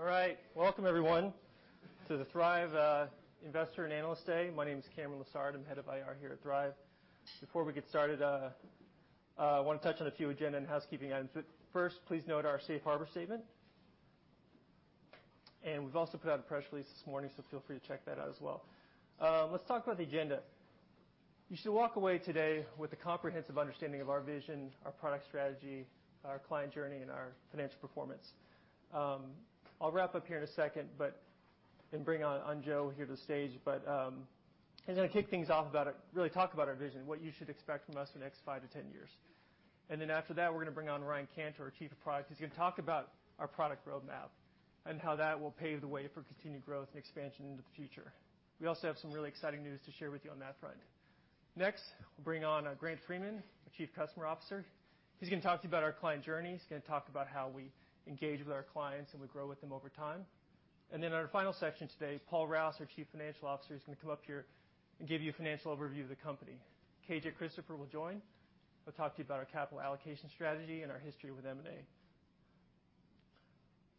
All right. Welcome everyone to the Thryv Investor and Analyst Day. My name is Cameron Lessard. I'm Head of IR here at Thryv. Before we get started, I wanna touch on a few agenda and housekeeping items. First, please note our safe harbor statement. We've also put out a press release this morning, so feel free to check that out as well. Let's talk about the agenda. You should walk away today with a comprehensive understanding of our vision, our product strategy, our client journey, and our financial performance. I'll wrap up here in a second and bring on Joe here to the stage, but he's gonna kick things off really talk about our vision, what you should expect from us in the next five to 10 years. After that, we're gonna bring on Ryan Cantor, our Chief Product Officer, who's gonna talk about our product roadmap and how that will pave the way for continued growth and expansion into the future. We also have some really exciting news to share with you on that front. Next, we'll bring on Grant Freeman, our Chief Customer Officer. He's gonna talk to you about our client journey. He's gonna talk about how we engage with our clients, and we grow with them over time. In our final section today, Paul Rouse, our Chief Financial Officer, is gonna come up here and give you a financial overview of the company. KJ Christopher will join. He'll talk to you about our capital allocation strategy and our history with M&A. Let's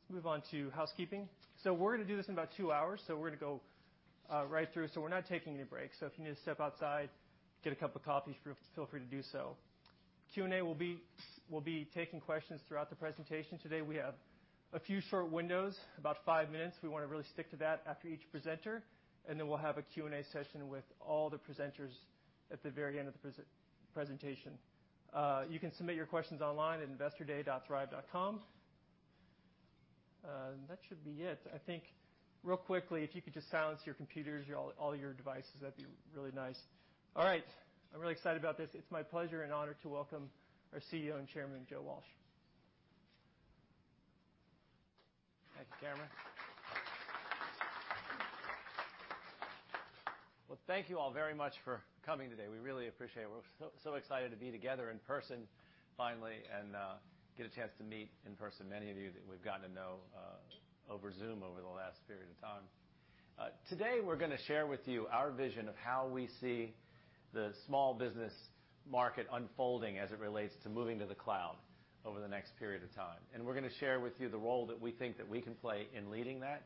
move on to housekeeping. We're gonna do this in about two hours, so we're gonna go right through. We're not taking any breaks, so if you need to step outside, get a cup of coffee, feel free to do so. Q&A will be. We'll be taking questions throughout the presentation today. We have a few short windows, about five minutes. We wanna really stick to that after each presenter, and then we'll have a Q&A session with all the presenters at the very end of the presentation. You can submit your questions online at investorday.thryv.com. That should be it. I think, real quickly, if you could just silence your computers, all your devices, that'd be really nice. All right. I'm really excited about this. It's my pleasure and honor to welcome our CEO and Chairman, Joe Walsh. Thank you, Cameron. Well, thank you all very much for coming today. We really appreciate it. We're so excited to be together in person finally and get a chance to meet in person many of you that we've gotten to know over Zoom over the last period of time. Today, we're gonna share with you our vision of how we see the small business market unfolding as it relates to moving to the cloud over the next period of time. We're gonna share with you the role that we think that we can play in leading that.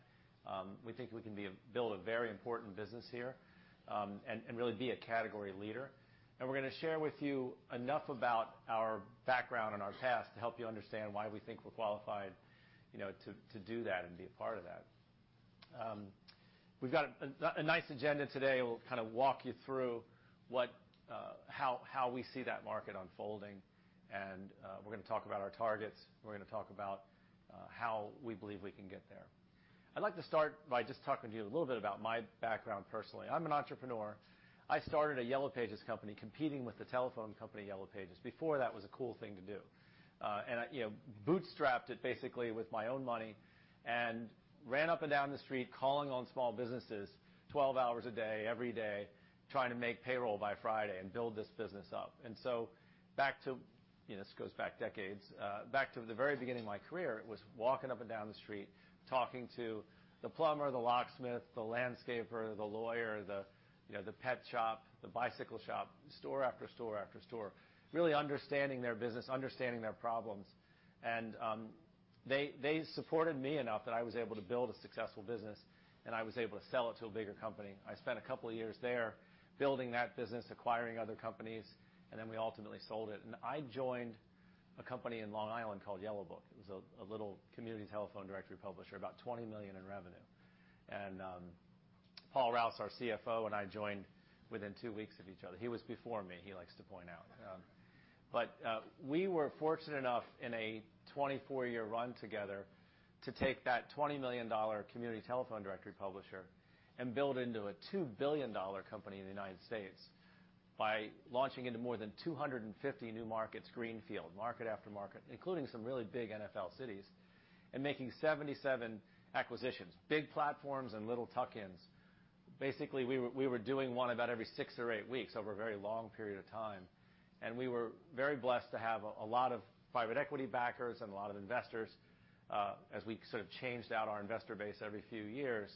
We think we can build a very important business here and really be a category leader. We're gonna share with you enough about our background and our past to help you understand why we think we're qualified, you know, to do that and be a part of that. We've got a nice agenda today. We'll kind of walk you through how we see that market unfolding and we're gonna talk about our targets. We're gonna talk about how we believe we can get there. I'd like to start by just talking to you a little bit about my background personally. I'm an entrepreneur. I started a Yellow Pages company competing with the telephone company Yellow Pages before that was a cool thing to do. I, you know, bootstrapped it basically with my own money and ran up and down the street calling on small businesses 12 hours a day, every day, trying to make payroll by Friday and build this business up. Back to you know, this goes back decades. Back to the very beginning of my career, it was walking up and down the street, talking to the plumber, the locksmith, the landscaper, the lawyer, the, you know, the pet shop, the bicycle shop, store after store after store. Really understanding their business, understanding their problems. They supported me enough that I was able to build a successful business, and I was able to sell it to a bigger company. I spent a couple of years there building that business, acquiring other companies, and then we ultimately sold it. I joined a company in Long Island called Yellow Book USA. It was a little community telephone directory publisher, about $20 million in revenue. Paul Rouse, our CFO, and I joined within two weeks of each other. He was before me, he likes to point out. We were fortunate enough in a 24-year run together to take that $20 million community telephone directory publisher and build into a $2 billion company in the United States by launching into more than 250 new markets, greenfield, market after market, including some really big NFL cities, and making 77 acquisitions. Big platforms and little tuck-ins. Basically, we were doing one about every six or eight weeks over a very long period of time. We were very blessed to have a lot of private equity backers and a lot of investors as we sort of changed out our investor base every few years,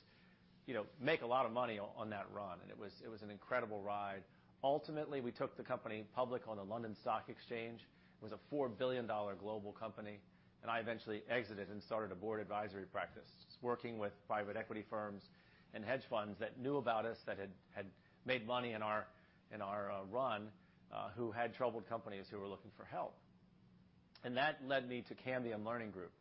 you know, make a lot of money on that run. It was an incredible ride. Ultimately, we took the company public on the London Stock Exchange. It was a $4 billion global company, and I eventually exited and started a board advisory practice, working with private equity firms and hedge funds that knew about us that had made money in our run who had troubled companies who were looking for help. That led me to Cambium Learning Group.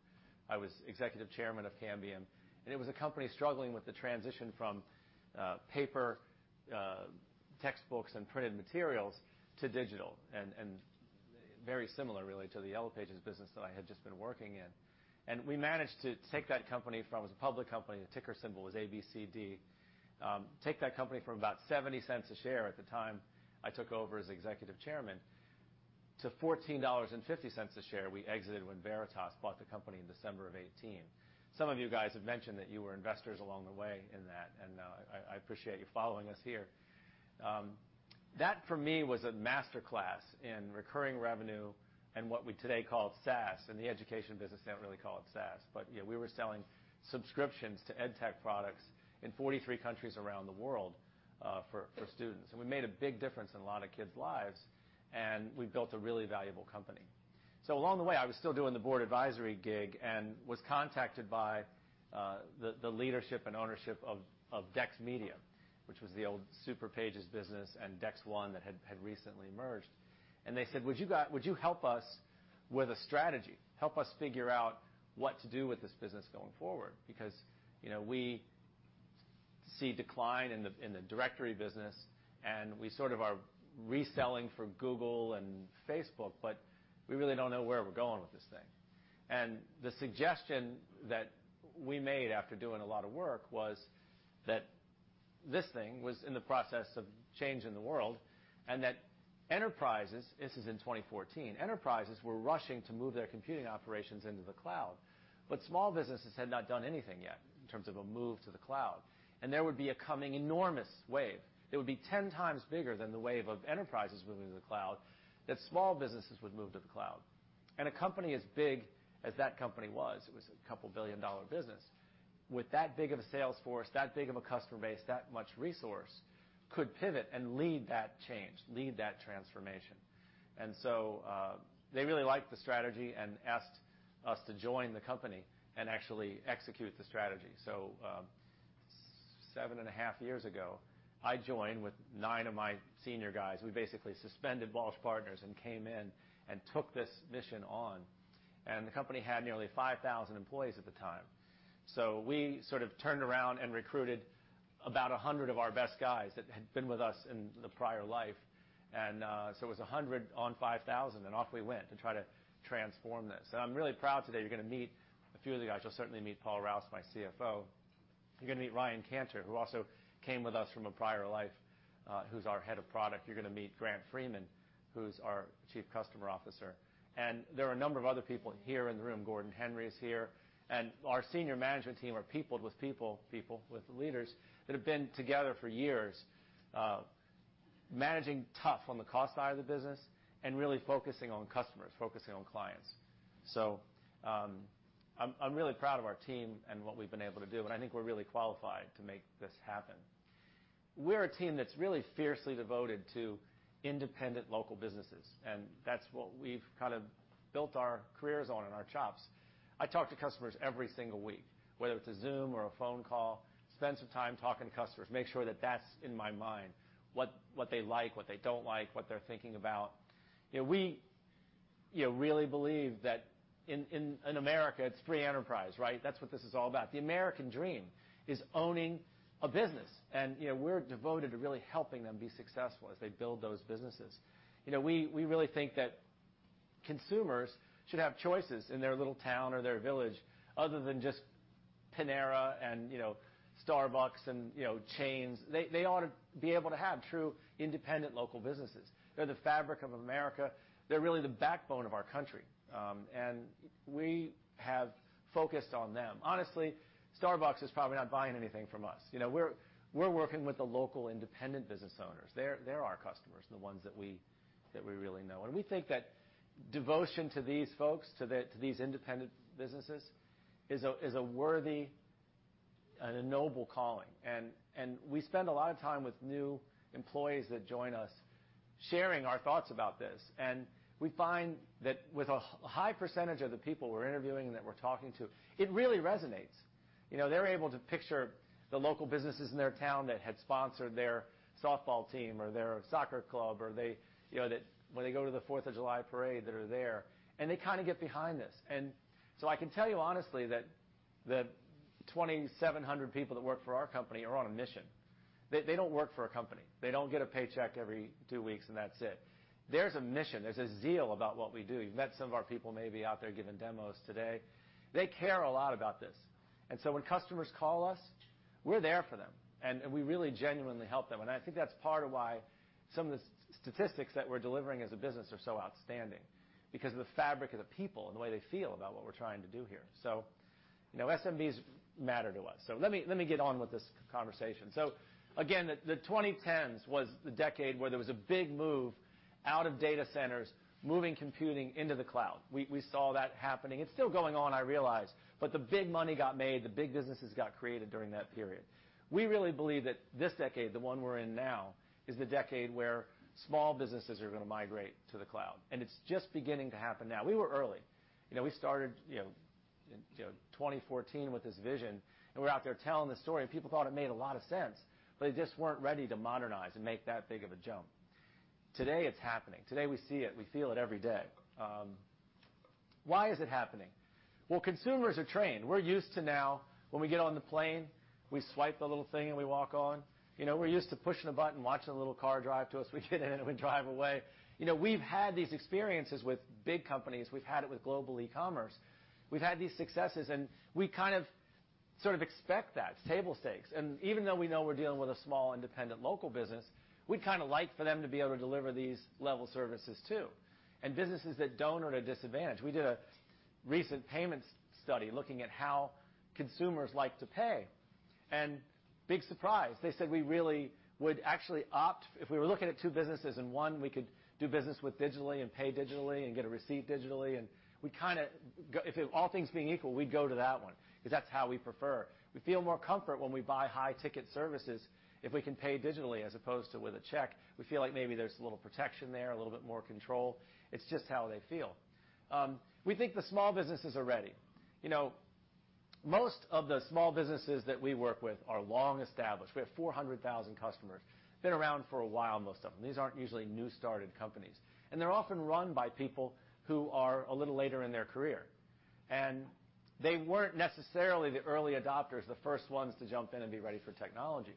I was executive chairman of Cambium, and it was a company struggling with the transition from paper textbooks and printed materials to digital. Very similar really to the Yellow Pages business that I had just been working in. We managed to take that company from. It was a public company. The ticker symbol was ABCD. Take that company from about $0.70 a share at the time I took over as executive chairman to $14.50 a share we exited when Veritas bought the company in December of 2018. Some of you guys have mentioned that you were investors along the way in that, and I appreciate you following us here. That for me was a master class in recurring revenue and what we today call SaaS. In the education business, they don't really call it SaaS, but yeah, we were selling subscriptions to EdTech products in 43 countries around the world, for students. We made a big difference in a lot of kids' lives, and we built a really valuable company. Along the way, I was still doing the board advisory gig and was contacted by the leadership and ownership of Dex Media, which was the old Superpages business and Dex One that had recently merged. They said, "Would you help us with a strategy? Help us figure out what to do with this business going forward. Because, you know, we see decline in the directory business, and we sort of are reselling for Google and Facebook, but we really don't know where we're going with this thing." The suggestion that we made after doing a lot of work was that this thing was in the process of changing the world and that enterprises, this is in 2014, enterprises were rushing to move their computing operations into the cloud, but small businesses had not done anything yet in terms of a move to the cloud. There would be a coming enormous wave. It would be 10 times bigger than the wave of enterprises moving to the cloud that small businesses would move to the cloud. A company as big as that company was, it was a couple billion-dollar business, with that big of a sales force, that big of a customer base, that much resource, could pivot and lead that change, lead that transformation. They really liked the strategy and asked us to join the company and actually execute the strategy. Seven and a half years ago, I joined with nine of my senior guys. We basically suspended Walsh Partners and came in and took this mission on. The company had nearly 5,000 employees at the time. We sort of turned around and recruited about 100 of our best guys that had been with us in the prior life. It was 100 on 5,000, and off we went to try to transform this. I'm really proud today. You're gonna meet a few of the guys. You'll certainly meet Paul Rouse, my CFO. You're gonna meet Ryan Cantor, who also came with us from a prior life, who's our Head of Product. You're gonna meet Grant Freeman, who's our Chief Customer Officer. There are a number of other people here in the room. Gordon Henry is here. Our senior management team are peopled with people with leaders that have been together for years, managing tough on the cost side of the business and really focusing on customers, focusing on clients. I'm really proud of our team and what we've been able to do, and I think we're really qualified to make this happen. We're a team that's really fiercely devoted to independent local businesses, and that's what we've kind of built our careers on and our chops. I talk to customers every single week, whether it's a Zoom or a phone call, spend some time talking to customers, make sure that that's in my mind what they like, what they don't like, what they're thinking about. You know, we really believe that in America, it's free enterprise, right? That's what this is all about. The American dream is owning a business. You know, we're devoted to really helping them be successful as they build those businesses. You know, we really think that consumers should have choices in their little town or their village other than just Panera and, you know, Starbucks and, you know, chains. They ought to be able to have true independent local businesses. They're the fabric of America. They're really the backbone of our country. We have focused on them. Honestly, Starbucks is probably not buying anything from us. You know, we're working with the local independent business owners. They're our customers, the ones that we really know. We think that devotion to these folks, to these independent businesses is a worthy and a noble calling. We spend a lot of time with new employees that join us, sharing our thoughts about this. We find that with a high percentage of the people we're interviewing and that we're talking to, it really resonates. You know, they're able to picture the local businesses in their town that had sponsored their softball team or their soccer club, or they, you know, that when they go to the Fourth of July parade, that are there, and they kind of get behind this. I can tell you honestly that the 2,700 people that work for our company are on a mission. They don't work for a company. They don't get a paycheck every two weeks and that's it. There's a mission. There's a zeal about what we do. You've met some of our people maybe out there giving demos today. They care a lot about this. When customers call us, we're there for them, and we really genuinely help them. I think that's part of why some of the statistics that we're delivering as a business are so outstanding because of the fabric of the people and the way they feel about what we're trying to do here. You know, SMBs matter to us. Let me get on with this conversation. Again, the 2010s was the decade where there was a big move out of data centers, moving computing into the cloud. We saw that happening. It's still going on, I realize, but the big money got made, the big businesses got created during that period. We really believe that this decade, the one we're in now, is the decade where small businesses are gonna migrate to the cloud, and it's just beginning to happen now. We were early. You know, we started, you know, in 2014 with this vision, and we're out there telling the story, and people thought it made a lot of sense, but they just weren't ready to modernize and make that big of a jump. Today, it's happening. Today, we see it. We feel it every day. Why is it happening? Well, consumers are trained. We're used to now, when we get on the plane, we swipe the little thing, and we walk on. You know, we're used to pushing a button, watching a little car drive to us. We get in it, and we drive away. You know, we've had these experiences with big companies. We've had it with global e-commerce. We've had these successes, and we kind of sort of expect that. It's table stakes. Even though we know we're dealing with a small, independent local business, we'd kinda like for them to be able to deliver these level services too. Businesses that don't are at a disadvantage. We did a recent payments study looking at how consumers like to pay. Big surprise, they said we really would actually if we were looking at two businesses, and one we could do business with digitally and pay digitally and get a receipt digitally, if all things being equal, we'd go to that one because that's how we prefer. We feel more comfort when we buy high-ticket services if we can pay digitally as opposed to with a check. We feel like maybe there's a little protection there, a little bit more control. It's just how they feel. We think the small businesses are ready. You know, most of the small businesses that we work with are long-established. We have 400,000 customers. Been around for a while, most of them. These aren't usually new started companies. They're often run by people who are a little later in their career. They weren't necessarily the early adopters, the first ones to jump in and be ready for technology.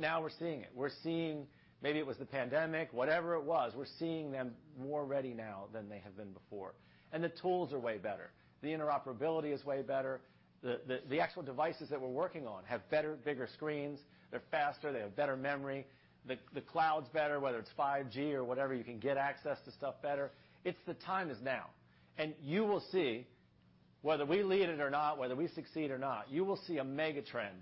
Now we're seeing it. We're seeing maybe it was the pandemic, whatever it was, we're seeing them more ready now than they have been before. The tools are way better. The interoperability is way better. The actual devices that we're working on have better, bigger screens. They're faster, they have better memory. The cloud's better, whether it's 5G or whatever, you can get access to stuff better. It's the time is now. You will see whether we lead it or not, whether we succeed or not, you will see a mega-trend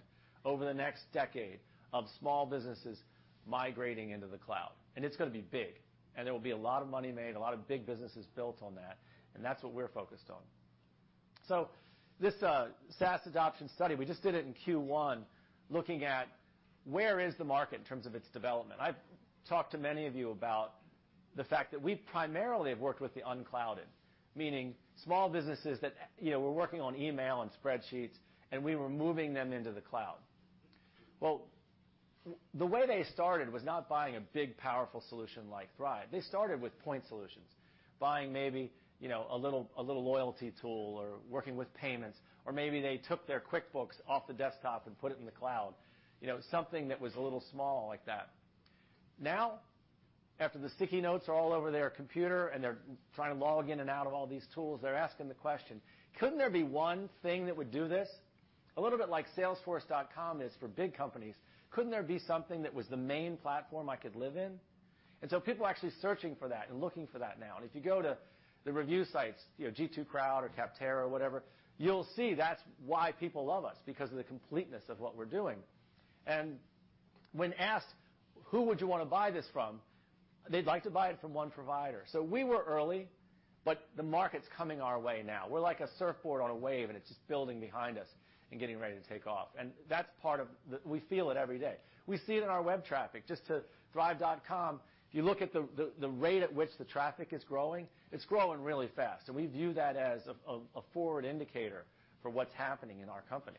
over the next decade of small businesses migrating into the cloud. It's gonna be big. There will be a lot of money made, a lot of big businesses built on that, and that's what we're focused on. This SaaS adoption study, we just did it in Q1, looking at where is the market in terms of its development. I've talked to many of you about the fact that we primarily have worked with the unclouded, meaning small businesses that, you know, were working on email and spreadsheets, and we were moving them into the cloud. Well, the way they started was not buying a big, powerful solution like Thryv. They started with point solutions, buying maybe, you know, a little loyalty tool or working with payments, or maybe they took their QuickBooks off the desktop and put it in the cloud. You know, something that was a little small like that. Now, after the sticky notes are all over their computer and they're trying to log in and out of all these tools, they're asking the question, "Couldn't there be one thing that would do this? A little bit like salesforce.com is for big companies, couldn't there be something that was the main platform I could live in?" People are actually searching for that and looking for that now. If you go to the review sites, you know, G2 Crowd or Capterra or whatever, you'll see that's why people love us, because of the completeness of what we're doing. When asked, "Who would you wanna buy this from?" They'd like to buy it from one provider. We were early, but the market's coming our way now. We're like a surfboard on a wave, and it's just building behind us and getting ready to take off. That's part of the. We feel it every day. We see it in our web traffic. Just to thryv.com, if you look at the rate at which the traffic is growing, it's growing really fast. We view that as a forward indicator for what's happening in our company.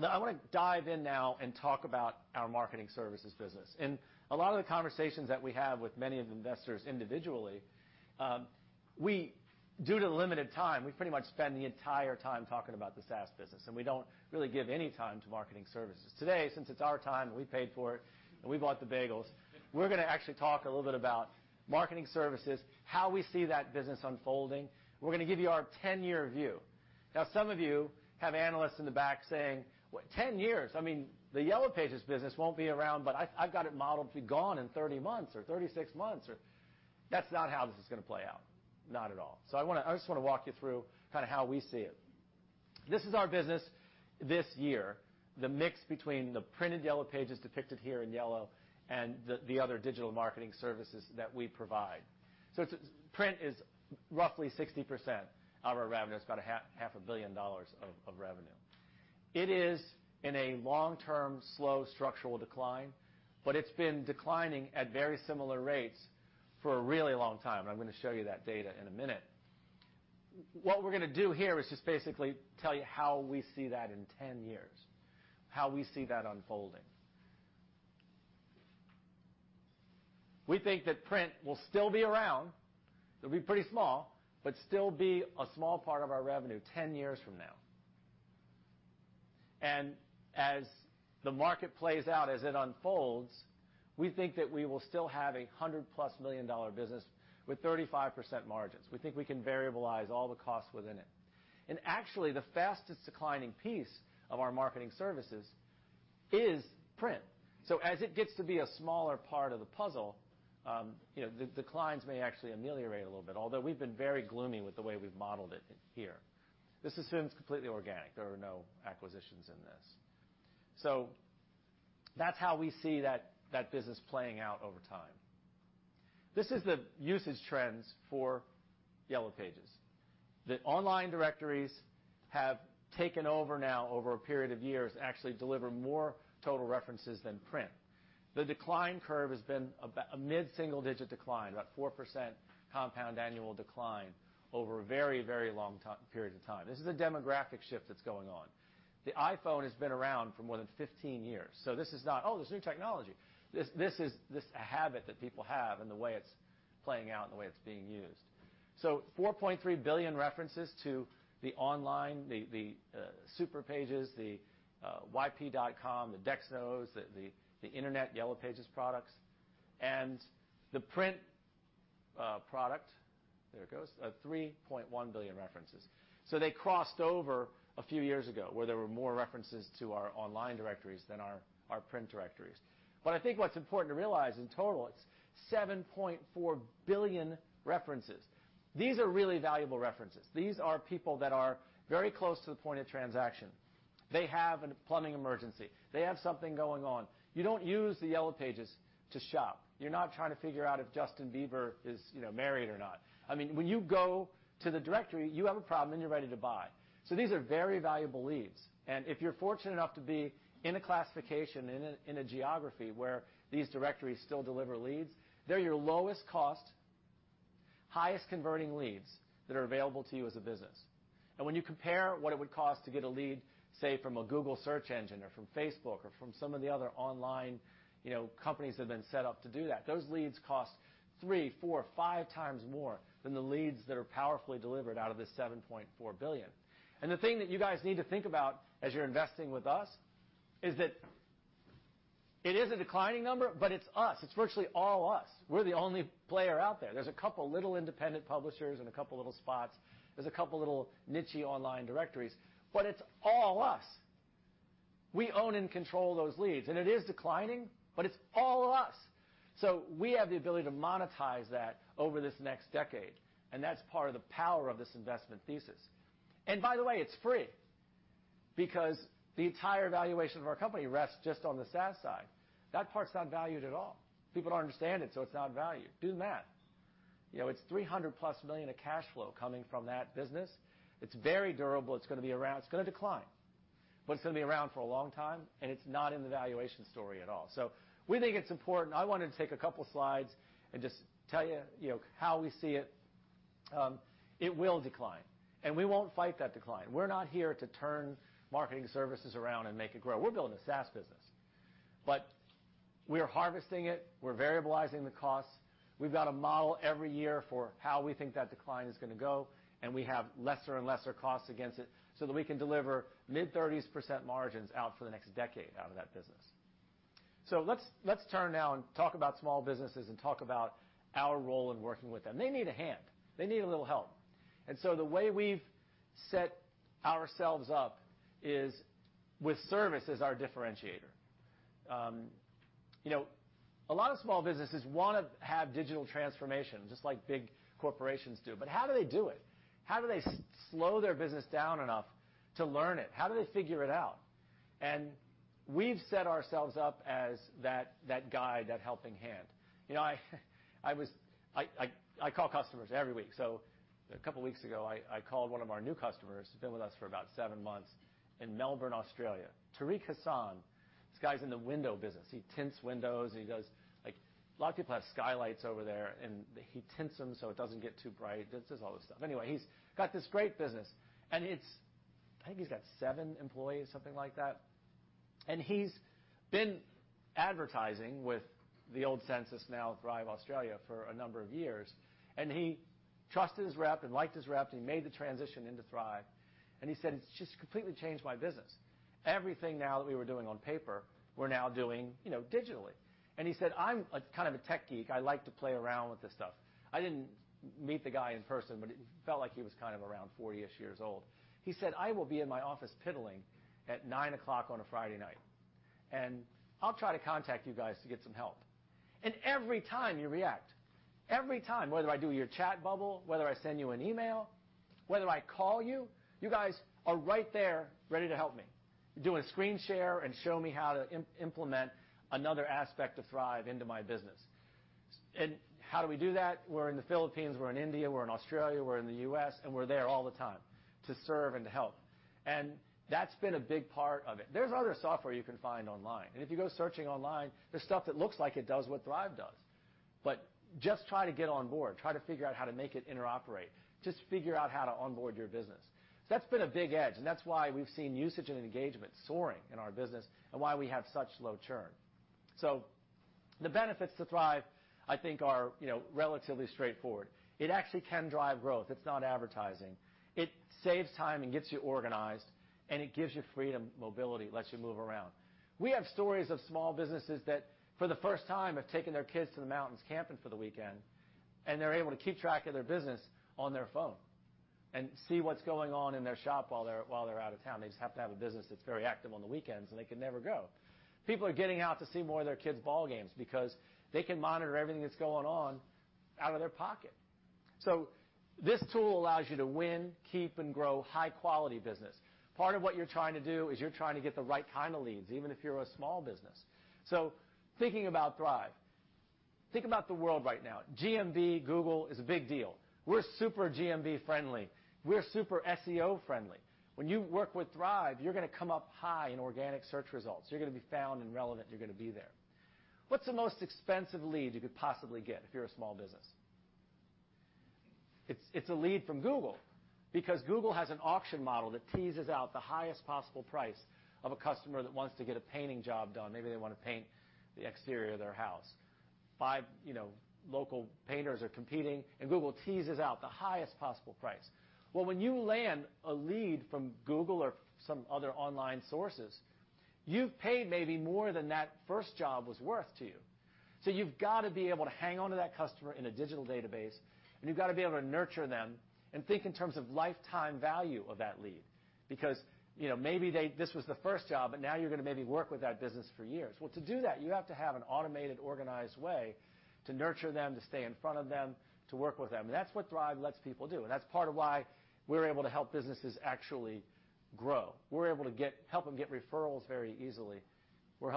Now I wanna dive in and talk about our marketing services business. In a lot of the conversations that we have with many of the investors individually, we pretty much spend the entire time talking about the SaaS business, and we don't really give any time to marketing services. Today, since it's our time, and we paid for it, and we bought the bagels, we're gonna actually talk a little bit about marketing services, how we see that business unfolding. We're gonna give you our ten-year view. Now, some of you have analysts in the back saying, "What, 10 years? I mean, the Yellow Pages business won't be around, but I've got it modeled to be gone in 30 months or 36 months." That's not how this is gonna play out. Not at all. I wanna, I just wanna walk you through kind of how we see it. This is our business this year, the mix between the printed Yellow Pages depicted here in yellow and the other digital marketing services that we provide. It's print is roughly 60% of our revenue. It's about half a billion dollars of revenue. It is in a long-term, slow structural decline, but it's been declining at very similar rates for a really long time. I'm gonna show you that data in a minute. What we're gonna do here is just basically tell you how we see that in 10 years, how we see that unfolding. We think that print will still be around. It'll be pretty small, but still be a small part of our revenue 10 years from now. As the market plays out, as it unfolds, we think that we will still have a $100+ million business with 35% margins. We think we can variabilize all the costs within it. Actually, the fastest declining piece of our marketing services is print. As it gets to be a smaller part of the puzzle, you know, the declines may actually ameliorate a little bit, although we've been very gloomy with the way we've modeled it here. This assumes completely organic. There are no acquisitions in this. That's how we see that business playing out over time. This is the usage trends for Yellow Pages. The online directories have taken over now over a period of years, actually deliver more total references than print. The decline curve has been about a mid-single-digit decline, about 4% compound annual decline over a very long period of time. This is a demographic shift that's going on. The iPhone has been around for more than 15 years, so this is not, oh, this is new technology. This is just a habit that people have and the way it's playing out and the way it's being used. 4.3 billion references to the online Superpages, yp.com, DexKnows, the internet Yellow Pages products, and the print product, there it goes, 3.1 billion references. They crossed over a few years ago, where there were more references to our online directories than our print directories. I think what's important to realize in total, it's 7.4 billion references. These are really valuable references. These are people that are very close to the point of transaction. They have a plumbing emergency. They have something going on. You don't use the Yellow Pages to shop. You're not trying to figure out if Justin Bieber is, you know, married or not. I mean, when you go to the directory, you have a problem, and you're ready to buy. These are very valuable leads. If you're fortunate enough to be in a classification, in a geography where these directories still deliver leads, they're your lowest cost, highest converting leads that are available to you as a business. When you compare what it would cost to get a lead, say, from a Google search engine or from Facebook or from some of the other online, you know, companies that have been set up to do that, those leads cost three, four, five times more than the leads that are powerfully delivered out of this 7.4 billion. The thing that you guys need to think about as you're investing with us is that it is a declining number, but it's us. It's virtually all us. We're the only player out there. There's a couple little independent publishers and a couple little spots. There's a couple little niche-y online directories, but it's all us. We own and control those leads, and it is declining, but it's all us. We have the ability to monetize that over this next decade, and that's part of the power of this investment thesis. By the way, it's free because the entire valuation of our company rests just on the SaaS side. That part's not valued at all. People don't understand it, so it's not valued. Do the math. You know, it's $300+ million of cash flow coming from that business. It's very durable. It's gonna be around. It's gonna decline, but it's gonna be around for a long time, and it's not in the valuation story at all. We think it's important. I wanted to take a couple slides and just tell you know, how we see it. It will decline, and we won't fight that decline. We're not here to turn marketing services around and make it grow. We're building a SaaS business. We are harvesting it. We're variablizing the costs. We've got a model every year for how we think that decline is gonna go, and we have lesser and lesser costs against it so that we can deliver mid-thirties% margins out for the next decade out of that business. Let's turn now and talk about small businesses and talk about our role in working with them. They need a hand. They need a little help. The way we've set ourselves up is with service as our differentiator. You know, a lot of small businesses wanna have digital transformation just like big corporations do. How do they do it? How do they slow their business down enough to learn it? How do they figure it out? We've set ourselves up as that guide, that helping hand. You know, I call customers every week. A couple weeks ago, I called one of our new customers, been with us for about seven months, in Melbourne, Australia. Tariq Hussain. This guy's in the window business. He tints windows, and he does like, a lot of people have skylights over there, and he tints them so it doesn't get too bright. Does all this stuff. Anyway, he's got this great business. I think he's got seven employees, something like that. He's been advertising with the old Sensis, now Thryv Australia, for a number of years. He trusted his rep and liked his rep, and he made the transition into Thryv. He said, "It's just completely changed my business. Everything now that we were doing on paper, we're now doing, you know, digitally. He said, "I'm a kind of a tech geek. I like to play around with this stuff." I didn't meet the guy in person, but it felt like he was kind of around forty-ish years old. He said, "I will be in my office piddling at 9:00 P.M. on a Friday night, and I'll try to contact you guys to get some help. Every time you react every time, whether I do your chat bubble, whether I send you an email, whether I call you guys are right there ready to help me, do a screen share and show me how to implement another aspect of Thryv into my business." How do we do that? We're in the Philippines, we're in India, we're in Australia, we're in the U.S., and we're there all the time to serve and to help. That's been a big part of it. There's other software you can find online. If you go searching online, there's stuff that looks like it does what Thryv does. Just try to get on board. Try to figure out how to make it interoperate. Just figure out how to onboard your business. That's been a big edge, and that's why we've seen usage and engagement soaring in our business and why we have such low churn. The benefits to Thryv I think are, you know, relatively straightforward. It actually can drive growth. It's not advertising. It saves time and gets you organized, and it gives you freedom, mobility, lets you move around. We have stories of small businesses that, for the first time, have taken their kids to the mountains camping for the weekend, and they're able to keep track of their business on their phone and see what's going on in their shop while they're out of town. They just happen to have a business that's very active on the weekends, and they can never go. People are getting out to see more of their kids' ballgames because they can monitor everything that's going on out of their pocket. This tool allows you to win, keep, and grow high-quality business. Part of what you're trying to do is get the right kind of leads, even if you're a small business. Thinking about Thryv, think about the world right now. GMB, Google is a big deal. We're super GMB-friendly. We're super SEO-friendly. When you work with Thryv, you're gonna come up high in organic search results. You're gonna be found and relevant. You're gonna be there. What's the most expensive lead you could possibly get if you're a small business? It's a lead from Google because Google has an auction model that teases out the highest possible price of a customer that wants to get a painting job done. Maybe they want to paint the exterior of their house. 5, you know, local painters are competing, and Google teases out the highest possible price. Well, when you land a lead from Google or some other online sources, you've paid maybe more than that first job was worth to you. You've got to be able to hang on to that customer in a digital database, and you've got to be able to nurture them and think in terms of lifetime value of that lead. Because, you know, maybe they, this was the first job, but now you're gonna maybe work with that business for years. Well, to do that, you have to have an automated, organized way to nurture them, to stay in front of them, to work with them. That's what Thryv lets people do. That's part of why we're able to help businesses actually grow. We're able to help them get referrals very easily. We're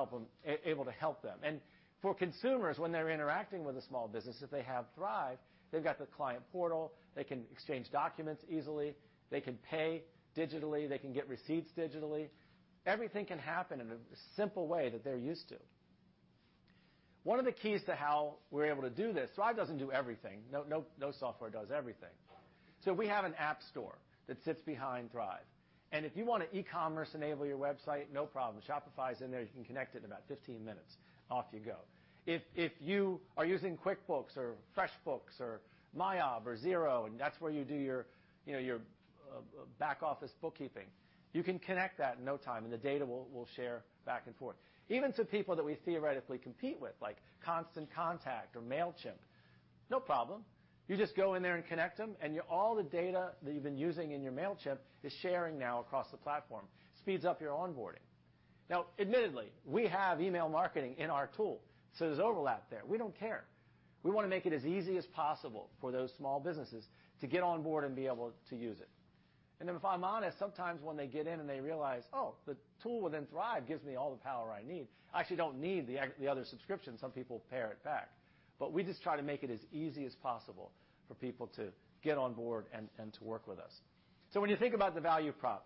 able to help them. For consumers, when they're interacting with a small business, if they have Thryv, they've got the client portal, they can exchange documents easily, they can pay digitally, they can get receipts digitally. Everything can happen in a simple way that they're used to. One of the keys to how we're able to do this, Thryv doesn't do everything. No, no software does everything. We have an app store that sits behind Thryv. If you wanna e-commerce enable your website, no problem. Shopify is in there. You can connect it in about 15 minutes. Off you go. If you are using QuickBooks or FreshBooks or MYOB or Xero, and that's where you do your, you know, your back office bookkeeping, you can connect that in no time, and the data will share back and forth. Even to people that we theoretically compete with, like Constant Contact or Mailchimp, no problem. You just go in there and connect them, and all the data that you've been using in your Mailchimp is sharing now across the platform. Speeds up your onboarding. Now, admittedly, we have email marketing in our tool, so there's overlap there. We don't care. We wanna make it as easy as possible for those small businesses to get on board and be able to use it. Then if I'm honest, sometimes when they get in and they realize, "Oh, the tool within Thryv gives me all the power I need. I actually don't need the other subscription," some people pare it back. We just try to make it as easy as possible for people to get on board and to work with us. When you think about the value prop,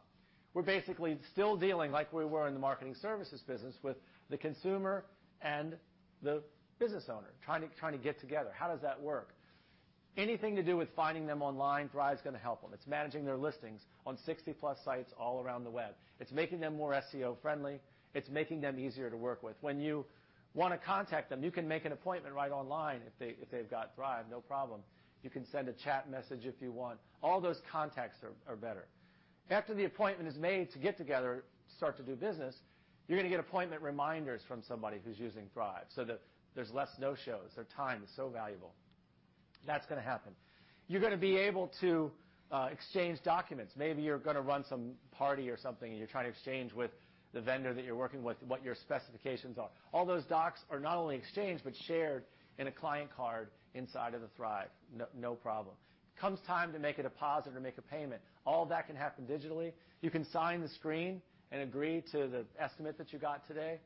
we're basically still dealing like we were in the marketing services business with the consumer and the business owner trying to get together. How does that work? Anything to do with finding them online, Thryv's gonna help them. It's managing their listings on 60-plus sites all around the web. It's making them more SEO friendly. It's making them easier to work with. When you wanna contact them, you can make an appointment right online if they've got Thryv, no problem. You can send a chat message if you want. All those contacts are better. After the appointment is made to get together, start to do business, you're gonna get appointment reminders from somebody who's using Thryv, so that there's less no-shows. Their time is so valuable. That's gonna happen. You're gonna be able to exchange documents. Maybe you're gonna run some party or something, and you're trying to exchange with the vendor that you're working with what your specifications are. All those docs are not only exchanged, but shared in a client card inside of the Thryv. No problem. Comes time to make a deposit or make a payment, all that can happen digitally. You can sign the screen and agree to the estimate that you got today,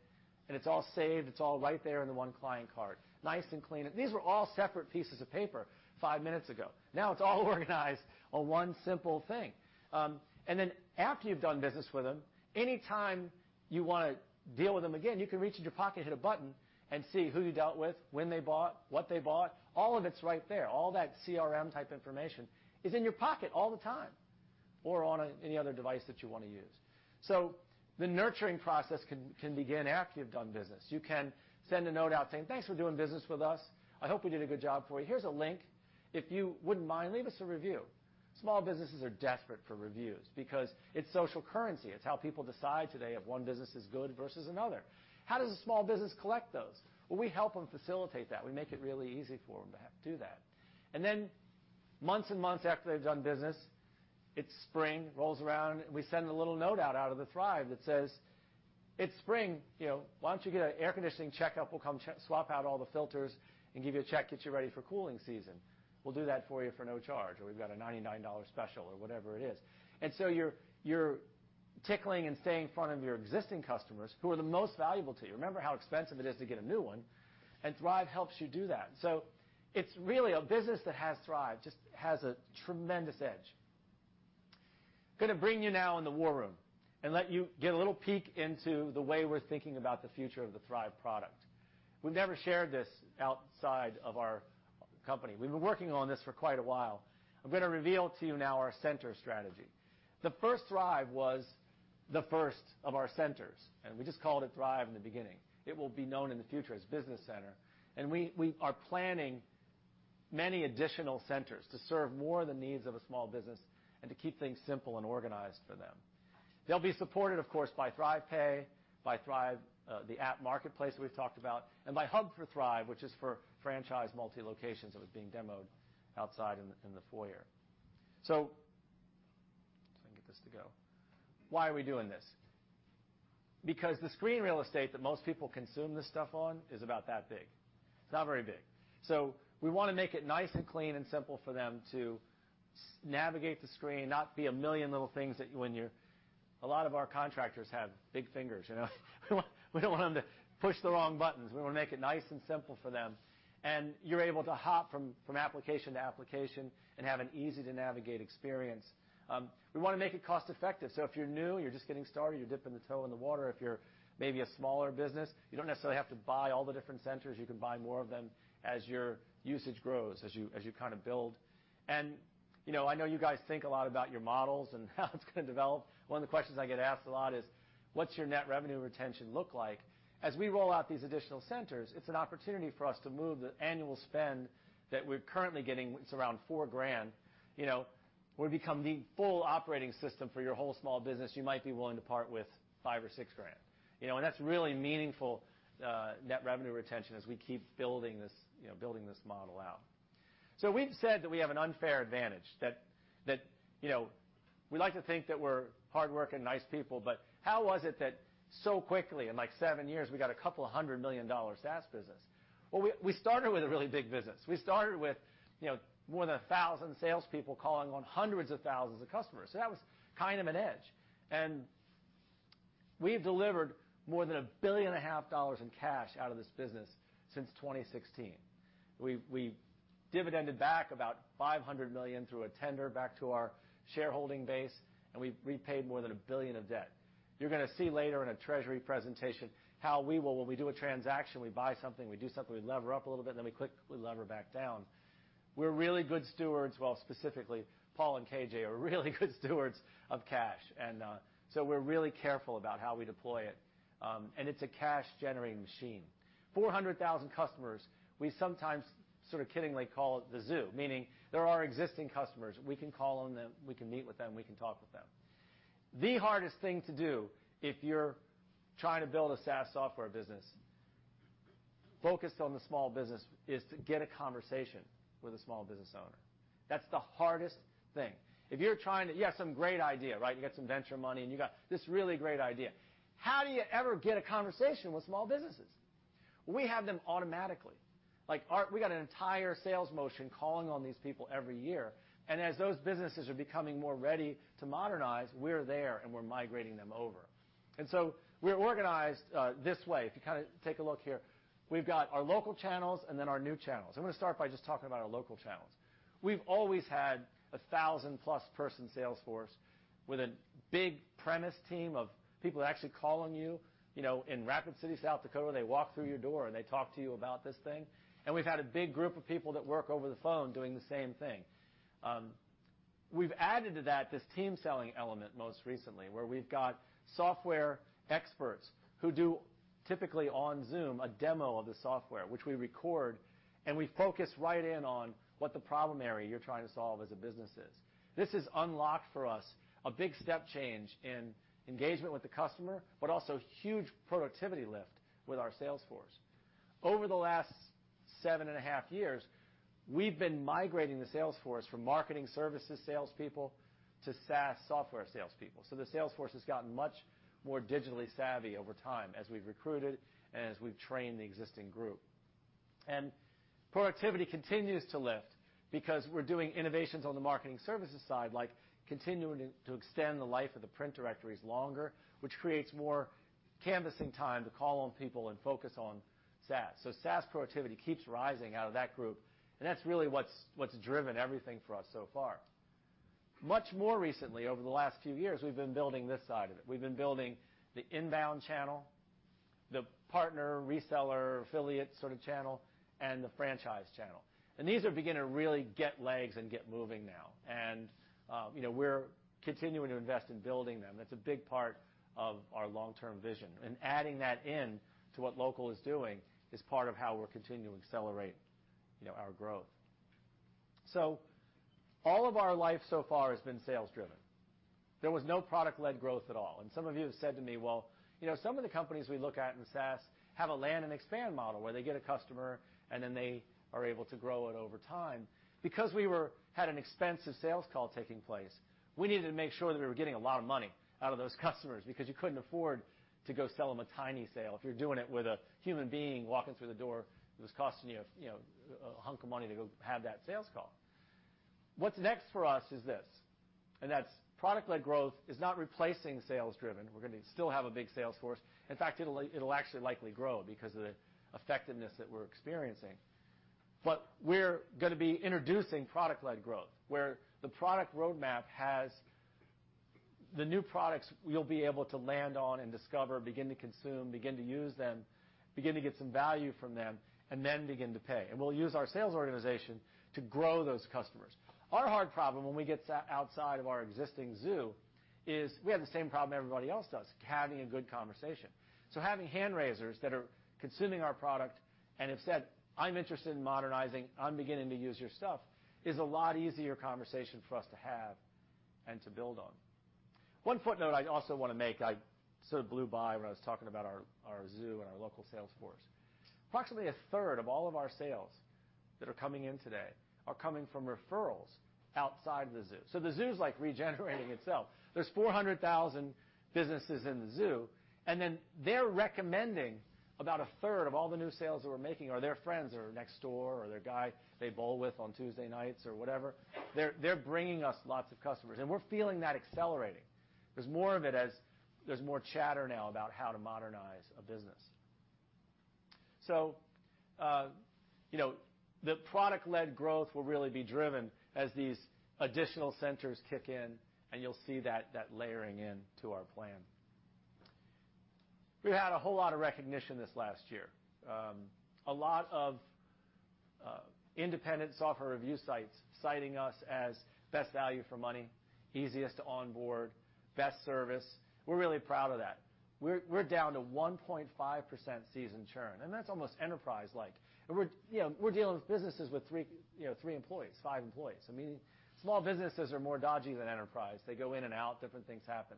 and it's all saved. It's all right there in the one client card, nice and clean. These were all separate pieces of paper five minutes ago. Now it's all organized on one simple thing. After you've done business with them, any time you wanna deal with them again, you can reach in your pocket, hit a button, and see who you dealt with, when they bought, what they bought. All of it's right there. All that CRM-type information is in your pocket all the time or on any other device that you wanna use. The nurturing process can begin after you've done business. You can send a note out saying, "Thanks for doing business with us. I hope we did a good job for you. Here's a link. If you wouldn't mind, leave us a review." Small businesses are desperate for reviews because it's social currency. It's how people decide today if one business is good versus another. How does a small business collect those? Well, we help them facilitate that. We make it really easy for them to do that. Then months and months after they've done business, it's spring, rolls around, and we send a little note out of the Thryv that says, "It's spring, you know, why don't you get an air conditioning checkup? We'll come swap out all the filters and give you a check, get you ready for cooling season. We'll do that for you for no charge," or, "We've got a $99 special," or whatever it is. You're tickling and staying in front of your existing customers, who are the most valuable to you. Remember how expensive it is to get a new one, and Thryv helps you do that. It's really a business that Thryv just has a tremendous edge. Gonna bring you now in the war room and let you get a little peek into the way we're thinking about the future of the Thryv product. We've never shared this outside of our company. We've been working on this for quite a while. I'm gonna reveal to you now our center strategy. The first Thryv was the first of our centers, and we just called it Thryv in the beginning. It will be known in the future as Business Center, and we are planning many additional centers to serve more of the needs of a small business and to keep things simple and organized for them. They'll be supported, of course, by Thryvthrypay Pay, by Thryv, the App Marketplace that we've talked about, and by Hub for Thryv, which is for franchise multi-locations that was being demoed outside in the foyer. If I can get this to go. Why are we doing this? The screen real estate that most people consume this stuff on is about that big. It's not very big. We wanna make it nice and clean and simple for them to navigate the screen, not be a million little things. A lot of our contractors have big fingers, you know? We don't want them to push the wrong buttons. We wanna make it nice and simple for them, and you're able to hop from application to application and have an easy-to-navigate experience. We wanna make it cost-effective. If you're new, you're just getting started, you're dipping the toe in the water, if you're maybe a smaller business, you don't necessarily have to buy all the different centers. You can buy more of them as your usage grows, as you kind of build. You know, I know you guys think a lot about your models and how it's gonna develop. One of the questions I get asked a lot is, "What's your net revenue retention look like?" As we roll out these additional centers, it's an opportunity for us to move the annual spend that we're currently getting, it's around $4,000. You know, we become the full operating system for your whole small business. You might be willing to part with $5,000 or $6,000. You know, that's really meaningful net revenue retention as we keep building this, you know, building this model out. We've said that we have an unfair advantage, that you know, we like to think that we're hard-working, nice people. But how was it that so quickly, in like seven years, we got a couple-hundred-million-dollar SaaS business? Well, we started with a really big business. We started with, you know, more than 1,000 salespeople calling on hundreds of thousands of customers. That was kind of an edge. We've delivered more than $1.5 billion in cash out of this business since 2016. We've dividended back about $500 million through a tender back to our shareholding base, and we've repaid more than $1 billion of debt. You're gonna see later in a treasury presentation how we will, when we do a transaction, we buy something, we do something, we lever up a little bit, and then we quickly lever back down. We're really good stewards. Well, specifically, Paul and KJ are really good stewards of cash, and so we're really careful about how we deploy it. It's a cash-generating machine. 400,000 customers, we sometimes sort of kiddingly call it the zoo, meaning they're our existing customers. We can call on them, we can meet with them, we can talk with them. The hardest thing to do if you're trying to build a SaaS software business focused on the small business is to get a conversation with a small business owner. That's the hardest thing. You have some great idea, right? You got some venture money, and you got this really great idea. How do you ever get a conversation with small businesses? We have them automatically. Like, we got an entire sales motion calling on these people every year, and as those businesses are becoming more ready to modernize, we're there, and we're migrating them over. We're organized this way. If you kind of take a look here, we've got our local channels and then our new channels. I'm gonna start by just talking about our local channels. We've always had a 1,000+ person sales force with a big premise team of people actually calling you know, in Rapid City, South Dakota. They walk through your door, and they talk to you about this thing. We've had a big group of people that work over the phone doing the same thing. We've added to that this team selling element most recently, where we've got software experts who do, typically on Zoom, a demo of the software, which we record, and we focus right in on what the problem area you're trying to solve as a business is. This has unlocked for us a big step change in engagement with the customer, but also huge productivity lift with our sales force. Over the last 7.5 years, we've been migrating the sales force from marketing services salespeople to SaaS software salespeople. The sales force has gotten much more digitally savvy over time as we've recruited and as we've trained the existing group. Productivity continues to lift because we're doing innovations on the marketing services side, like continuing to extend the life of the print directories longer, which creates more canvassing time to call on people and focus on SaaS. SaaS productivity keeps rising out of that group, and that's really what's driven everything for us so far. Much more recently, over the last few years, we've been building this side of it. We've been building the inbound channel, the partner, reseller, affiliate sort of channel, and the franchise channel. These are beginning to really get legs and get moving now. You know, we're continuing to invest in building them. That's a big part of our long-term vision. Adding that in to what local is doing is part of how we're continuing to accelerate, you know, our growth. All of our life so far has been sales driven. There was no product-led growth at all. Some of you have said to me, "Well, you know, some of the companies we look at in SaaS have a land and expand model where they get a customer and then they are able to grow it over time." Because we had an expensive sales call taking place, we needed to make sure that we were getting a lot of money out of those customers because you couldn't afford to go sell them a tiny sale. If you're doing it with a human being walking through the door, it was costing you know, a hunk of money to go have that sales call. What's next for us is this, and that's product-led growth is not replacing sales driven. We're gonna still have a big sales force. In fact, it'll actually likely grow because of the effectiveness that we're experiencing. We're gonna be introducing product-led growth, where the product roadmap has the new products we'll be able to land on and discover, begin to consume, begin to use them, begin to get some value from them, and then begin to pay. We'll use our sales organization to grow those customers. Our hard problem when we get SaaS outside of our existing zoo is we have the same problem everybody else does: having a good conversation. Having hand raisers that are consuming our product and have said, "I'm interested in modernizing. I'm beginning to use your stuff," is a lot easier conversation for us to have and to build on. One footnote I also wanna make. I sort of blew by when I was talking about our zoo and our local sales force. Approximately a third of all of our sales that are coming in today are coming from referrals outside the zoo. The zoo's like regenerating itself. There's 400,000 businesses in the zoo, and then they're recommending about a third of all the new sales that we're making are their friends or next door or their guy they bowl with on Tuesday nights or whatever. They're bringing us lots of customers, and we're feeling that accelerating. There's more of it as there's more chatter now about how to modernize a business. You know, the product-led growth will really be driven as these additional centers kick in, and you'll see that layering into our plan. We had a whole lot of recognition this last year. A lot of independent software review sites citing us as best value for money, easiest to onboard, best service. We're really proud of that. We're down to 1.5% seasoned churn, and that's almost enterprise-like. We're you know dealing with businesses with three you know three employees, five employees. I mean, small businesses are more dodgy than enterprise. They go in and out, different things happen.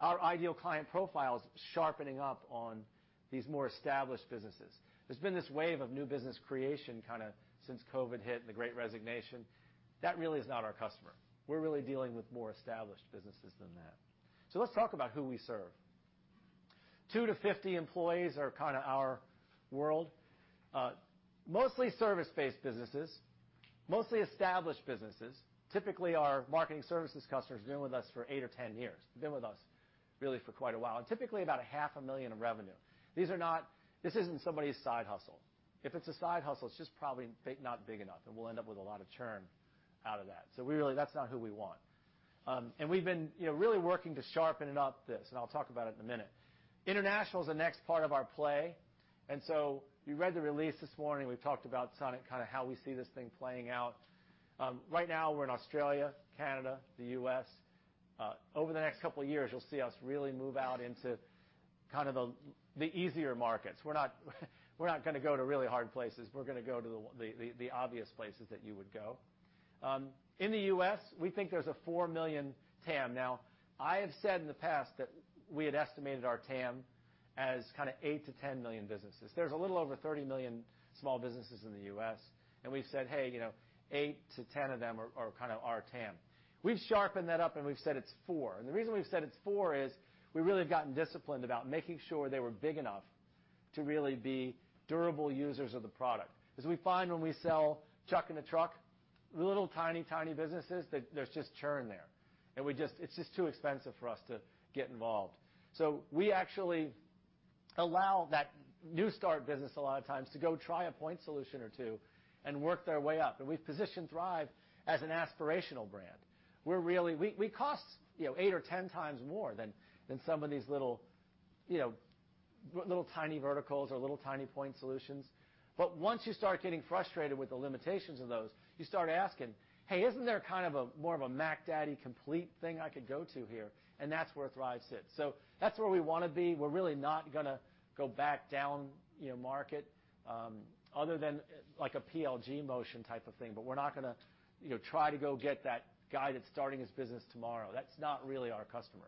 Our ideal client profile is sharpening up on these more established businesses. There's been this wave of new business creation kind of since COVID hit and the Great Resignation. That really is not our customer. We're really dealing with more established businesses than that. Let's talk about who we serve. 2-50 employees are kind of our world. Mostly service-based businesses, mostly established businesses. Typically, our marketing services customers have been with us for eight or 10 years, really for quite a while, and typically about half a million in revenue. This isn't somebody's side hustle. If it's a side hustle, it's just probably not big enough, and we'll end up with a lot of churn out of that. That's not who we want. We've been, you know, really working to sharpen up this, and I'll talk about it in a minute. International is the next part of our play. You read the release this morning. We've talked about [sonnet], kind of how we see this thing playing out. Right now we're in Australia, Canada, the U.S. Over the next couple of years, you'll see us really move out into kind of the easier markets. We're not gonna go to really hard places. We're gonna go to the obvious places that you would go. In the U.S., we think there's a 4 million TAM. Now, I have said in the past that we had estimated our TAM as kind of eight-10 million businesses. There's a little over 30 million small businesses in the U.S., and we've said, "Hey, you know, eight-10 of them are kind of our TAM." We've sharpened that up, and we've said it's four. The reason we've said it's 4 is we really have gotten disciplined about making sure they were big enough to really be durable users of the product. Because we find when we sell Chuck in a truck, little tiny businesses, that there's just churn there. It's just too expensive for us to get involved. We actually allow that new start business a lot of times to go try a point solution or two and work their way up, and we've positioned Thryv as an aspirational brand. We cost, you know, eight or 10 times more than some of these little, you know, little tiny verticals or little tiny point solutions. Once you start getting frustrated with the limitations of those, you start asking, "Hey, isn't there kind of a more of a Mac Daddy complete thing I could go to here?" That's where Thryv sits. That's where we wanna be. We're really not gonna go back down, you know, market, other than like a PLG motion type of thing. We're not gonna, you know, try to go get that guy that's starting his business tomorrow. That's not really our customer.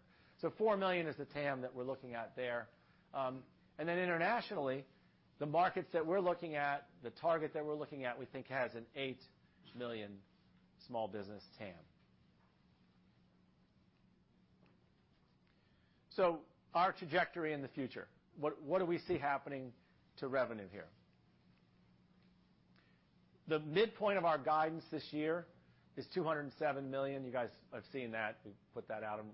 Four million is the TAM that we're looking at there. And then internationally, the markets that we're looking at, the target that we're looking at, we think has an 8 million small business TAM. Our trajectory in the future, what do we see happening to revenue here? The midpoint of our guidance this year is $207 million. You guys have seen that. We've put that out. I'm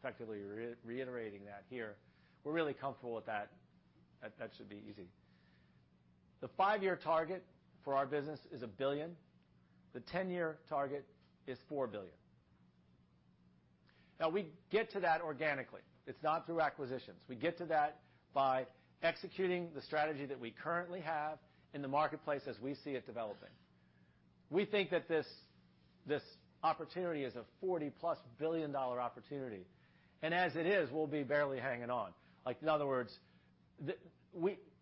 effectively reiterating that here. We're really comfortable with that. That should be easy. The five-year target for our business is $1 billion. The ten-year target is $4 billion. Now we get to that organically. It's not through acquisitions. We get to that by executing the strategy that we currently have in the marketplace as we see it developing. We think that this opportunity is a $40+ billion opportunity. As it is, we'll be barely hanging on. Like, in other words,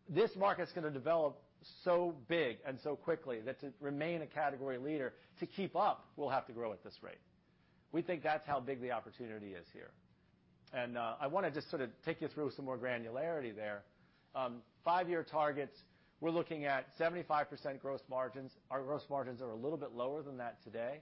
this market's gonna develop so big and so quickly that to remain a category leader, to keep up, we'll have to grow at this rate. We think that's how big the opportunity is here. I wanna just sort of take you through some more granularity there. five-year targets, we're looking at 75% gross margins. Our gross margins are a little bit lower than that today,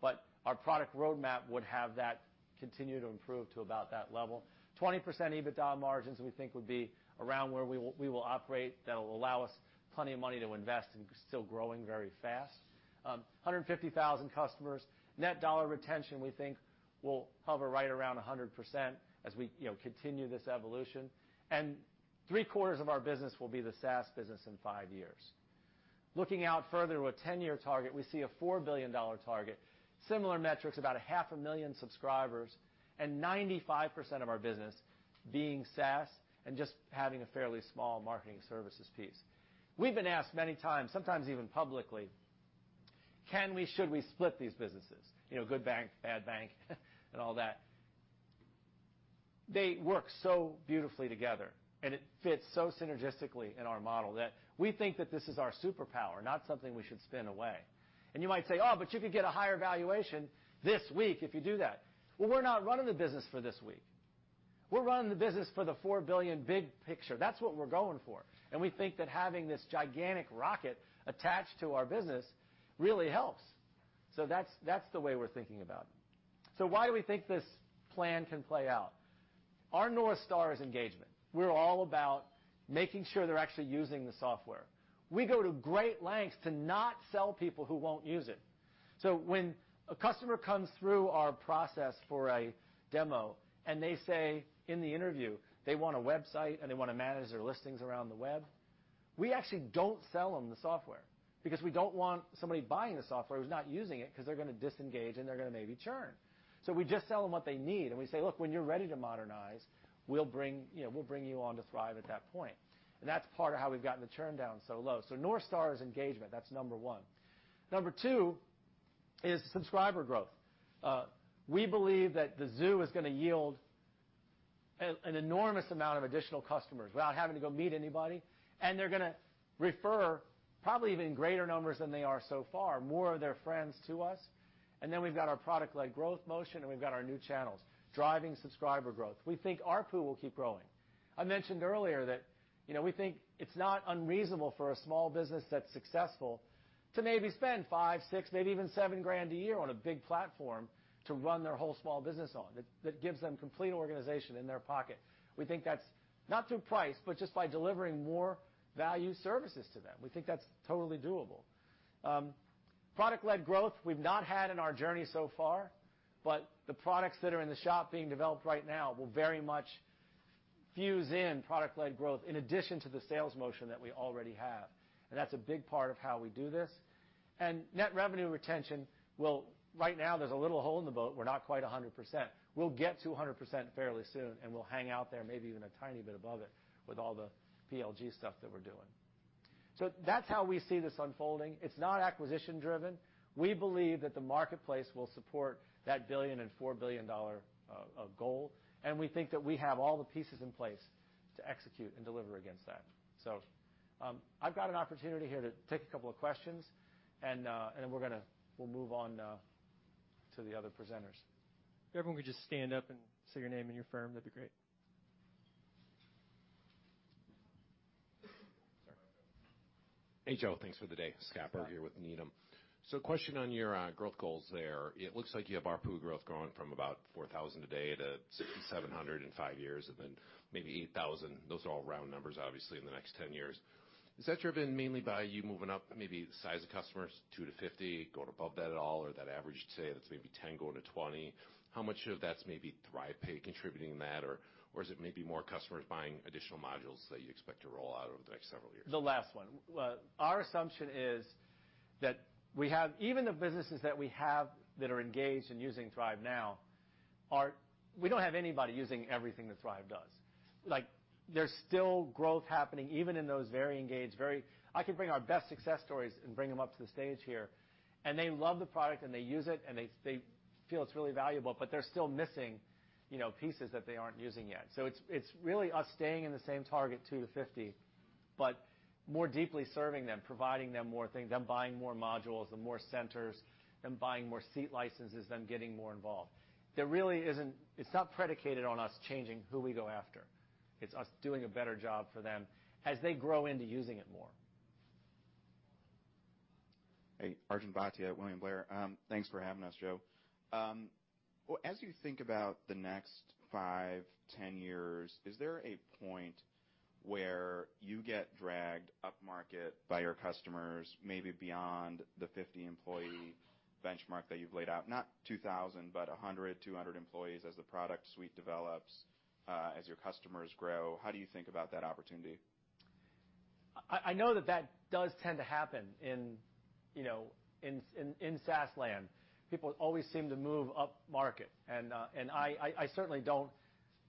but our product roadmap would have that continue to improve to about that level. 20% EBITDA margins, we think, would be around where we will operate. That'll allow us plenty of money to invest and still growing very fast. 150,000 customers. Net dollar retention, we think, will hover right around 100% as we continue this evolution. Three-quarters of our business will be the SaaS business in five years. Looking out further with 10-year target, we see a $4 billion target, similar metrics, about a half a million subscribers, and 95% of our business being SaaS and just having a fairly small marketing services piece. We've been asked many times, sometimes even publicly, can we, should we split these businesses? Good bank, bad bank, and all that. They work so beautifully together, and it fits so synergistically in our model that we think that this is our superpower, not something we should spin away. You might say, "Oh, but you could get a higher valuation this week if you do that." Well, we're not running the business for this week. We're running the business for the $4 billion big picture. That's what we're going for. We think that having this gigantic rocket attached to our business really helps. That's the way we're thinking about it. Why do we think this plan can play out? Our North Star is engagement. We're all about making sure they're actually using the software. We go to great lengths to not sell people who won't use it. When a customer comes through our process for a demo and they say in the interview, they want a website and they wanna manage their listings around the web, we actually don't sell them the software because we don't want somebody buying the software who's not using it because they're gonna disengage, and they're gonna maybe churn. We just sell them what they need, and we say, "Look, when you're ready to modernize, we'll bring, you know, we'll bring you on to Thryv at that point." That's part of how we've gotten the churn down so low. North Star is engagement. That's number one. Number two is subscriber growth. We believe that the zoo is gonna yield an enormous amount of additional customers without having to go meet anybody, and they're gonna refer probably even greater numbers than they are so far, more of their friends to us. We've got our product-led growth motion, and we've got our new channels driving subscriber growth. We think ARPU will keep growing. I mentioned earlier that, you know, we think it's not unreasonable for a small business that's successful to maybe spend $5,000, $6,000, maybe even $7,000 a year on a big platform to run their whole small business on, that gives them complete organization in their pocket. We think that's not through price, but just by delivering more value services to them. We think that's totally doable. Product-led growth, we've not had in our journey so far, but the products that are in the shop being developed right now will very much fuse in product-led growth in addition to the sales motion that we already have. That's a big part of how we do this. Net revenue retention will right now be a little under 100%. There's a little hole in the boat. We're not quite 100%. We'll get to 100% fairly soon, and we'll hang out there maybe even a tiny bit above it with all the PLG stuff that we're doing. That's how we see this unfolding. It's not acquisition driven. We believe that the marketplace will support that $1.4 billion goal, and we think that we have all the pieces in place to execute and deliver against that. I've got an opportunity here to take a couple of questions and then we'll move on to the other presenters. If everyone could just stand up and say your name and your firm, that'd be great. Sorry. Hey, Joe. Thanks for the day. Scott Berg here with Needham. Question on your growth goals there. It looks like you have ARPU growth growing from about $4,000 today to $6,700 in 5 years and then maybe $8,000. Those are all round numbers, obviously, in the next 10 years. Is that driven mainly by you moving up maybe the size of customers, 2-50, going above that at all, or that average today, that's maybe 10 going to 20? How much of that's maybe ThryvPay contributing to that, or is it maybe more customers buying additional modules that you expect to roll out over the next several years? The last one. Our assumption is that even the businesses that we have that are engaged in using Thryv now are. We don't have anybody using everything that Thryv does. Like, there's still growth happening even in those very engaged. I could bring our best success stories and bring them up to the stage here, and they love the product, and they use it, and they feel it's really valuable, but they're still missing, you know, pieces that they aren't using yet. It's really us staying in the same target, 2-50, but more deeply serving them, providing them more things, them buying more modules, Marketing Center, them buying more seat licenses, them getting more involved. There really isn't. It's not predicated on us changing who we go after. It's us doing a better job for them as they grow into using it more. Hey, Arjun Bhatia, William Blair. Thanks for having us, Joe. Well, as you think about the next 5, 10 years, is there a point where you get dragged upmarket by your customers, maybe beyond the 50-employee benchmark that you've laid out? Not 2000, but 100, 200 employees as the product suite develops, as your customers grow. How do you think about that opportunity? I know that does tend to happen in, you know, in SaaS land. People always seem to move upmarket. I certainly don't,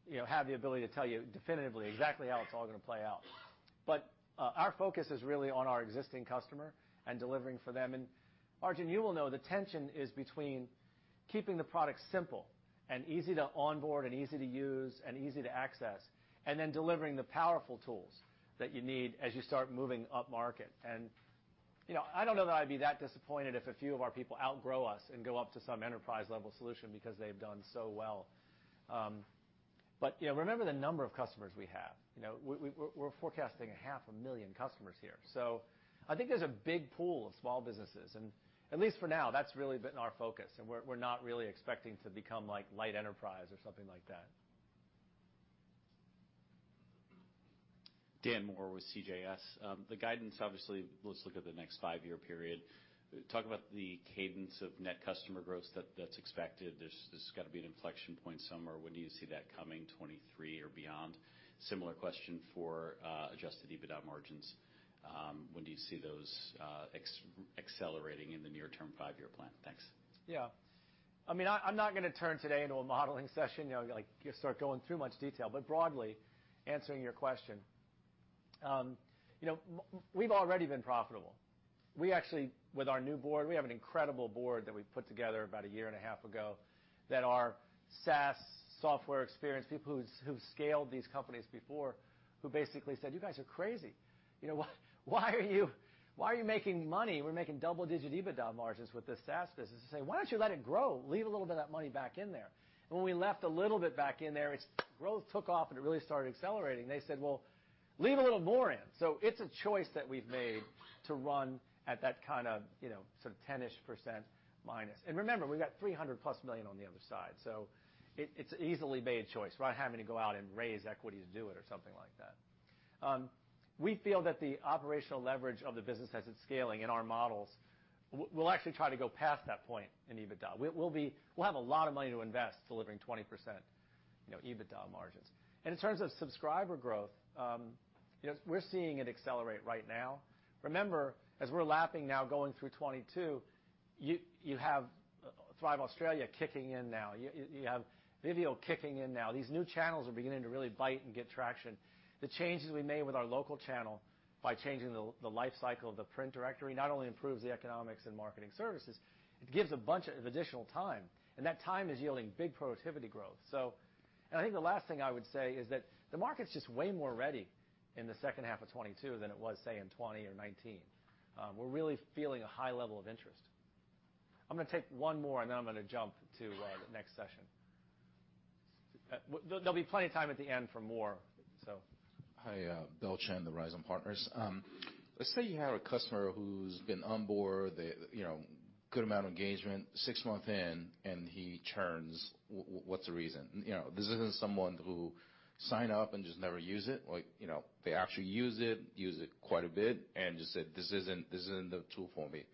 you know, have the ability to tell you definitively exactly how it's all gonna play out. Our focus is really on our existing customer and delivering for them. Arjun, you will know the tension is between keeping the product simple and easy to onboard and easy to use and easy to access, and then delivering the powerful tools that you need as you start moving upmarket. You know, I don't know that I'd be that disappointed if a few of our people outgrow us and go up to some enterprise-level solution because they've done so well. You know, remember the number of customers we have. You know, we're forecasting a half a million customers here. I think there's a big pool of small businesses, and at least for now, that's really been our focus, and we're not really expecting to become like light enterprise or something like that. Dan Moore with CJS. The guidance, obviously, let's look at the next five-year period. Talk about the cadence of net customer growth that's expected. There's got to be an inflection point somewhere. When do you see that coming, 2023 or beyond? Similar question for adjusted EBITDA margins. When do you see those expanding in the near-term five-year plan? Thanks. Yeah. I mean, I'm not gonna turn today into a modeling session, you know, like start going through much detail. Broadly, answering your question, you know, we've already been profitable. We actually, with our new board, we have an incredible board that we put together about a year and a half ago that are SaaS software experienced people who've scaled these companies before, who basically said, "You guys are crazy. You know, why are you making money? We're making double-digit EBITDA margins with this SaaS business." They say, "Why don't you let it grow? Leave a little bit of that money back in there." When we left a little bit back in there, its growth took off, and it really started accelerating. They said, "Well, leave a little more in." It's a choice that we've made to run at that kind of, you know, sort of 10-ish% minus. Remember, we've got $300+ million on the other side, so it's an easily made choice. We're not having to go out and raise equity to do it or something like that. We feel that the operational leverage of the business as it's scaling in our models, we'll actually try to go past that point in EBITDA. We'll have a lot of money to invest delivering 20%, you know, EBITDA margins. In terms of subscriber growth, you know, we're seeing it accelerate right now. Remember, as we're lapping now going through 2022, you have Thryv Australia kicking in now. You have Vivial kicking in now. These new channels are beginning to really bite and get traction. The changes we made with our local channel by changing the life cycle of the print directory not only improves the economics and marketing services, it gives a bunch of additional time, and that time is yielding big productivity growth. I think the last thing I would say is that the market's just way more ready in the second half of 2022 than it was, say, in 2020 or 2019. We're really feeling a high level of interest. I'm gonna take one more, and then I'm gonna jump to the next session. There'll be plenty of time at the end for more, so. Hi. Bill Chen from Rhizome Partners. Let's say you have a customer who's been onboarded. You know, good amount of engagement, six months in, and he churns. What's the reason? You know, this isn't someone who sign up and just never use it. Like, you know, they actually use it, use it quite a bit, and just said, "This isn't the tool for me,"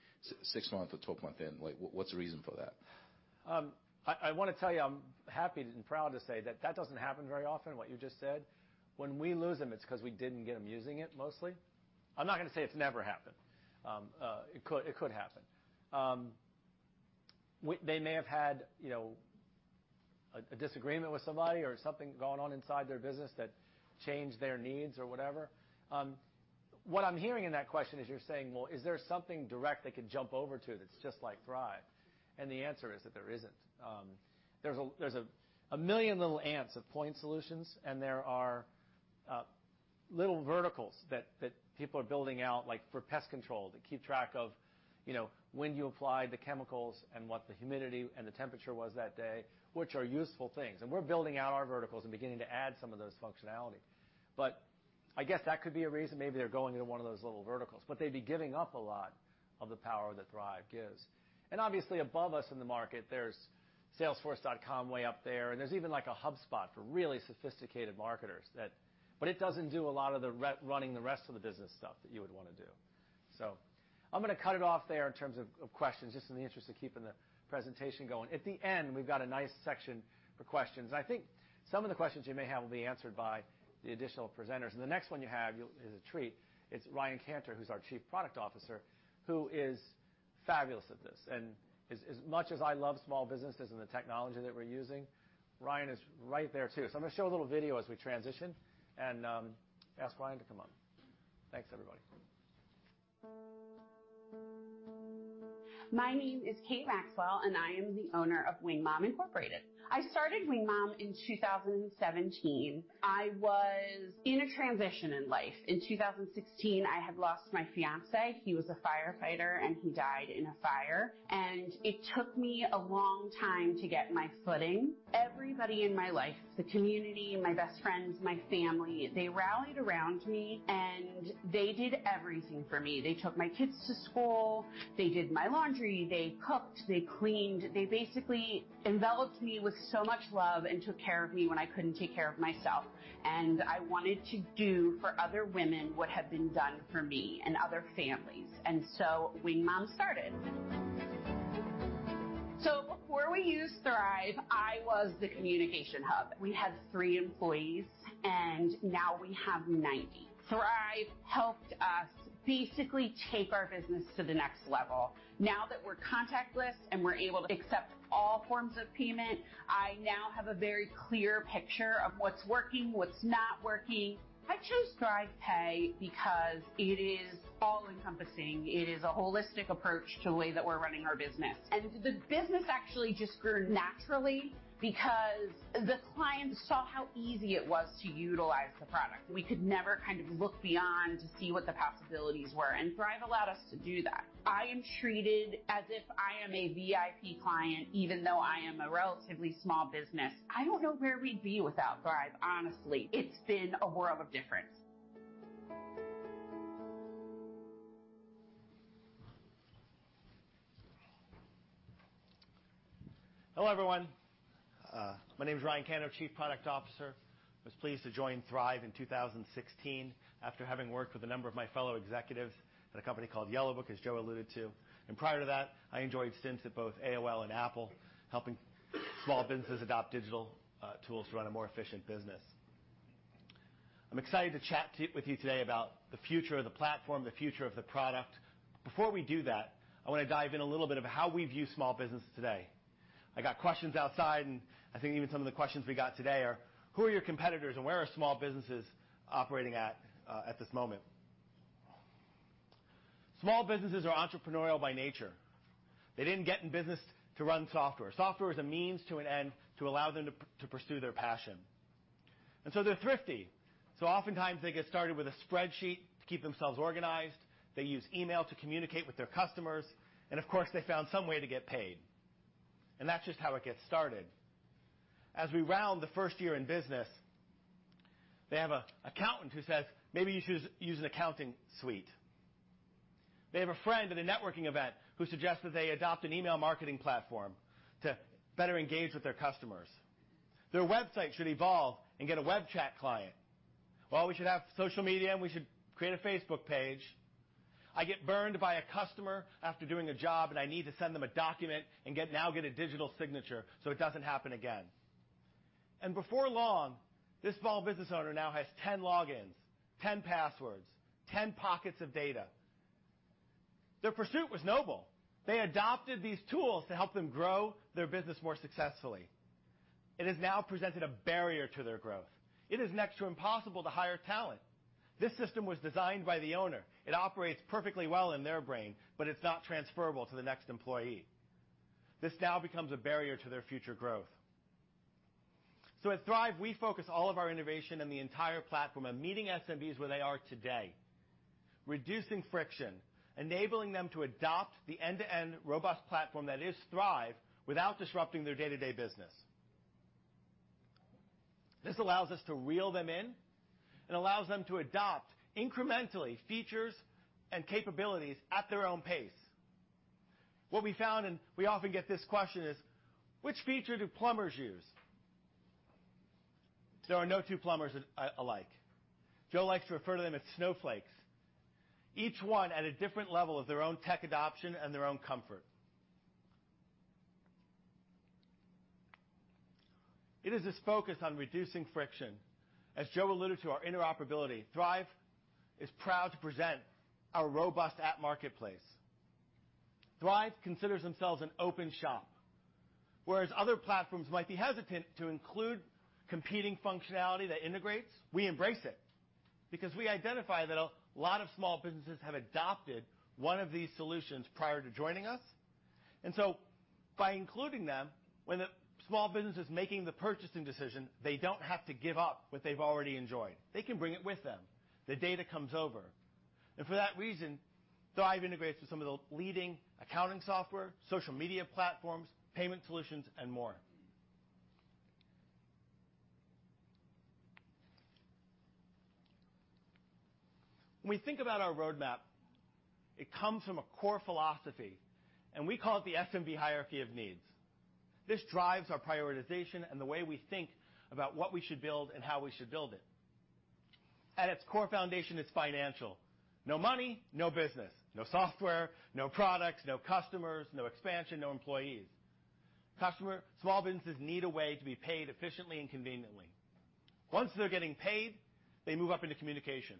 six months or twelve months in. Like, what's the reason for that? I wanna tell you, I'm happy and proud to say that that doesn't happen very often, what you just said. When we lose them, it's 'cause we didn't get them using it, mostly. I'm not gonna say it's never happened. It could happen. They may have had, you know, a disagreement with somebody or something going on inside their business that changed their needs or whatever. What I'm hearing in that question is you're saying, "Well, is there something direct they could jump over to that's just like Thryv?" The answer is that there isn't. There's a million little apps of point solutions, and there are little verticals that people are building out, like for pest control, to keep track of, you know, when you apply the chemicals and what the humidity and the temperature was that day, which are useful things. We're building out our verticals and beginning to add some of those functionality. I guess that could be a reason maybe they're going into one of those little verticals, but they'd be giving up a lot of the power that Thryv gives. Obviously above us in the market, there's Salesforce way up there, and there's even like a HubSpot for really sophisticated marketers that, but it doesn't do a lot of the rerunning the rest of the business stuff that you would wanna do. I'm gonna cut it off there in terms of questions, just in the interest of keeping the presentation going. At the end, we've got a nice section for questions. I think some of the questions you may have will be answered by the additional presenters. The next one you have is a treat. It's Ryan Cantor, who's our Chief Product Officer, who is fabulous at this. As much as I love small businesses and the technology that we're using, Ryan is right there too. I'm gonna show a little video as we transition and ask Ryan to come up. Thanks, everybody. My name is Kate Maxwell, and I am the owner of Wingmom, Inc. I started Wingmom, Inc. in 2017. I was in a transition in life. In 2016, I had lost my fiancé. He was a firefighter, and he died in a fire. It took me a long time to get my footing. Everybody in my life, the community, my best friends, my family, they rallied around me, and they did everything for me. They took my kids to school. They did my laundry. They cooked. They cleaned. They basically enveloped me with so much love and took care of me when I couldn't take care of myself. I wanted to do for other women what had been done for me and other families. Wingmom, Inc. started. Before we used Thryv, I was the communication hub. We had 3 employees, and now we have 90. Thryv helped us basically take our business to the next level. Now that we're contactless and we're able to accept all forms of payment, I now have a very clear picture of what's working, what's not working. I chose ThryvPay because it is all-encompassing. It is a holistic approach to the way that we're running our business. The business actually just grew naturally because the clients saw how easy it was to utilize the product. We could never kind of look beyond to see what the possibilities were, and Thryv allowed us to do that. I am treated as if I am a VIP client, even though I am a relatively small business. I don't know where we'd be without Thryv, honestly. It's been a world of difference. Hello, everyone. My name is Ryan Cantor, Chief Product Officer. I was pleased to join Thryv in 2016 after having worked with a number of my fellow executives at a company called Yellowbook, as Joe alluded to. Prior to that, I enjoyed stints at both AOL and Apple, helping small businesses adopt digital tools to run a more efficient business. I'm excited to chat with you today about the future of the platform, the future of the product. Before we do that, I wanna dive in a little bit of how we view small businesses today. I got questions outside, and I think even some of the questions we got today are, "Who are your competitors, and where are small businesses operating at this moment?" Small businesses are entrepreneurial by nature. They didn't get in business to run software. Software is a means to an end to allow them to pursue their passion. They're thrifty. Oftentimes they get started with a spreadsheet to keep themselves organized. They use email to communicate with their customers, and of course, they found some way to get paid. That's just how it gets started. As we round the first year in business, they have an accountant who says, "Maybe you should use an accounting suite." They have a friend at a networking event who suggests that they adopt an email marketing platform to better engage with their customers. Their website should evolve and get a web chat client. Well, we should have social media, and we should create a Facebook page. I get burned by a customer after doing a job, and I need to send them a document and get a digital signature so it doesn't happen again. Before long, this small business owner now has 10 logins, 10 passwords, 10 pockets of data. Their pursuit was noble. They adopted these tools to help them grow their business more successfully. It has now presented a barrier to their growth. It is next to impossible to hire talent. This system was designed by the owner. It operates perfectly well in their brain, but it's not transferable to the next employee. This now becomes a barrier to their future growth. At Thryv, we focus all of our innovation in the entire platform on meeting SMBs where they are today, reducing friction, enabling them to adopt the end-to-end robust platform that is Thryv without disrupting their day-to-day business. This allows us to reel them in and allows them to adopt incrementally features and capabilities at their own pace. What we found, and we often get this question is, which feature do plumbers use? There are no two plumbers alike. Joe likes to refer to them as snowflakes, each one at a different level of their own tech adoption and their own comfort. It is this focus on reducing friction, as Joe alluded to our interoperability. Thryv is proud to present our robust App Marketplace. Thryv considers themselves an open shop. Whereas other platforms might be hesitant to include competing functionality that integrates, we embrace it because we identify that a lot of small businesses have adopted one of these solutions prior to joining us. By including them, when the small business is making the purchasing decision, they don't have to give up what they've already enjoyed. They can bring it with them. The data comes over. And for that reason, Thryv integrates with some of the leading accounting software, social media platforms, payment solutions, and more. When we think about our roadmap, it comes from a core philosophy, and we call it the SMB hierarchy of needs. This drives our prioritization and the way we think about what we should build and how we should build it. At its core foundation, it's financial. No money, no business, no software, no products, no customers, no expansion, no employees. Small businesses need a way to be paid efficiently and conveniently. Once they're getting paid, they move up into communication.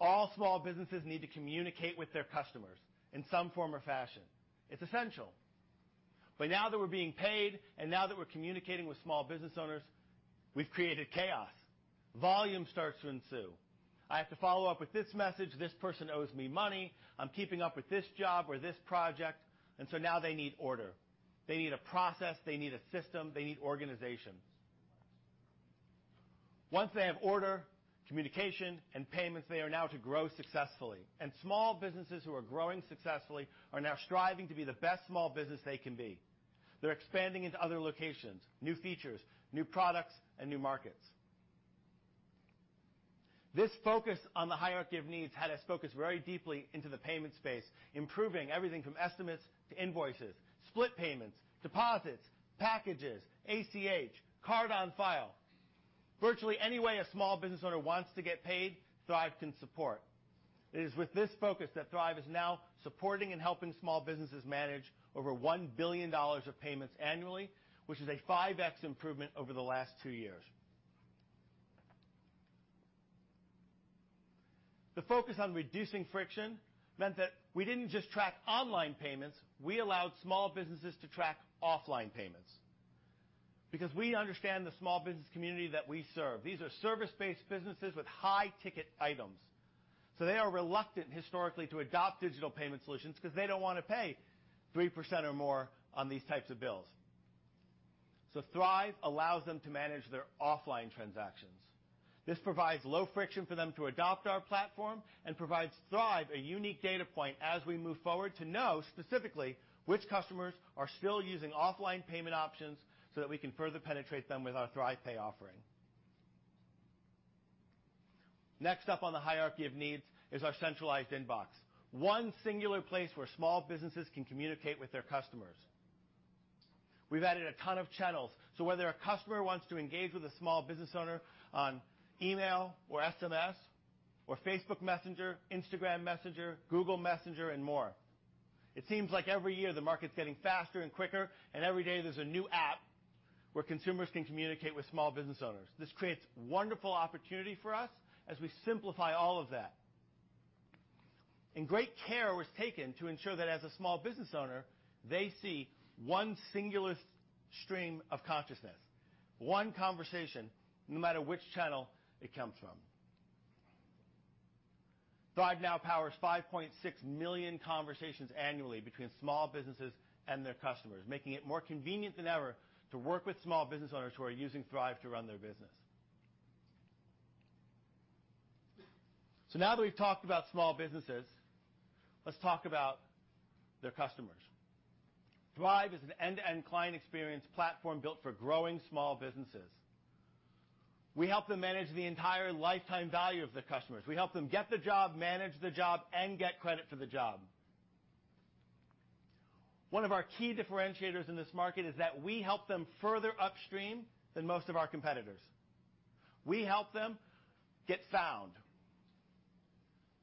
All small businesses need to communicate with their customers in some form or fashion. It's essential. Now that we're being paid and now that we're communicating with small business owners, we've created chaos. Volume starts to ensue. I have to follow up with this message. This person owes me money. I'm keeping up with this job or this project. Now they need order. They need a process. They need a system. They need organization. Once they have order, communication, and payments, they are now to grow successfully. Small businesses who are growing successfully are now striving to be the best small business they can be. They're expanding into other locations, new features, new products, and new markets. This focus on the hierarchy of needs had us focus very deeply into the payment space, improving everything from estimates to invoices, split payments, deposits, packages, ACH, card on file. Virtually any way a small business owner wants to get paid, Thryv can support. It is with this focus that Thryv is now supporting and helping small businesses manage over $1 billion of payments annually, which is a 5x improvement over the last two years. The focus on reducing friction meant that we didn't just track online payments, we allowed small businesses to track offline payments because we understand the small business community that we serve. These are service-based businesses with high-ticket items. They are reluctant historically to adopt digital payment solutions because they don't want to pay 3% or more on these types of bills. Thryv allows them to manage their offline transactions. This provides low friction for them to adopt our platform and provides Thryv a unique data point as we move forward to know specifically which customers are still using offline payment options, so that we can further penetrate them with our ThryvPay offering. Next up on the hierarchy of needs is our centralized inbox, one singular place where small businesses can communicate with their customers. We've added a ton of channels, so whether a customer wants to engage with a small business owner on email or SMS or Facebook Messenger, Instagram Direct, Google Business Messages, and more. It seems like every year, the market's getting faster and quicker, and every day there's a new app where consumers can communicate with small business owners. This creates wonderful opportunity for us as we simplify all of that. Great care was taken to ensure that as a small business owner, they see one singular stream of consciousness, one conversation, no matter which channel it comes from. Thryv now powers 5.6 million conversations annually between small businesses and their customers, making it more convenient than ever to work with small business owners who are using Thryv to run their business. Now that we've talked about small businesses, let's talk about their customers. Thryv is an end-to-end client experience platform built for growing small businesses. We help them manage the entire lifetime value of their customers. We help them get the job, manage the job, and get credit for the job. One of our key differentiators in this market is that we help them further upstream than most of our competitors. We help them get found.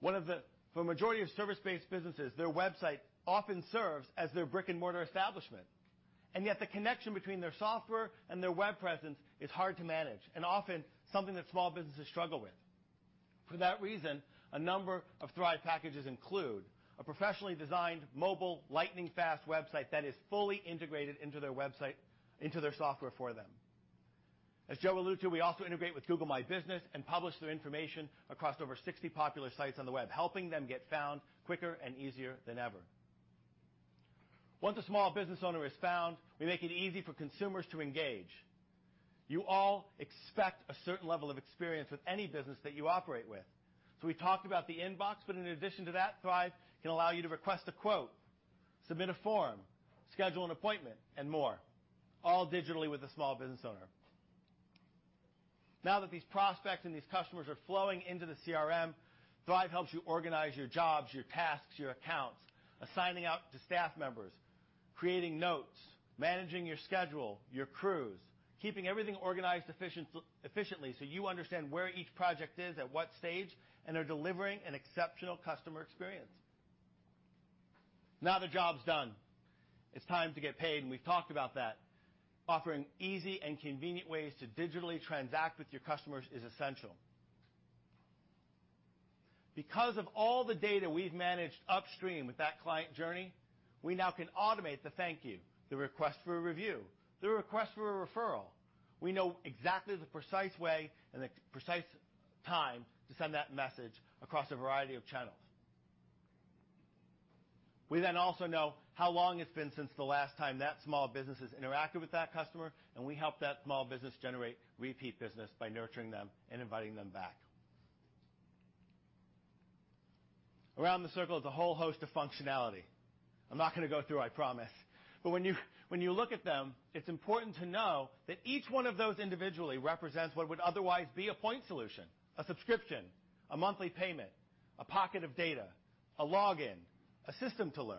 For a majority of service-based businesses, their website often serves as their brick-and-mortar establishment. Yet the connection between their software and their web presence is hard to manage, and often something that small businesses struggle with. For that reason, a number of Thryv packages include a professionally designed mobile lightning-fast website that is fully integrated into their software for them. As Joe alluded to, we also integrate with Google My Business and publish their information across over 60 popular sites on the web, helping them get found quicker and easier than ever. Once a small business owner is found, we make it easy for consumers to engage. You all expect a certain level of experience with any business that you operate with. We talked about the inbox, but in addition to that, Thryv can allow you to request a quote, submit a form, schedule an appointment, and more, all digitally with the small business owner. Now that these prospects and these customers are flowing into the CRM, Thryv helps you organize your jobs, your tasks, your accounts, assigning out to staff members, creating notes, managing your schedule, your crews, keeping everything organized efficiently, so you understand where each project is, at what stage, and are delivering an exceptional customer experience. Now the job's done. It's time to get paid, and we've talked about that. Offering easy and convenient ways to digitally transact with your customers is essential. Because of all the data we've managed upstream with that client journey, we now can automate the thank you, the request for a review, the request for a referral. We know exactly the precise way and the precise time to send that message across a variety of channels. We then also know how long it's been since the last time that small business has interacted with that customer, and we help that small business generate repeat business by nurturing them and inviting them back. Around the circle is a whole host of functionality. I'm not gonna go through, I promise. When you look at them, it's important to know that each one of those individually represents what would otherwise be a point solution, a subscription, a monthly payment, a pocket of data, a login, a system to learn,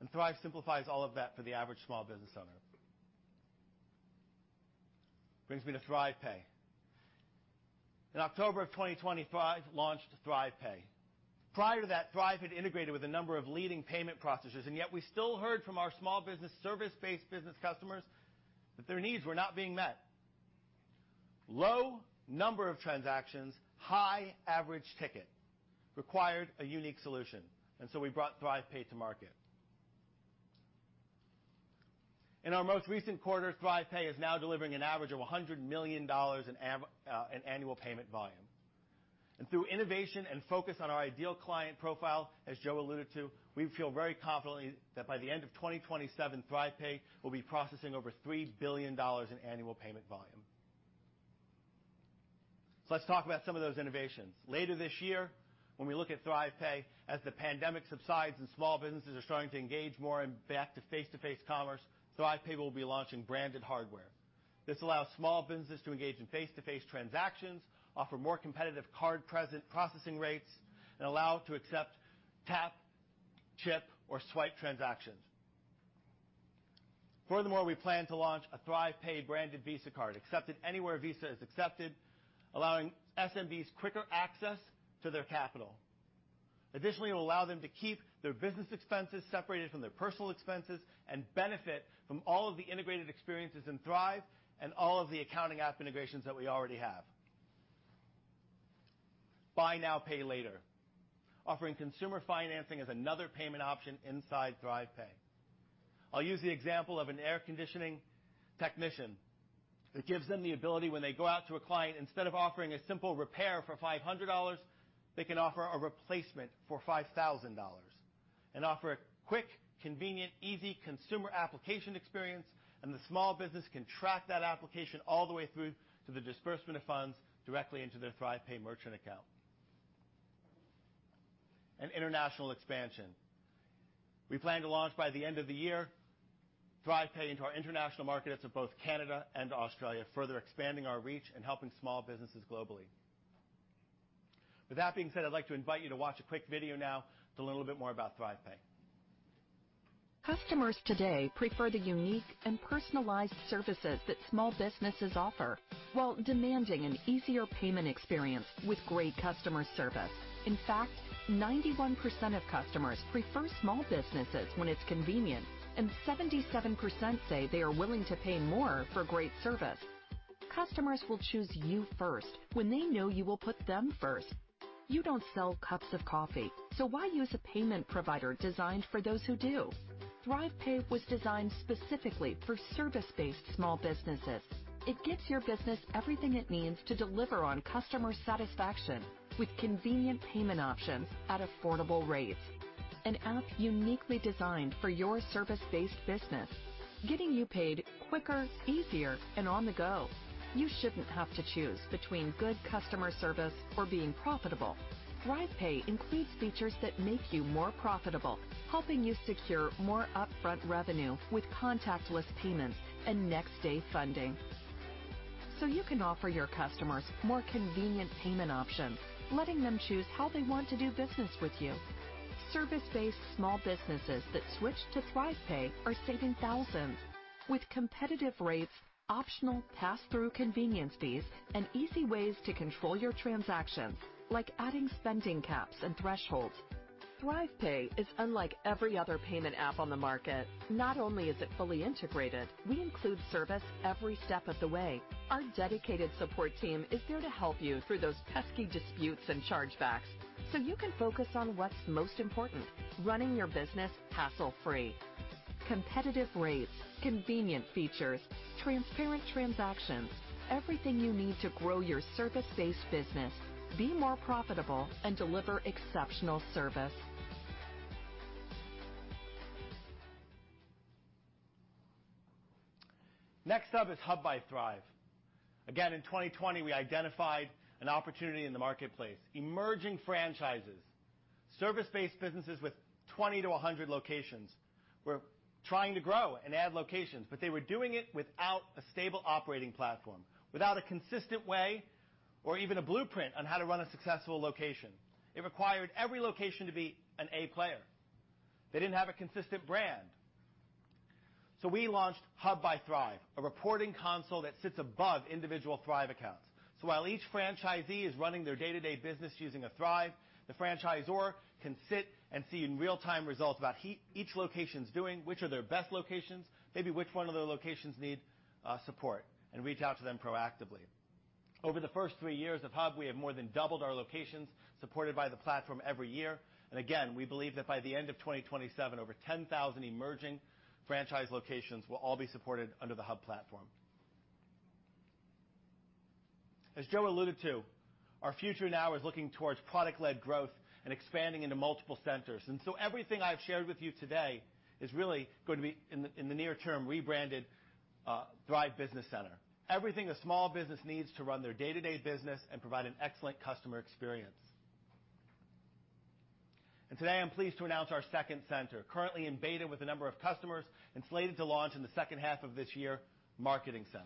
and Thryv simplifies all of that for the average small business owner. Brings me to Thryv Pay. In October of 2020, Thryv launched Thryv Pay. Prior to that, Thryv had integrated with a number of leading payment processors, and yet we still heard from our small business, service-based business customers that their needs were not being met. Low number of transactions, high average ticket required a unique solution, and we brought ThryvPay to market. In our most recent quarter, ThryvPay is now delivering an average of $100 million in annual payment volume. Through innovation and focus on our ideal client profile, as Joe alluded to, we feel very confidently that by the end of 2027, ThryvPay will be processing over $3 billion in annual payment volume. Let's talk about some of those innovations. Later this year, when we look at ThryvPay, as the pandemic subsides and small businesses are starting to engage more in back to face-to-face commerce, ThryvPay will be launching branded hardware. This allows small businesses to engage in face-to-face transactions, offer more competitive card-present processing rates, and allow to accept tap, chip, or swipe transactions. Furthermore, we plan to launch a ThryvPay branded Visa card accepted anywhere Visa is accepted, allowing SMBs quicker access to their capital. Additionally, it will allow them to keep their business expenses separated from their personal expenses and benefit from all of the integrated experiences in Thryv and all of the accounting app integrations that we already have. Buy now, pay later. Offering consumer financing is another payment option inside ThryvPay. I'll use the example of an air conditioning technician. It gives them the ability when they go out to a client, instead of offering a simple repair for $500, they can offer a replacement for $5,000 and offer a quick, convenient, easy consumer application experience, and the small business can track that application all the way through to the disbursement of funds directly into their ThryvPay merchant account. International expansion. We plan to launch by the end of the year ThryvPay into our international markets of both Canada and Australia, further expanding our reach and helping small businesses globally. With that being said, I'd like to invite you to watch a quick video now to learn a little bit more about ThryvPay. Customers today prefer the unique and personalized services that small businesses offer while demanding an easier payment experience with great customer service. In fact, 91% of customers prefer small businesses when it's convenient, and 77% say they are willing to pay more for great service. Customers will choose you first when they know you will put them first. You don't sell cups of coffee, so why use a payment provider designed for those who do? ThryvPay was designed specifically for service-based small businesses. It gives your business everything it needs to deliver on customer satisfaction with convenient payment options at affordable rates. An app uniquely designed for your service-based business, getting you paid quicker, easier, and on the go. You shouldn't have to choose between good customer service or being profitable. ThryvPay includes features that make you more profitable, helping you secure more upfront revenue with contactless payments and next-day funding. You can offer your customers more convenient payment options, letting them choose how they want to do business with you. Service-based small businesses that switch to ThryvPay are saving thousands. With competitive rates, optional pass-through convenience fees, and easy ways to control your transactions, like adding spending caps and thresholds. ThryvPay is unlike every other payment app on the market. Not only is it fully integrated, we include service every step of the way. Our dedicated support team is there to help you through those pesky disputes and chargebacks, so you can focus on what's most important, running your business hassle-free. Competitive rates, convenient features, transparent transactions, everything you need to grow your service-based business, be more profitable, and deliver exceptional service. Next up is Hub by Thryv. Again, in 2020, we identified an opportunity in the marketplace. Emerging franchises, service-based businesses with 20 to 100 locations were trying to grow and add locations, but they were doing it without a stable operating platform, without a consistent way or even a blueprint on how to run a successful location. It required every location to be an A player. They didn't have a consistent brand. We launched Hub by Thryv, a reporting console that sits above individual Thryv accounts. While each franchisee is running their day-to-day business using a Thryv, the franchisor can sit and see in real-time results about each location's doing, which are their best locations, maybe which one of their locations need support, and reach out to them proactively. Over the first three years of Hub, we have more than doubled our locations supported by the platform every year. Again, we believe that by the end of 2027, over 10,000 emerging franchise locations will all be supported under the Hub platform. As Joe alluded to, our future now is looking towards product-led growth and expanding into multiple centers. Everything I've shared with you today is really going to be in the near term rebranded Thryv Business Center. Everything a small business needs to run their day-to-day business and provide an excellent customer experience. Today, I'm pleased to announce our second center, currently in beta with a number of customers and slated to launch in the second half of this year, Marketing Center.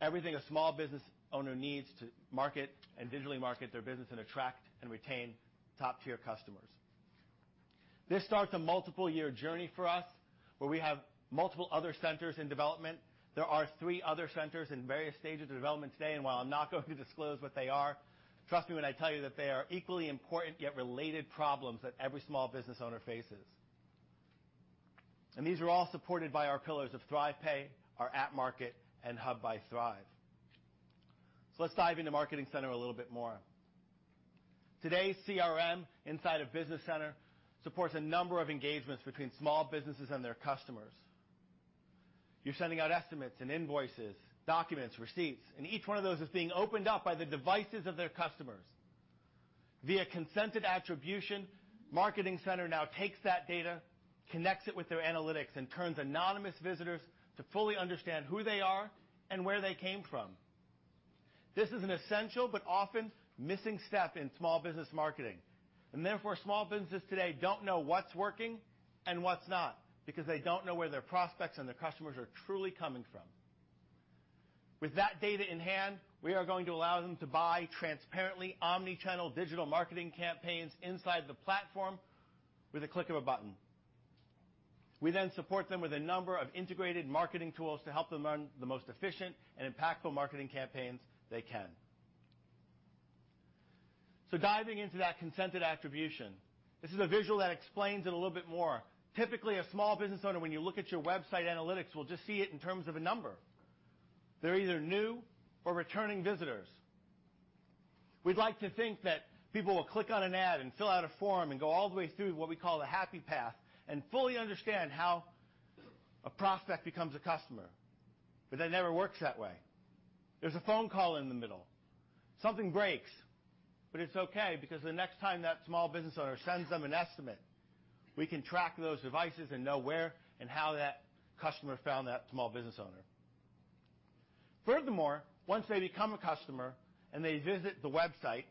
Everything a small business owner needs to market and digitally market their business and attract and retain top-tier customers. This starts a multiple year journey for us, where we have multiple other centers in development. There are three other centers in various stages of development today, and while I'm not going to disclose what they are, trust me when I tell you that they are equally important yet related problems that every small business owner faces. These are all supported by our pillars of ThryvPay, our App Marketplace, and Hub by Thryv. Let's dive into Marketing Center a little bit more. Today, CRM inside of Business Center supports a number of engagements between small businesses and their customers. You're sending out estimates and invoices, documents, receipts, and each one of those is being opened up by the devices of their customers. Via consented attribution, Marketing Center now takes that data, connects it with their analytics, and turns anonymous visitors to fully understand who they are and where they came from. This is an essential but often missing step in small business marketing, and therefore, small businesses today don't know what's working and what's not because they don't know where their prospects and their customers are truly coming from. With that data in hand, we are going to allow them to buy transparently omni-channel digital marketing campaigns inside the platform with a click of a button. We then support them with a number of integrated marketing tools to help them run the most efficient and impactful marketing campaigns they can. Diving into that consented attribution, this is a visual that explains it a little bit more. Typically, a small business owner, when you look at your website analytics, will just see it in terms of a number. They're either new or returning visitors. We'd like to think that people will click on an ad and fill out a form and go all the way through what we call the happy path and fully understand how a prospect becomes a customer. That never works that way. There's a phone call in the middle. Something breaks, but it's okay because the next time that small business owner sends them an estimate, we can track those devices and know where and how that customer found that small business owner. Furthermore, once they become a customer and they visit the website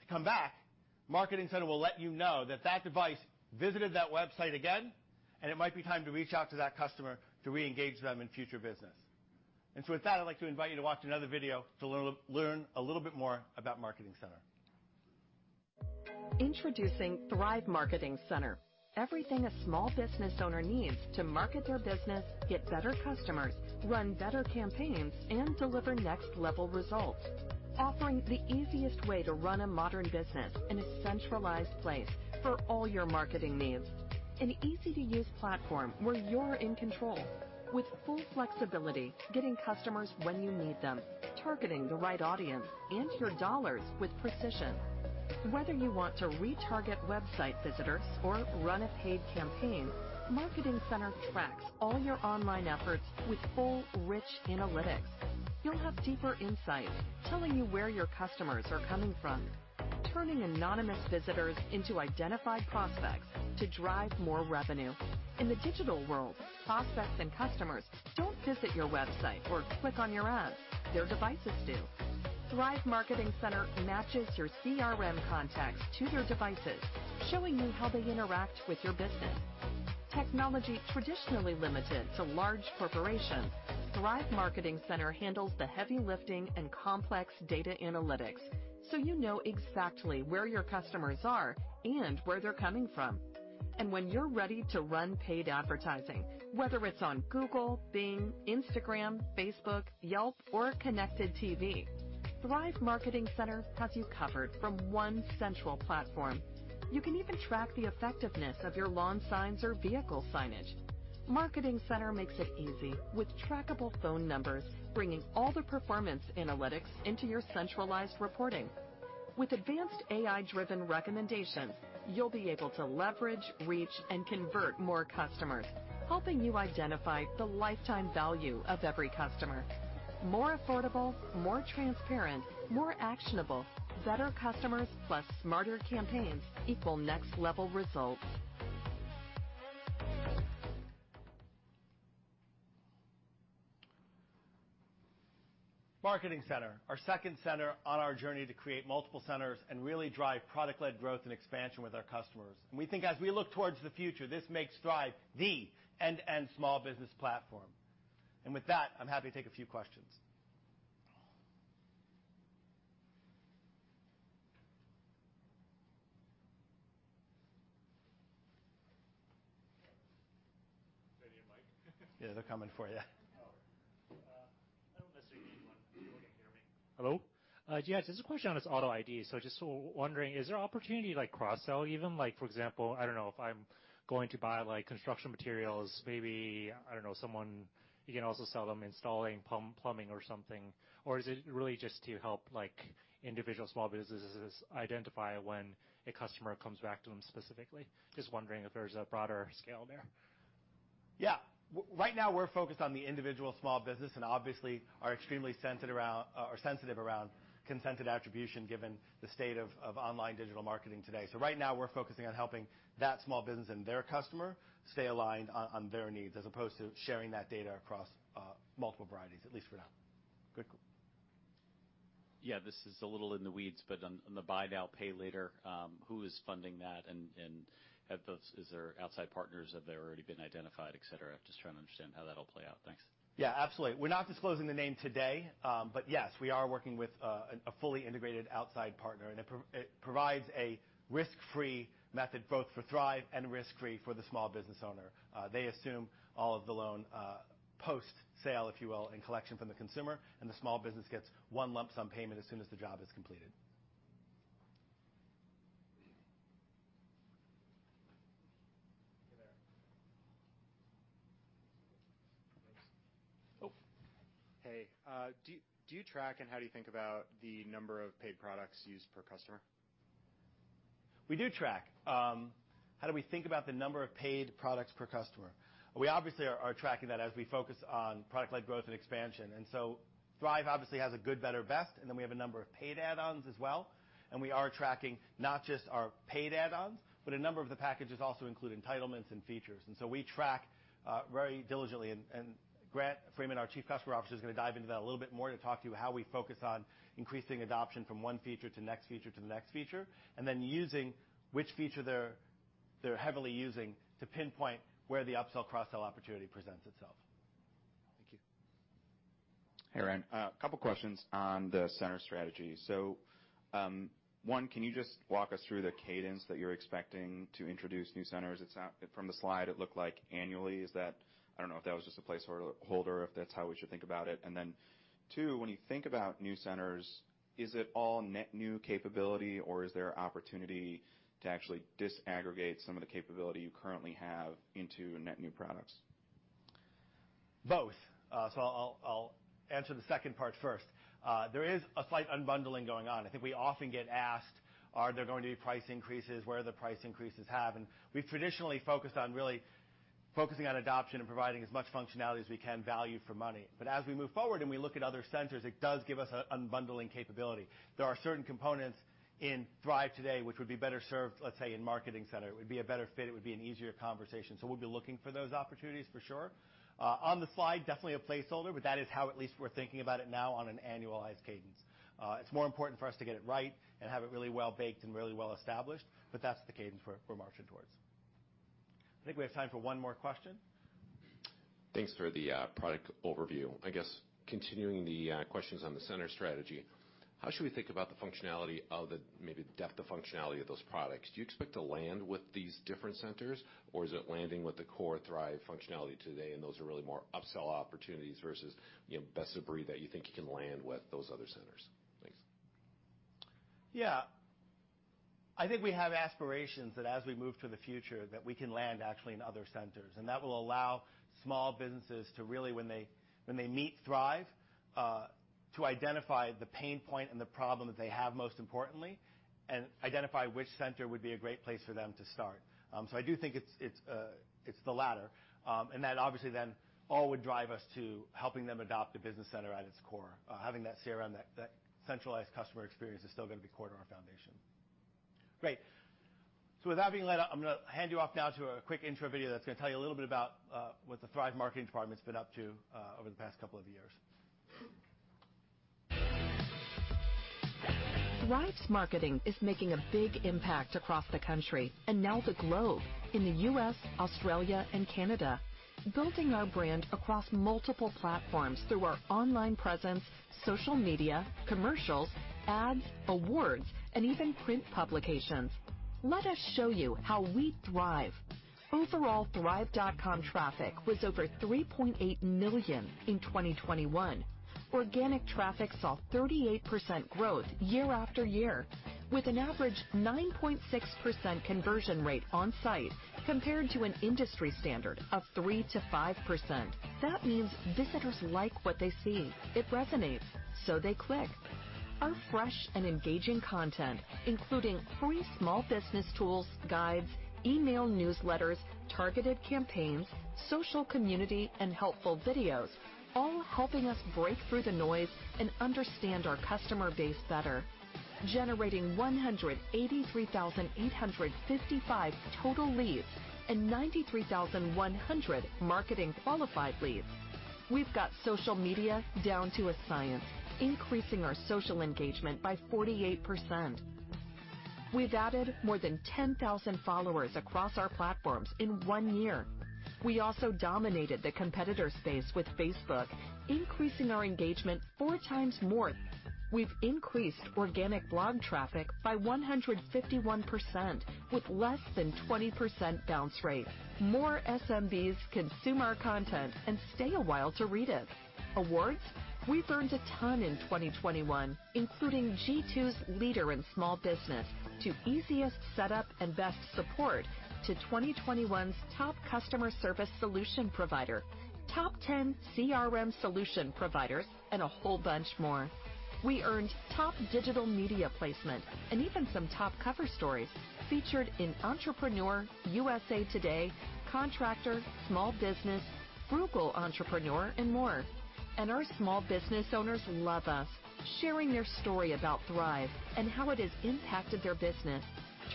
to come back, Marketing Center will let you know that device visited that website again, and it might be time to reach out to that customer to reengage them in future business. With that, I'd like to invite you to watch another video to learn a little bit more about Marketing Center. Introducing Thryv Marketing Center, everything a small business owner needs to market their business, get better customers, run better campaigns, and deliver next-level results. Offering the easiest way to run a modern business in a centralized place for all your marketing needs. An easy-to-use platform where you're in control. With full flexibility, getting customers when you need them, targeting the right audience and your dollars with precision. Whether you want to retarget website visitors or run a paid campaign, Marketing Center tracks all your online efforts with full, rich analytics. You'll have deeper insights, telling you where your customers are coming from, turning anonymous visitors into identified prospects to drive more revenue. In the digital world, prospects and customers don't visit your website or click on your ads, their devices do. Thryv Marketing Center matches your CRM contacts to their devices, showing you how they interact with your business. Technology traditionally limited to large corporations, Thryv Marketing Center handles the heavy lifting and complex data analytics so you know exactly where your customers are and where they're coming from. When you're ready to run paid advertising, whether it's on Google, Bing, Instagram, Facebook, Yelp, or connected TV, Thryv Marketing Center has you covered from one central platform. You can even track the effectiveness of your lawn signs or vehicle signage. Marketing Center makes it easy with trackable phone numbers, bringing all the performance analytics into your centralized reporting. With advanced AI-driven recommendations, you'll be able to leverage, reach, and convert more customers, helping you identify the lifetime value of every customer. More affordable, more transparent, more actionable, better customers plus smarter campaigns equal next-level results. Marketing Center, our second center on our journey to create multiple centers and really drive product-led growth and expansion with our customers. We think as we look towards the future, this makes Thryv the end-to-end small business platform. With that, I'm happy to take a few questions. Do I need a mic? Yeah, they're coming for you. I don't necessarily need one. Can everyone hear me? Hello? Yes, there's a question on this auto ID. Just sort of wondering, is there opportunity to like cross-sell even? Like, for example, I don't know, if I'm going to buy like construction materials, maybe, I don't know, you can also sell them installing pump plumbing or something. Or is it really just to help like individual small businesses identify when a customer comes back to them specifically? Just wondering if there's a broader scale there. Yeah. Right now we're focused on the individual small business and obviously are extremely sensitive around consented attribution given the state of online digital marketing today. Right now we're focusing on helping that small business and their customer stay aligned on their needs as opposed to sharing that data across multiple varieties, at least for now. Good call. Yeah. This is a little in the weeds, but on the buy now, pay later, who is funding that, is there outside partners? Have they already been identified, et cetera? I'm just trying to understand how that'll play out. Thanks. Yeah, absolutely. We're not disclosing the name today. Yes, we are working with a fully integrated outside partner, and it provides a risk-free method both for Thryv and risk-free for the small business owner. They assume all of the loan, post-sale, if you will, and collection from the consumer, and the small business gets one lump sum payment as soon as the job is completed. Hey there. Oh. Hey. Do you track and how do you think about the number of paid products used per customer? We do track. How do we think about the number of paid products per customer? We obviously are tracking that as we focus on product-led growth and expansion. Thryv obviously has a good, better, best, and then we have a number of paid add-ons as well, and we are tracking not just our paid add-ons, but a number of the packages also include entitlements and features. We track very diligently, and Grant Freeman, our Chief Customer Officer, is gonna dive into that a little bit more to talk to you how we focus on increasing adoption from one feature to the next feature to the next feature, and then using which feature they're heavily using to pinpoint where the upsell, cross-sell opportunity presents itself. Thank you. Hey, Ryan. A couple questions on the center strategy. One, can you just walk us through the cadence that you're expecting to introduce new centers? From the slide, it looked like annually. Is that I don't know if that was just a placeholder or if that's how we should think about it. Two, when you think about new centers, is it all net new capability or is there opportunity to actually disaggregate some of the capability you currently have into net new products? Both. I'll answer the second part first. There is a slight unbundling going on. I think we often get asked, "Are there going to be price increases? Where are the price increases have?" We've traditionally focused on really focusing on adoption and providing as much functionality as we can value for money. As we move forward and we look at other centers, it does give us a unbundling capability. There are certain components in Thryv today which would be better served, let's say, in Marketing Center. It would be a better fit, it would be an easier conversation. We'll be looking for those opportunities for sure. On the slide, definitely a placeholder, but that is how at least we're thinking about it now on an annualized cadence. It's more important for us to get it right and have it really well-baked and really well-established, but that's the cadence we're marching towards. I think we have time for one more question. Thanks for the product overview. I guess continuing the questions on the center strategy, how should we think about the functionality, maybe the depth of functionality of those products? Do you expect to land with these different centers, or is it landing with the core Thryv functionality today and those are really more upsell opportunities versus, you know, best of breed that you think you can land with those other centers? Thanks. Yeah. I think we have aspirations that as we move to the future, that we can land actually in other centers, and that will allow small businesses to really, when they meet Thryv, to identify the pain point and the problem that they have most importantly, and identify which center would be a great place for them to start. I do think it's the latter. That obviously then all would drive us to helping them adopt the Business Center at its core. Having that CRM, that centralized customer experience is still gonna be core to our foundation. Great. With that being laid out, I'm gonna hand you off now to a quick intro video that's gonna tell you a little bit about what the Thryv marketing department's been up to over the past couple of years. Thryv's marketing is making a big impact across the country and now the globe in the U.S., Australia, and Canada, building our brand across multiple platforms through our online presence, social media, commercials, ads, awards, and even print publications. Let us show you how we thrive. Overall thryv.com traffic was over 3.8 million in 2021. Organic traffic saw 38% growth year after year with an average 9.6% conversion rate on site compared to an industry standard of 3%-5%. That means visitors like what they see. It resonates, so they click. Our fresh and engaging content, including free small business tools, guides, email newsletters, targeted campaigns, social community and helpful videos, all helping us break through the noise and understand our customer base better. Generating 183,855 total leads and 93,100 marketing qualified leads. We've got social media down to a science, increasing our social engagement by 48%. We've added more than 10,000 followers across our platforms in one year. We also dominated the competitor space with Facebook, increasing our engagement 4 times more. We've increased organic blog traffic by 151% with less than 20% bounce rate. More SMBs consume our content and stay a while to read it. Awards. We've earned a ton in 2021, including G2's Leader in Small Business, to Easiest Setup and Best Support, to 2021's Top Customer Service Solution Provider, Top Ten CRM Solution Providers, and a whole bunch more. We earned top digital media placement and even some top cover stories featured in Entrepreneur, USA Today, Contractor, Small Business, Frugal Entrepreneur, and more. Our small business owners love us, sharing their story about Thryv and how it has impacted their business,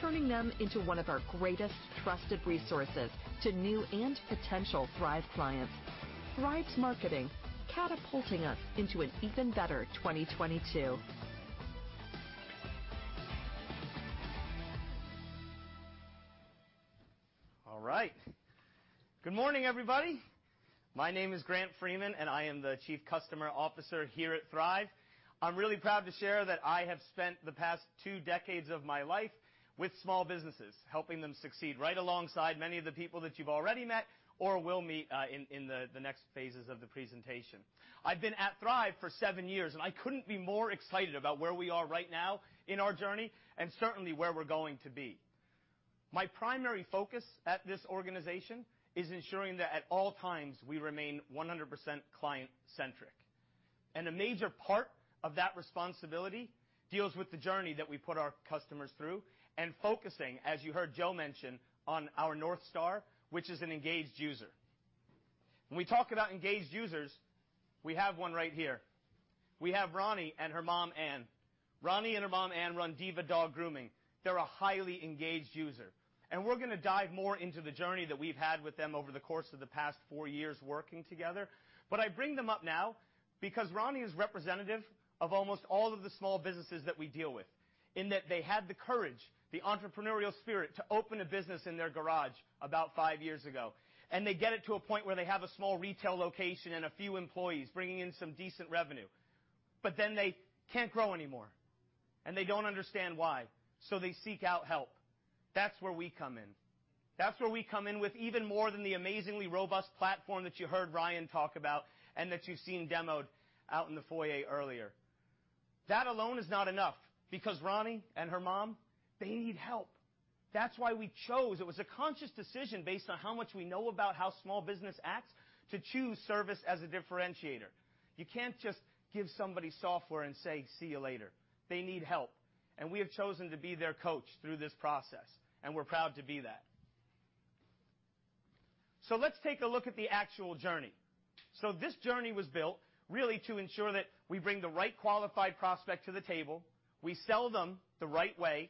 turning them into one of our greatest trusted resources to new and potential Thryv clients. Thryv's marketing, catapulting us into an even better 2022. All right. Good morning, everybody. My name is Grant Freeman, and I am the Chief Customer Officer here at Thryv. I'm really proud to share that I have spent the past two decades of my life with small businesses, helping them succeed right alongside many of the people that you've already met or will meet in the next phases of the presentation. I've been at Thryv for seven years, and I couldn't be more excited about where we are right now in our journey and certainly where we're going to be. My primary focus at this organization is ensuring that at all times we remain 100% client-centric. A major part of that responsibility deals with the journey that we put our customers through and focusing, as you heard Joe mention, on our North Star, which is an engaged user. When we talk about engaged users, we have one right here. We have Ronnie and her mom, Anne. Ronnie and her mom Anne run Diva Dog Grooming. They're a highly engaged user, and we're gonna dive more into the journey that we've had with them over the course of the past four years working together. I bring them up now because Ronnie is representative of almost all of the small businesses that we deal with, in that they had the courage, the entrepreneurial spirit, to open a business in their garage about five years ago. They get it to a point where they have a small retail location and a few employees bringing in some decent revenue, but then they can't grow anymore, and they don't understand why. They seek out help. That's where we come in. That's where we come in with even more than the amazingly robust platform that you heard Ryan talk about and that you've seen demoed out in the foyer earlier. That alone is not enough because Ronnie and her mom, they need help. That's why we chose. It was a conscious decision based on how much we know about how small business acts to choose service as a differentiator. You can't just give somebody software and say, "See you later." They need help, and we have chosen to be their coach through this process, and we're proud to be that. Let's take a look at the actual journey. This journey was built really to ensure that we bring the right qualified prospect to the table, we sell them the right way,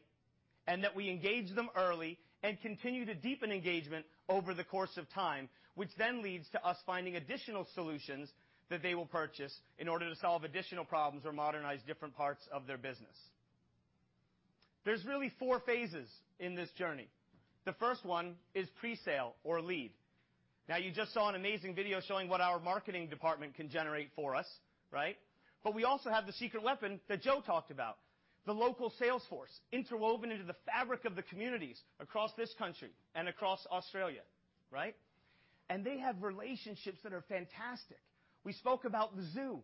and that we engage them early and continue to deepen engagement over the course of time, which then leads to us finding additional solutions that they will purchase in order to solve additional problems or modernize different parts of their business. There's really four phases in this journey. The first one is presale or lead. Now, you just saw an amazing video showing what our marketing department can generate for us, right? But we also have the secret weapon that Joe talked about, the local sales force interwoven into the fabric of the communities across this country and across Australia, right? They have relationships that are fantastic. We spoke about the zoo.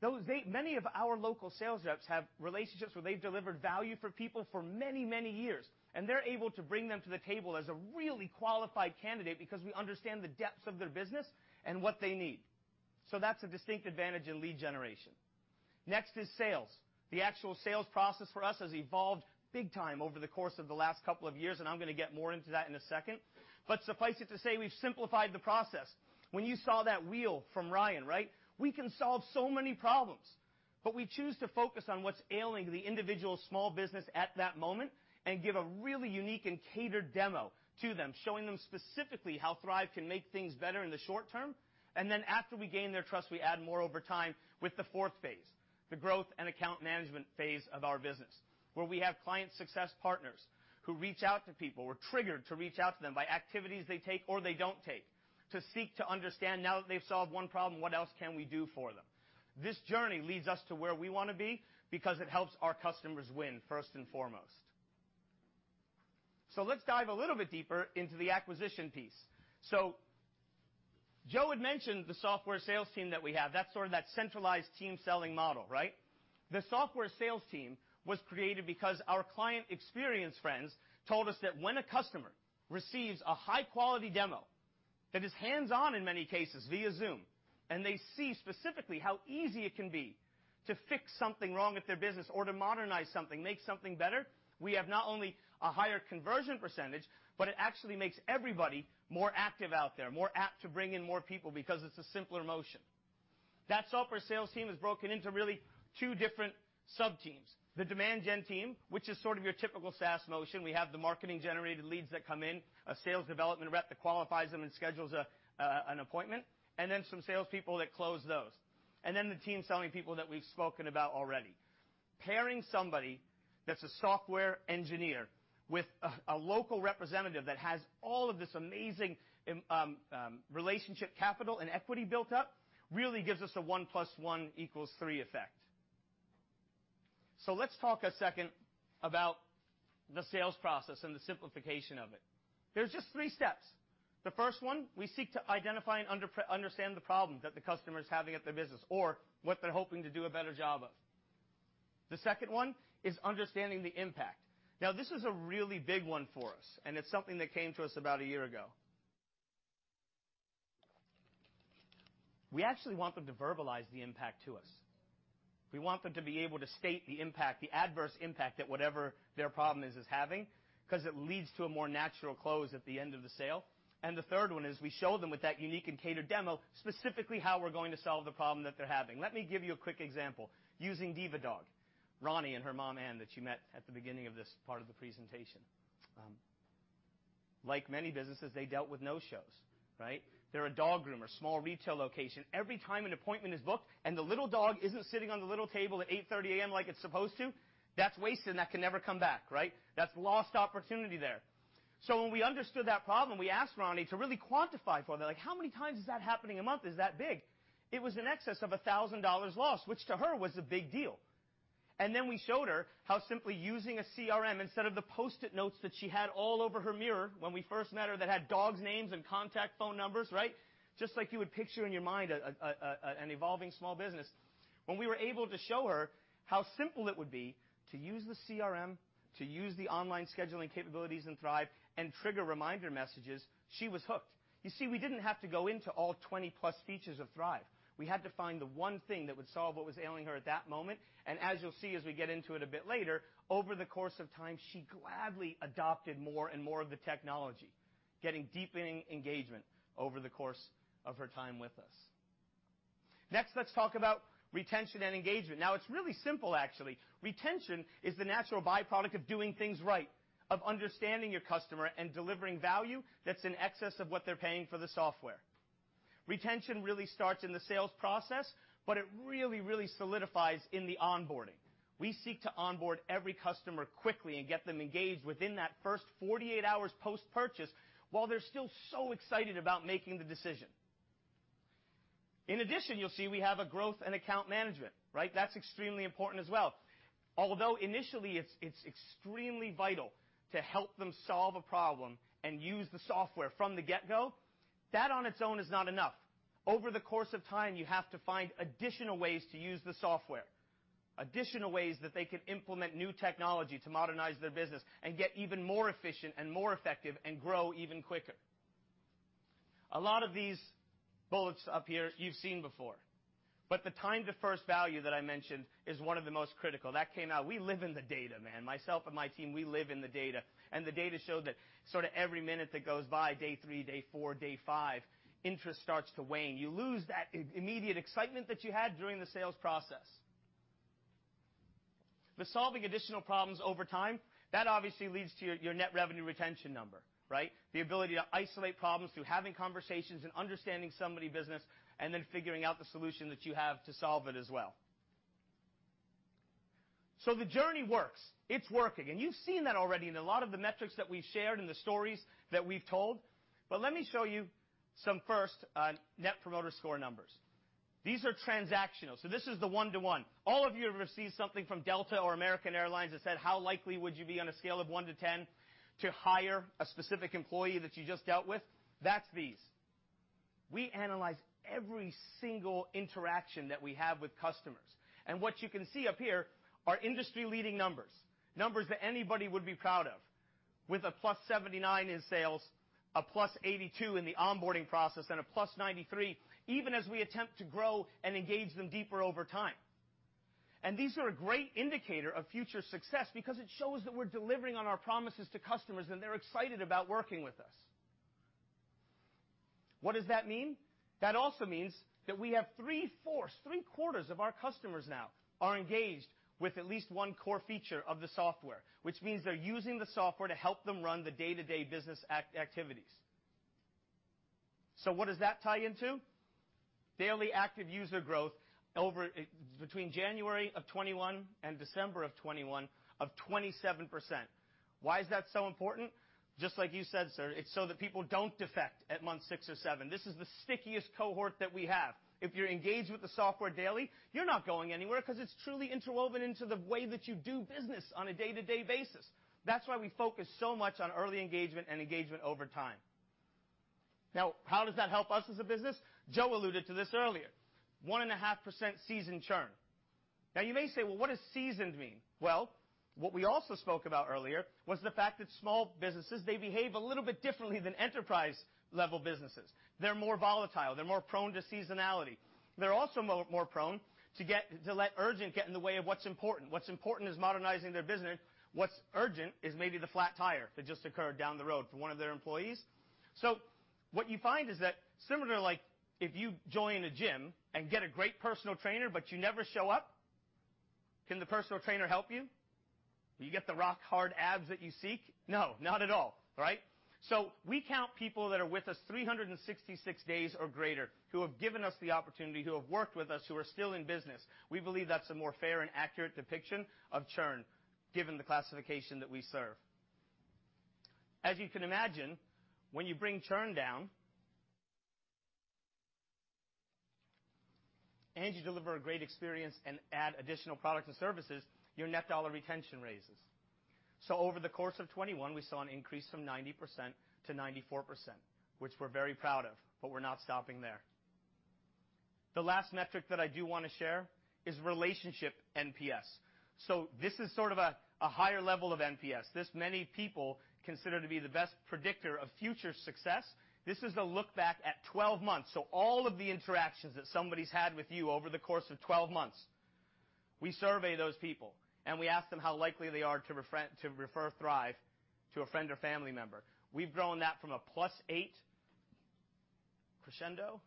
Many of our local sales reps have relationships where they've delivered value for people for many, many years, and they're able to bring them to the table as a really qualified candidate because we understand the depths of their business and what they need. That's a distinct advantage in lead generation. Next is sales. The actual sales process for us has evolved big time over the course of the last couple of years, and I'm gonna get more into that in a second. Suffice it to say, we've simplified the process. When you saw that wheel from Ryan, right, we can solve so many problems, but we choose to focus on what's ailing the individual small business at that moment and give a really unique and catered demo to them, showing them specifically how Thryv can make things better in the short term. Then after we gain their trust, we add more over time with the fourth phase, the growth and account management phase of our business, where we have client success partners who reach out to people. We're triggered to reach out to them by activities they take or they don't take to seek to understand now that they've solved one problem, what else can we do for them? This journey leads us to where we wanna be because it helps our customers win, first and foremost. Let's dive a little bit deeper into the acquisition piece. Joe had mentioned the software sales team that we have. That's sort of that centralized team selling model, right? The software sales team was created because our client experience friends told us that when a customer receives a high-quality demo that is hands-on in many cases via Zoom, and they see specifically how easy it can be to fix something wrong with their business or to modernize something, make something better, we have not only a higher conversion percentage, but it actually makes everybody more active out there, more apt to bring in more people because it's a simpler motion. That software sales team is broken into really two different sub-teams. The demand gen team, which is sort of your typical SaaS motion. We have the marketing-generated leads that come in, a sales development rep that qualifies them and schedules an appointment, and then some salespeople that close those. The team selling people that we've spoken about already. Pairing somebody that's a software engineer with a local representative that has all of this amazing relationship capital and equity built up really gives us a 1 + 1 = 3 effect. Let's talk a second about the sales process and the simplification of it. There's just 3 steps. The first one, we seek to identify and understand the problem that the customer is having at their business or what they're hoping to do a better job of. The second one is understanding the impact. Now, this is a really big one for us, and it's something that came to us about a year ago. We actually want them to verbalize the impact to us. We want them to be able to state the impact, the adverse impact that whatever their problem is having, 'cause it leads to a more natural close at the end of the sale. The third one is we show them with that unique and catered demo, specifically how we're going to solve the problem that they're having. Let me give you a quick example using Diva Dog. Ronnie and her mom, Anne, that you met at the beginning of this part of the presentation. Like many businesses, they dealt with no-shows, right? They're a dog groomer, small retail location. Every time an appointment is booked and the little dog isn't sitting on the little table at 8:30 A.M. like it's supposed to, that's wasted, and that can never come back, right? That's lost opportunity there. When we understood that problem, we asked Ronnie to really quantify for them, like, how many times is that happening a month? Is that big? It was in excess of $1,000 lost, which to her was a big deal. We showed her how simply using a CRM instead of the Post-it notes that she had all over her mirror when we first met her that had dogs' names and contact phone numbers, right? Just like you would picture in your mind an evolving small business. When we were able to show her how simple it would be to use the CRM, to use the online scheduling capabilities in Thryv, and trigger reminder messages, she was hooked. You see, we didn't have to go into all 20+ features of Thryv. We had to find the one thing that would solve what was ailing her at that moment. As you'll see, as we get into it a bit later, over the course of time, she gladly adopted more and more of the technology, getting deepening engagement over the course of her time with us. Next, let's talk about retention and engagement. Now, it's really simple, actually. Retention is the natural byproduct of doing things right, of understanding your customer and delivering value that's in excess of what they're paying for the software. Retention really starts in the sales process, but it really, really solidifies in the onboarding. We seek to onboard every customer quickly and get them engaged within that first 48 hours post-purchase while they're still so excited about making the decision. In addition, you'll see we have a growth and account management, right? That's extremely important as well. Although initially, it's extremely vital to help them solve a problem and use the software from the get-go, that on its own is not enough. Over the course of time, you have to find additional ways to use the software, additional ways that they can implement new technology to modernize their business and get even more efficient and more effective and grow even quicker. A lot of these bullets up here you've seen before, but the time to first value that I mentioned is one of the most critical. That came out. We live in the data, man. Myself and my team, we live in the data, and the data showed that sorta every minute that goes by, day three, day four, day five, interest starts to wane. You lose that immediate excitement that you had during the sales process. Solving additional problems over time, that obviously leads to your net revenue retention number, right? The ability to isolate problems through having conversations and understanding somebody's business, and then figuring out the solution that you have to solve it as well. The journey works. It's working. You've seen that already in a lot of the metrics that we've shared and the stories that we've told. Let me show you some first net promoter score numbers. These are transactional, so this is the one-to-one. All of you have received something from Delta Air Lines or American Airlines that said, "How likely would you be on a scale of 1 to 10 to hire a specific employee that you just dealt with?" That's these. We analyze every single interaction that we have with customers, and what you can see up here are industry-leading numbers that anybody would be proud of, with a +79 in sales, a +82 in the onboarding process, and a +93, even as we attempt to grow and engage them deeper over time. These are a great indicator of future success because it shows that we're delivering on our promises to customers, and they're excited about working with us. What does that mean? That also means that we have three fourths, three-quarters of our customers now are engaged with at least one core feature of the software, which means they're using the software to help them run the day-to-day business activities. What does that tie into? Daily active user growth over between January of 2021 and December of 2021 of 27%. Why is that so important? Just like you said, sir, it's so that people don't defect at month six to seven. This is the stickiest cohort that we have. If you're engaged with the software daily, you're not going anywhere 'cause it's truly interwoven into the way that you do business on a day-to-day basis. That's why we focus so much on early engagement and engagement over time. Now, how does that help us as a business? Joe alluded to this earlier. 1.5% seasoned churn. Now, you may say, "Well, what does seasoned mean?" Well, what we also spoke about earlier was the fact that small businesses, they behave a little bit differently than enterprise-level businesses. They're more volatile. They're more prone to seasonality. They're also more prone to let urgent get in the way of what's important. What's important is modernizing their business. What's urgent is maybe the flat tire that just occurred down the road for one of their employees. What you find is that similar to, like, if you join a gym and get a great personal trainer, but you never show up? Can the personal trainer help you? Will you get the rock hard abs that you seek? No, not at all, right? We count people that are with us 366 days or greater, who have given us the opportunity, who have worked with us, who are still in business. We believe that's a more fair and accurate depiction of churn, given the classification that we serve. As you can imagine, when you bring churn down and you deliver a great experience and add additional products and services, your net dollar retention raises. Over the course of 2021, we saw an increase from 90% to 94%, which we're very proud of, but we're not stopping there. The last metric that I do wanna share is relationship NPS. This is sort of a higher level of NPS. This, many people consider to be the best predictor of future success. This is the look back at 12 months. All of the interactions that somebody's had with you over the course of 12 months, we survey those people, and we ask them how likely they are to refer Thryv to a friend or family member. We've grown that from a +8 in 2020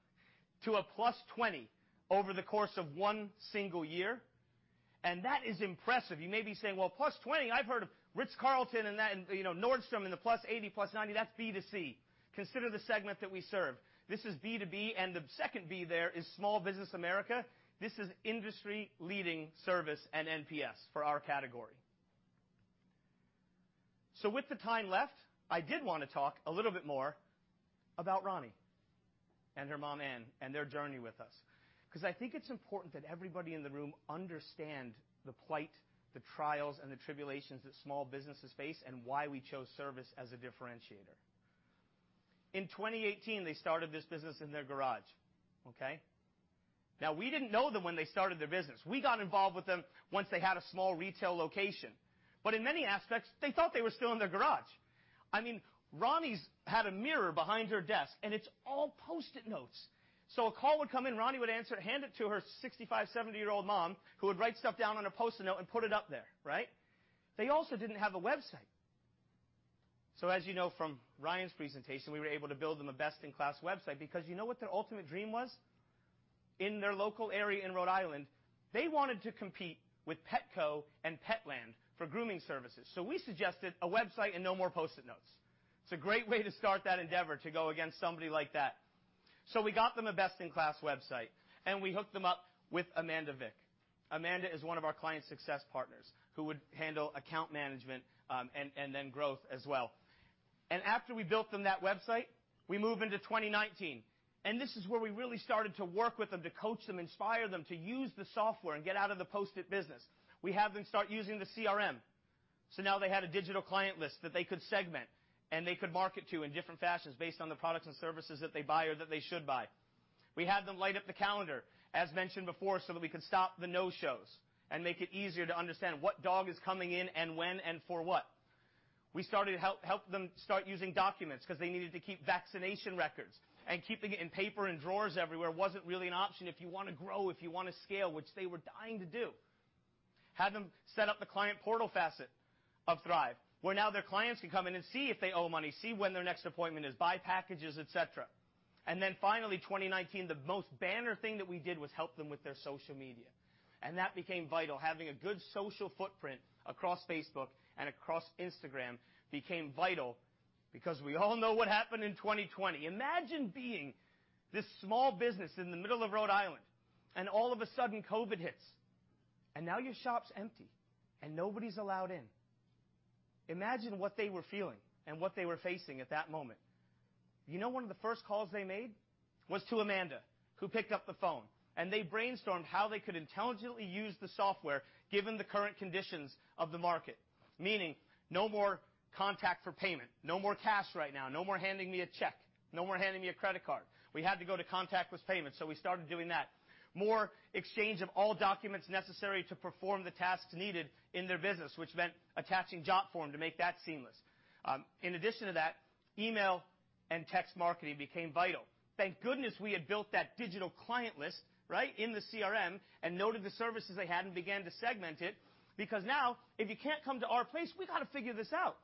to a +20 over the course of one single year, and that is impressive. You may be saying, "Well, +20? I've heard of Ritz-Carlton and that and, you know, Nordstrom and the +80, +90. That's B to C. Consider the segment that we serve. This is B to B, and the second B there is small business America. This is industry-leading service and NPS for our category. With the time left, I did wanna talk a little bit more about Ronnie and her mom, Anne, and their journey with us, 'cause I think it's important that everybody in the room understand the plight, the trials, and the tribulations that small businesses face and why we chose service as a differentiator. In 2018, they started this business in their garage, okay? Now, we didn't know them when they started their business. We got involved with them once they had a small retail location. But in many aspects, they thought they were still in their garage. I mean, Ronnie's had a mirror behind her desk, and it's all Post-it notes. A call would come in, Ronnie would answer it, hand it to her 65-, 70-year-old mom, who would write stuff down on a Post-it note and put it up there, right? They also didn't have a website. As you know from Ryan's presentation, we were able to build them a best-in-class website, because you know what their ultimate dream was? In their local area in Rhode Island, they wanted to compete with Petco and Petland for grooming services. We suggested a website and no more Post-it notes. It's a great way to start that endeavor to go against somebody like that. We got them a best-in-class website, and we hooked them up with Amanda Vick. Amanda is one of our client success partners who would handle account management, and then growth as well. After we built them that website, we move into 2019, and this is where we really started to work with them, to coach them, inspire them to use the software and get out of the Post-it business. We have them start using the CRM, so now they had a digital client list that they could segment and they could market to in different fashions based on the products and services that they buy or that they should buy. We had them light up the calendar, as mentioned before, so that we could stop the no-shows and make it easier to understand what dog is coming in and when and for what. We started to help them start using documents because they needed to keep vaccination records and keeping it in paper and drawers everywhere wasn't really an option if you wanna grow, if you wanna scale, which they were dying to do. Had them set up the client portal facet of Thryv, where now their clients can come in and see if they owe money, see when their next appointment is, buy packages, et cetera. Then finally, 2019, the most banner thing that we did was help them with their social media, and that became vital. Having a good social footprint across Facebook and across Instagram became vital because we all know what happened in 2020. Imagine being this small business in the middle of Rhode Island and all of a sudden COVID hits, and now your shop's empty and nobody's allowed in. Imagine what they were feeling and what they were facing at that moment. You know, one of the first calls they made was to Amanda, who picked up the phone, and they brainstormed how they could intelligently use the software given the current conditions of the market. Meaning no more contact for payment, no more cash right now, no more handing me a check, no more handing me a credit card. We had to go to contactless payment, so we started doing that. More exchange of all documents necessary to perform the tasks needed in their business, which meant attaching Jotform to make that seamless. In addition to that, email and text marketing became vital. Thank goodness we had built that digital client list, right, in the CRM and noted the services they had and began to segment it, because now if you can't come to our place, we got to figure this out.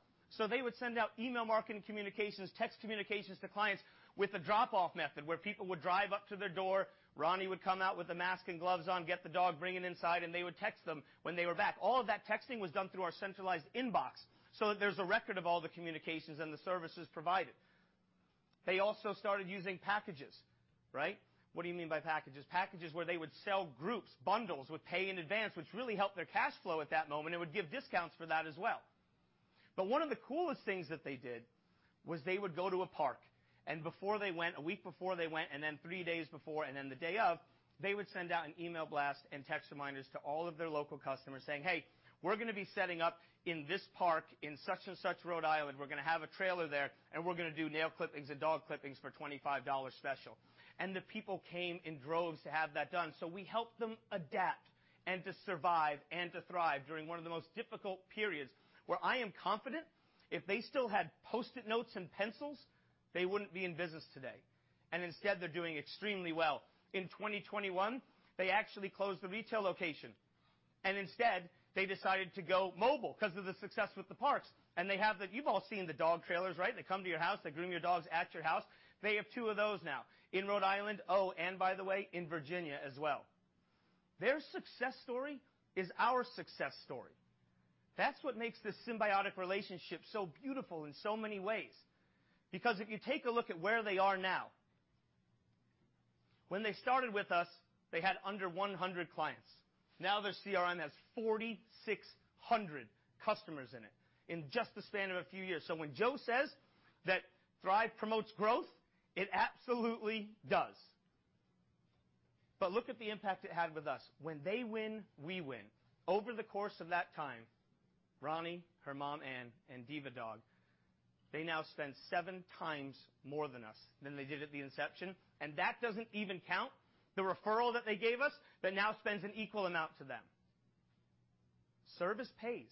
They would send out email marketing communications, text communications to clients with a drop-off method where people would drive up to their door, Ronnie would come out with a mask and gloves on, get the dog, bring it inside, and they would text them when they were back. All of that texting was done through our centralized inbox, so that there's a record of all the communications and the services provided. They also started using packages, right? What do you mean by packages? Packages where they would sell groups, bundles with pay in advance, which really helped their cash flow at that moment, and would give discounts for that as well. One of the coolest things that they did was they would go to a park, and before they went, a week before they went, and then three days before, and then the day of, they would send out an email blast and text reminders to all of their local customers saying, "Hey, we're gonna be setting up in this park in such and such Rhode Island. We're gonna have a trailer there, and we're gonna do nail clippings and dog clippings for $25 special." The people came in droves to have that done. We helped them adapt and to survive and to thrive during one of the most difficult periods, where I am confident if they still had Post-it notes and pencils, they wouldn't be in business today. Instead, they're doing extremely well. In 2021, they actually closed the retail location. They decided to go mobile 'cause of the success with the parks, and they have the dog trailers you've all seen, right? They come to your house. They groom your dogs at your house. They have two of those now in Rhode Island. Oh, and by the way, in Virginia as well. Their success story is our success story. That's what makes this symbiotic relationship so beautiful in so many ways. Because if you take a look at where they are now, when they started with us, they had under 100 clients. Now their CRM has 4,600 customers in it in just the span of a few years. When Joe says that Thryv promotes growth, it absolutely does. Look at the impact it had with us. When they win, we win. Over the course of that time, Ronnie, her mom, Anne, and Diva Dog, they now spend 7 times more than us than they did at the inception, and that doesn't even count the referral that they gave us that now spends an equal amount to them. Service pays.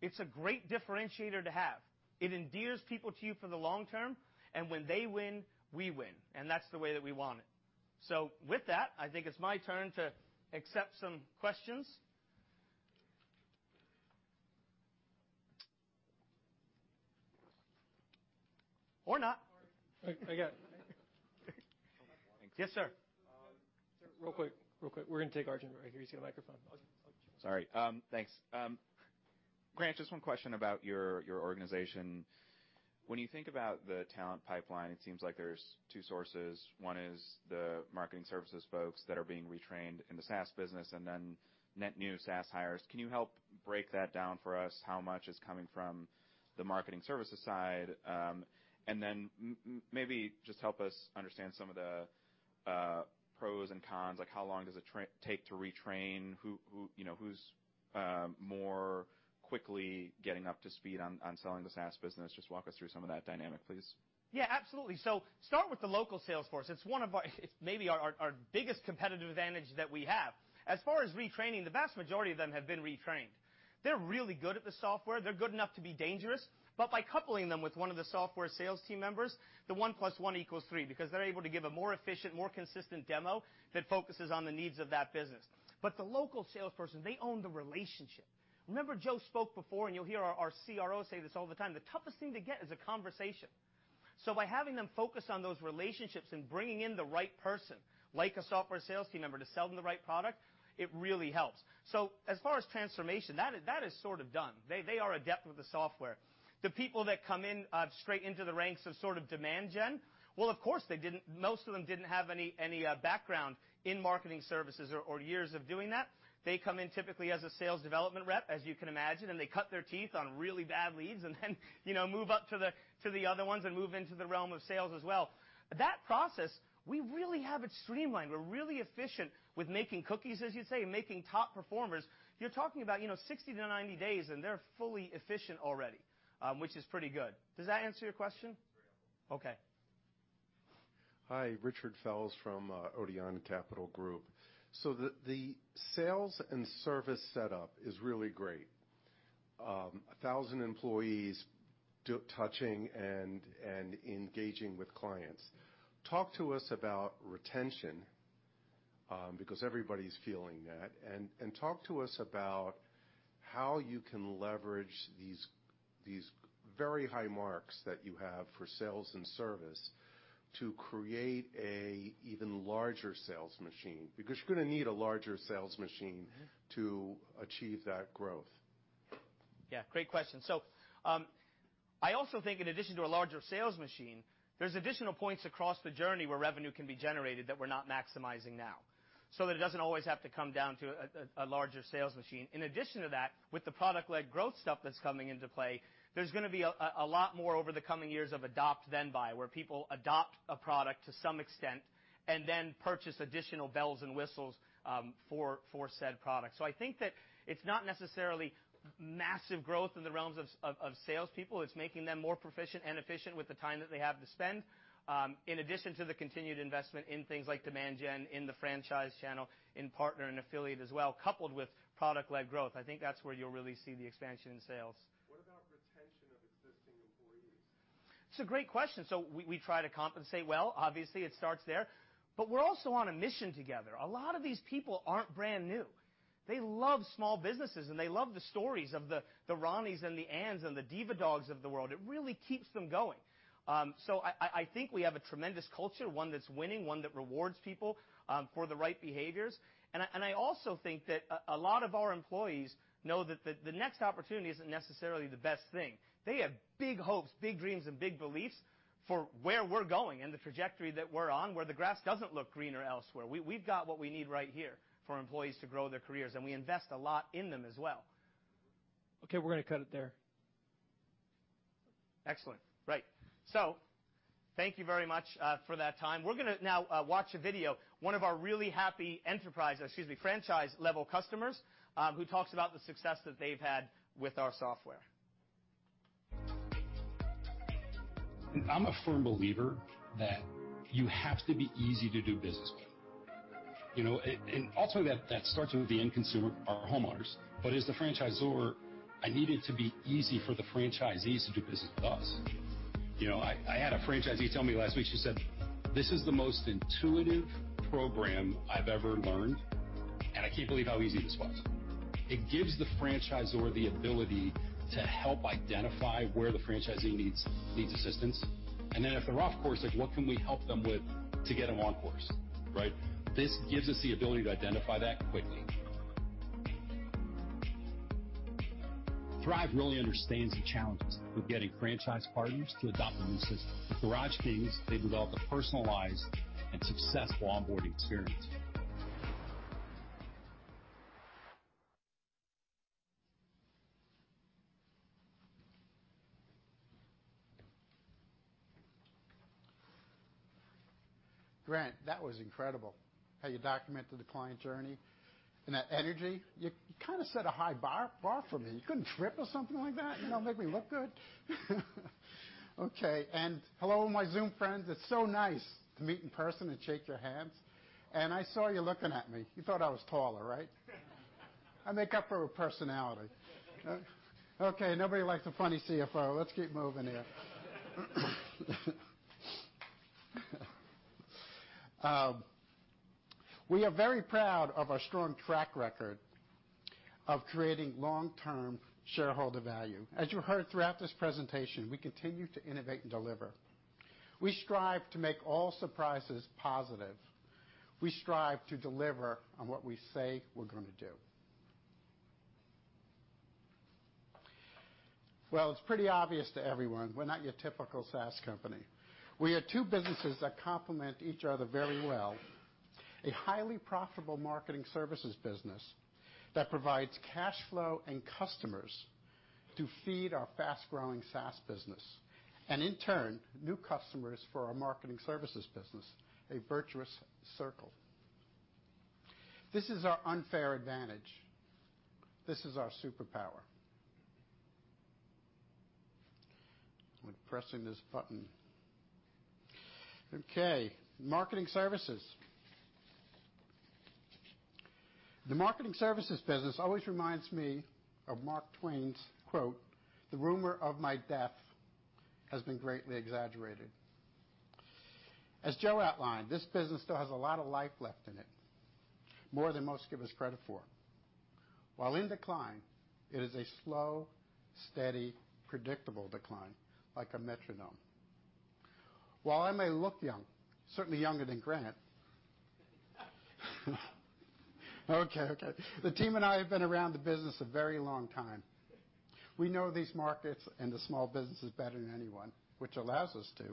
It's a great differentiator to have. It endears people to you for the long term, and when they win, we win, and that's the way that we want it. With that, I think it's my turn to accept some questions. Or not. Sorry. Yes, sir. Real quick. We're gonna take Arjun right here. You see the microphone. Sorry. Thanks. Grant, just one question about your organization. When you think about the talent pipeline, it seems like there's two sources. One is the marketing services folks that are being retrained in the SaaS business and then net new SaaS hires. Can you help break that down for us how much is coming from the marketing services side? Maybe just help us understand some of the pros and cons, like how long does it take to retrain? Who, you know, who's more quickly getting up to speed on selling the SaaS business? Just walk us through some of that dynamic, please. Yeah, absolutely. Start with the local sales force. It's one of our. It's maybe our biggest competitive advantage that we have. As far as retraining, the vast majority of them have been retrained. They're really good at the software. They're good enough to be dangerous. But by coupling them with one of the software sales team members, the one plus one equals three, because they're able to give a more efficient, more consistent demo that focuses on the needs of that business. But the local salesperson, they own the relationship. Remember, Joe spoke before, and you'll hear our CRO say this all the time, the toughest thing to get is a conversation. By having them focus on those relationships and bringing in the right person, like a software sales team member to sell them the right product, it really helps. As far as transformation, that is sort of done. They are adept with the software. The people that come in straight into the ranks of sort of demand gen. Most of them didn't have any background in marketing services or years of doing that. They come in typically as a sales development rep, as you can imagine, and they cut their teeth on really bad leads and then move up to the other ones and move into the realm of sales as well. That process, we really have it streamlined. We're really efficient with making cookies, as you'd say, making top performers. You're talking about 60-90 days, and they're fully efficient already, which is pretty good. Does that answer your question? Very helpful. Okay. Hi, Richard Fels from Odeon Capital Group. The sales and service setup is really great, 1,000 employees touching and engaging with clients. Talk to us about retention, because everybody's feeling that. Talk to us about how you can leverage these very high marks that you have for sales and service to create an even larger sales machine, because you're gonna need a larger sales machine. Mm-hmm. to achieve that growth. Yeah, great question. I also think in addition to a larger sales machine, there's additional points across the journey where revenue can be generated that we're not maximizing now, so that it doesn't always have to come down to a larger sales machine. In addition to that, with the product-led growth stuff that's coming into play, there's gonna be a lot more over the coming years of adopt then buy, where people adopt a product to some extent and then purchase additional bells and whistles for said product. I think that it's not necessarily massive growth in the realms of salespeople. It's making them more proficient and efficient with the time that they have to spend. In addition to the continued investment in things like demand gen, in the franchise channel, in partner and affiliate as well, coupled with product-led growth. I think that's where you'll really see the expansion in sales. What about retention of existing employees? It's a great question. We try to compensate well. Obviously, it starts there. We're also on a mission together. A lot of these people aren't brand new. They love small businesses, and they love the stories of the Ronnies and the Annes and the Diva Dogs of the world. It really keeps them going. I think we have a tremendous culture, one that's winning, one that rewards people for the right behaviors. I also think that a lot of our employees know that the next opportunity isn't necessarily the best thing. They have big hopes, big dreams, and big beliefs for where we're going and the trajectory that we're on, where the grass doesn't look greener elsewhere. We've got what we need right here for employees to grow their careers, and we invest a lot in them as well. Okay, we're gonna cut it there. Excellent. Right. Thank you very much for that time. We're gonna now watch a video, one of our really happy enterprise, excuse me, franchise-level customers, who talks about the success that they've had with our software. I'm a firm believer that you have to be easy to do business with. You know, and ultimately, that starts with the end consumer, our homeowners. As the franchisor, I need it to be easy for the franchisees to do business with us. You know, I had a franchisee tell me last week, she said, "This is the most intuitive program I've ever learned, and I can't believe how easy this was." It gives the franchisor the ability to help identify where the franchisee needs assistance. Then if they're off course, like, what can we help them with to get them on course, right? This gives us the ability to identify that quickly. Thryv really understands the challenges of getting franchise partners to adopt a new system. With Garage Kings, they developed a personalized and successful onboarding experience. Grant, that was incredible how you documented the client journey and that energy. You kind of set a high bar for me. You couldn't trip or something like that, you know, make me look good? Okay, hello, my Zoom friends. It's so nice to meet in person and shake your hands. I saw you looking at me. You thought I was taller, right? I make up for it with personality. Okay, nobody likes a funny CFO. Let's keep moving here. We are very proud of our strong track record of creating long-term shareholder value. As you heard throughout this presentation, we continue to innovate and deliver. We strive to make all surprises positive. We strive to deliver on what we say we're gonna do. Well, it's pretty obvious to everyone, we're not your typical SaaS company. We are two businesses that complement each other very well. A highly profitable marketing services business that provides cash flow and customers to feed our fast-growing SaaS business, and in turn, new customers for our marketing services business, a virtuous circle. This is our unfair advantage. This is our superpower. I'm pressing this button. Okay. Marketing services. The marketing services business always reminds me of Mark Twain's quote, "The rumor of my death has been greatly exaggerated." As Joe outlined, this business still has a lot of life left in it, more than most give us credit for. While in decline, it is a slow, steady, predictable decline like a metronome. While I may look young, certainly younger than Grant. Okay, okay. The team and I have been around the business a very long time. We know these markets and the small businesses better than anyone, which allows us to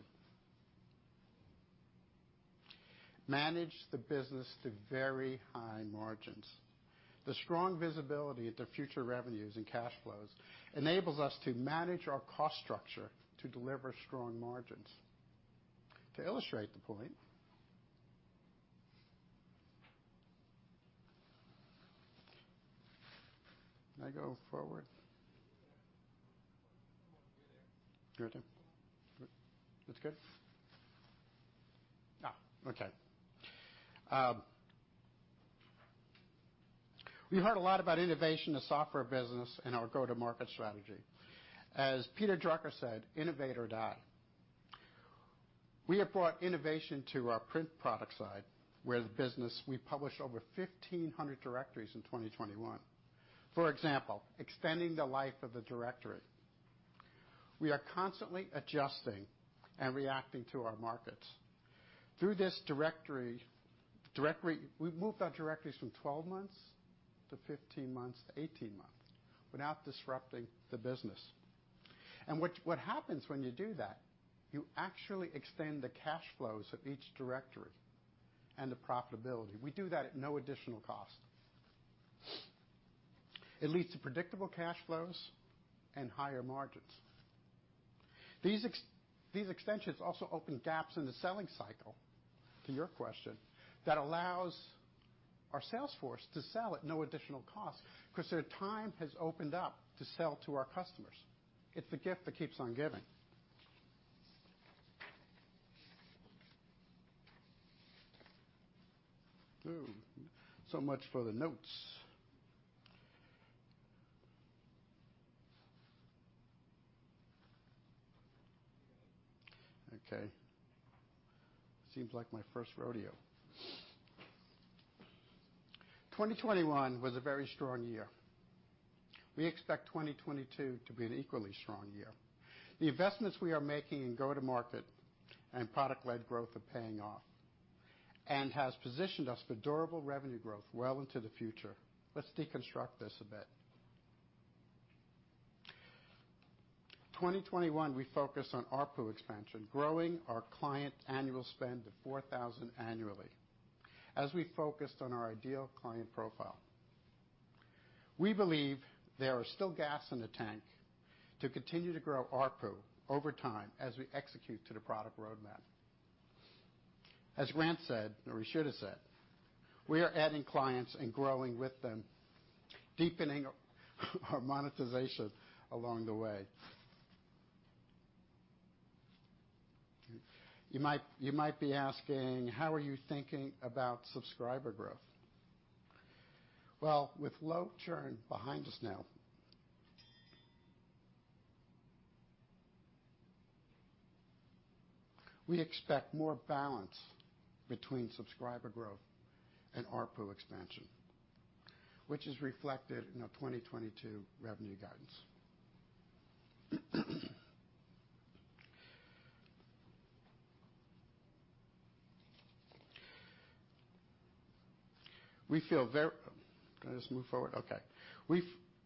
manage the business to very high margins. The strong visibility into future revenues and cash flows enables us to manage our cost structure to deliver strong margins. To illustrate the point. We heard a lot about innovation, the software business, and our go-to-market strategy. As Peter Drucker said, "Innovate or die." We have brought innovation to our print product side where the business, we published over 1,500 directories in 2021. For example, extending the life of the directory. We are constantly adjusting and reacting to our markets. Through this directory, we've moved our directories from 12 months to 15 months to 18 months without disrupting the business. What happens when you do that, you actually extend the cash flows of each directory and the profitability. We do that at no additional cost. It leads to predictable cash flows and higher margins. These extensions also open gaps in the selling cycle, to your question, that allows our sales force to sell at no additional cost 'cause their time has opened up to sell to our customers. It's the gift that keeps on giving. Oh. So much for the notes. Okay. Seems like my first rodeo. 2021 was a very strong year. We expect 2022 to be an equally strong year. The investments we are making in go-to-market and product-led growth are paying off and has positioned us for durable revenue growth well into the future. Let's deconstruct this a bit. 2021, we focused on ARPU expansion, growing our client annual spend to $4,000 annually as we focused on our ideal client profile. We believe there are still gas in the tank to continue to grow ARPU over time as we execute to the product roadmap. As Grant said, or Rashida said, we are adding clients and growing with them, deepening our monetization along the way. You might be asking, "How are you thinking about subscriber growth?" Well, with low churn behind us now, we expect more balance between subscriber growth and ARPU expansion, which is reflected in our 2022 revenue guidance. We feel. Can I just move forward? Okay.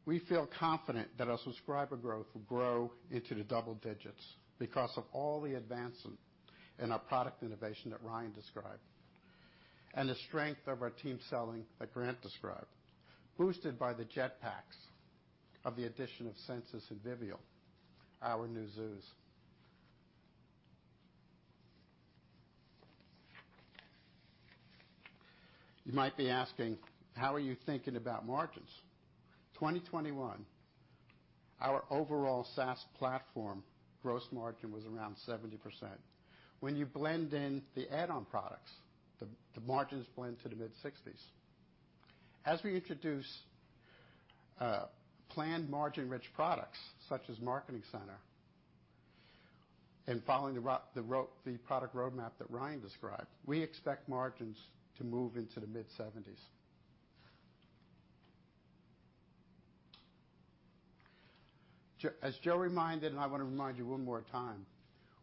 We feel confident that our subscriber growth will grow into the double digits because of all the advancement in our product innovation that Ryan described and the strength of our team selling that Grant described, boosted by the jet fuel of the addition of Sensis and Vivial, our new subs. You might be asking, how are you thinking about margins? In 2021, our overall SaaS platform gross margin was around 70%. When you blend in the add-on products, the margins blend to the mid-60s%. As we introduce planned margin-rich products, such as Marketing Center, and following the product roadmap that Ryan described, we expect margins to move into the mid-70s%. As Joe reminded, and I wanna remind you one more time,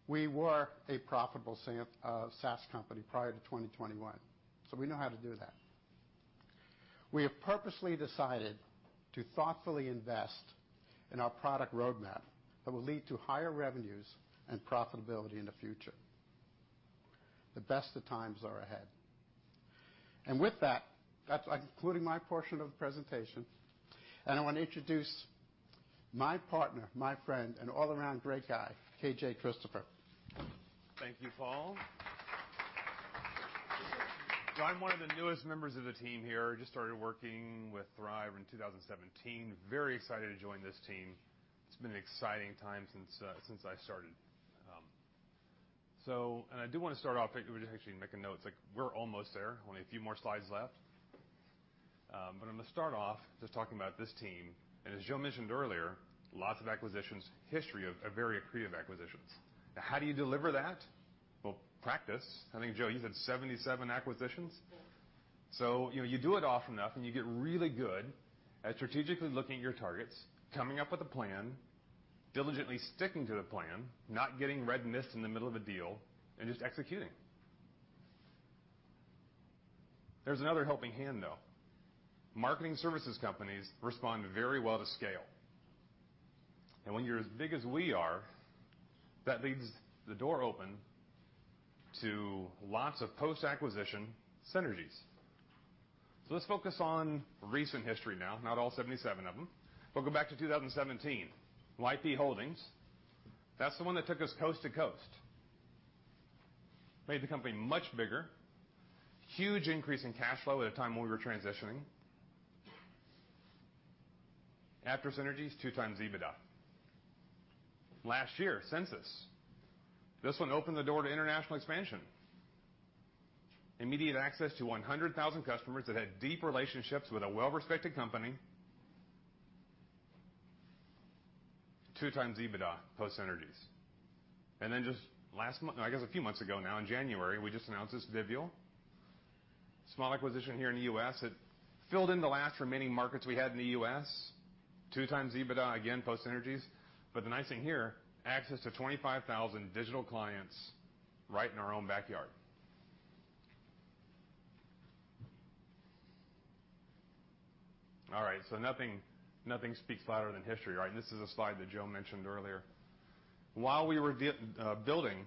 we were a profitable SaaS company prior to 2021, so we know how to do that. We have purposely decided to thoughtfully invest in our product roadmap that will lead to higher revenues and profitability in the future. The best of times are ahead. With that's. I'm concluding my portion of the presentation, and I wanna introduce my partner, my friend, and all around great guy, KJ Christopher. Thank you, Paul. I'm one of the newest members of the team here. Just started working with Thryv in 2017. Very excited to join this team. It's been an exciting time since I started. I do wanna start off by just actually making a note. It's like we're almost there, only a few more slides left. I'm gonna start off just talking about this team. As Joe mentioned earlier, lots of acquisitions, history of very accretive acquisitions. Now, how do you deliver that? Well, practice. I think, Joe, you said 77 acquisitions. You know, you do it often enough, and you get really good at strategically looking at your targets, coming up with a plan, diligently sticking to the plan, not getting red mist in the middle of a deal, and just executing. There's another helping hand, though. Marketing services companies respond very well to scale. When you're as big as we are, that leaves the door open to lots of post-acquisition synergies. Let's focus on recent history now, not all 77 of them. Go back to 2017, YP Holdings. That's the one that took us coast to coast, made the company much bigger. Huge increase in cash flow at a time when we were transitioning. After synergies, 2x EBITDA. Last year, Sensis. This one opened the door to international expansion. Immediate access to 100,000 customers that had deep relationships with a well-respected company. 2x EBITDA post synergies. Just last month, I guess a few months ago now in January, we just announced this Vivial. Small acquisition here in the U.S. It filled in the last remaining markets we had in the U.S. 2x EBITDA, again, post synergies. The nice thing here, access to 25,000 digital clients right in our own backyard. All right, nothing speaks louder than history, right? This is a slide that Joe mentioned earlier. While we were building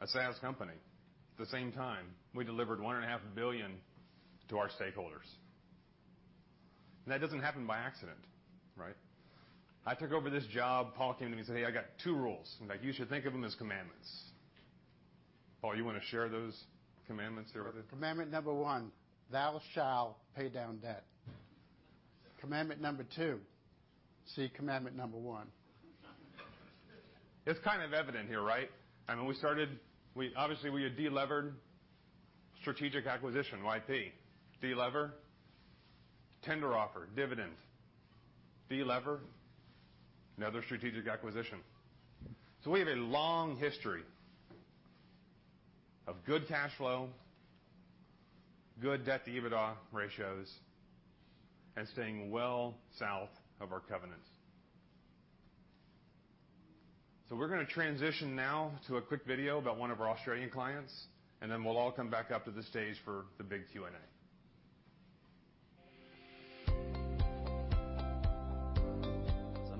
a SaaS company, at the same time, we delivered $1.5 billion to our stakeholders. That doesn't happen by accident, right? I took over this job. Paul came to me and said, "Hey, I got two rules. In fact, you should think of them as commandments. Paul, you wanna share those commandments here with everyone? Commandment number one, thou shall pay down debt. Commandment number two, see commandment number one. It's kind of evident here, right? I mean, obviously, we had de-levered strategic acquisition, YP. De-lever, tender offer, dividends. De-lever, another strategic acquisition. We have a long history of good cash flow, good debt-to-EBITDA ratios, and staying well south of our covenants. We're gonna transition now to a quick video about one of our Australian clients, and then we'll all come back up to the stage for the big Q&A.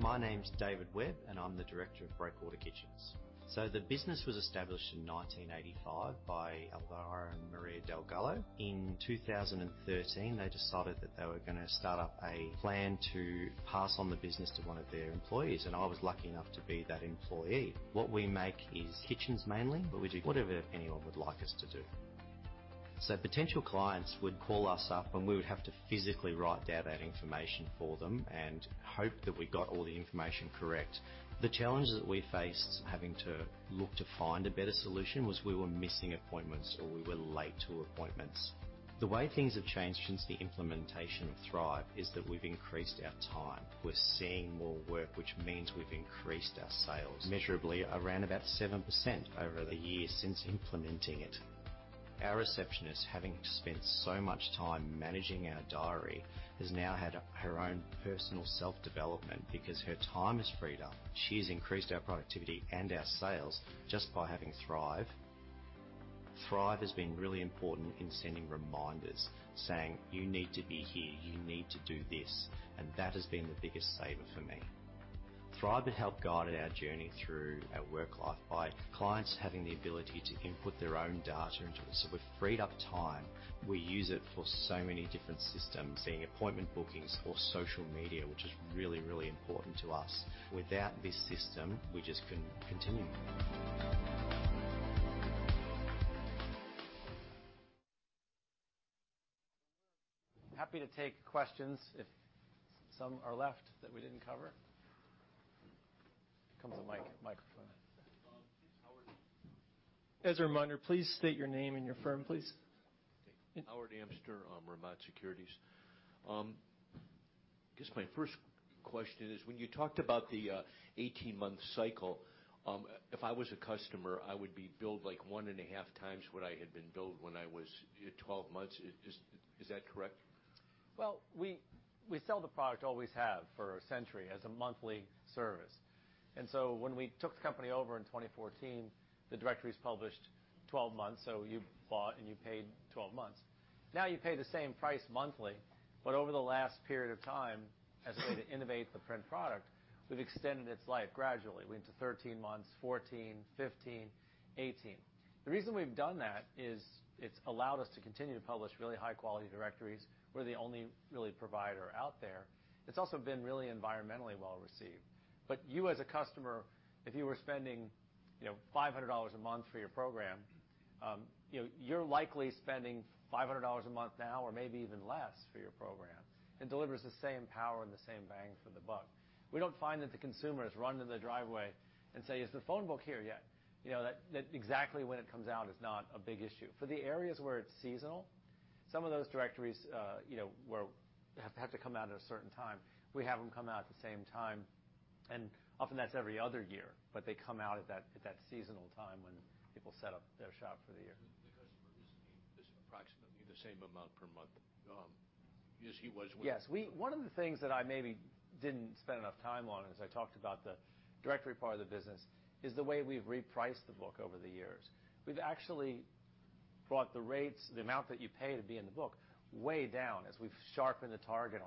My name's David Webb, and I'm the Director of Breakwater Kitchens. The business was established in 1985 by Alvaro and Maria Del Gullo. In 2013, they decided that they were gonna start up a plan to pass on the business to one of their employees, and I was lucky enough to be that employee. What we make is kitchens mainly, but we do whatever anyone would like us to do. Potential clients would call us up, and we would have to physically write down that information for them and hope that we got all the information correct. The challenges that we faced having to look to find a better solution was we were missing appointments or we were late to appointments. The way things have changed since the implementation of Thryv is that we've increased our time. We're seeing more work, which means we've increased our sales measurably around about 7% over the year since implementing it. Our receptionist, having to spend so much time managing our diary, has now had her own personal self-development because her time is freed up. She's increased our productivity and our sales just by having Thryv. Thryv has been really important in sending reminders saying, "You need to be here. You need to do this." That has been the biggest saver for me. Thryv had helped guided our journey through our work life by clients having the ability to input their own data into it, so we've freed up time. We use it for so many different systems, seeing appointment bookings or social media, which is really, really important to us. Without this system, we just couldn't continue. Happy to take questions if some are left that we didn't cover. Here comes the microphone. Howard. As a reminder, please state your name and your firm, please. Howard Amster, Ramat Securities. I guess my first question is when you talked about the eighteen-month cycle, if I was a customer, I would be billed like one and a half times what I had been billed when I was at twelve months. Is that correct? Well, we sell the product, always have, for a century as a monthly service. When we took the company over in 2014, the directory's published 12 months, so you bought and you paid 12 months. Now you pay the same price monthly, but over the last period of time, as we had to innovate the print product, we've extended its life gradually. We went to 13 months, 14, 15, 18. The reason we've done that is it's allowed us to continue to publish really high-quality directories. We're the only really provider out there. It's also been really environmentally well-received. You as a customer, if you were spending, you know, $500 a month for your program, you know, you're likely spending $500 a month now or maybe even less for your program. It delivers the same power and the same bang for the buck. We don't find that the consumers run to the driveway and say, "Is the phone book here yet?" You know that exactly when it comes out is not a big issue. For the areas where it's seasonal, some of those directories, you know, have to come out at a certain time. We have them come out at the same time, and often that's every other year, but they come out at that seasonal time when people set up their shop for the year. The customer is paying approximately the same amount per month, as he was when. Yes. One of the things that I maybe didn't spend enough time on as I talked about the directory part of the business is the way we've repriced the book over the years. We've actually brought the rates, the amount that you pay to be in the book way down as we've sharpened the target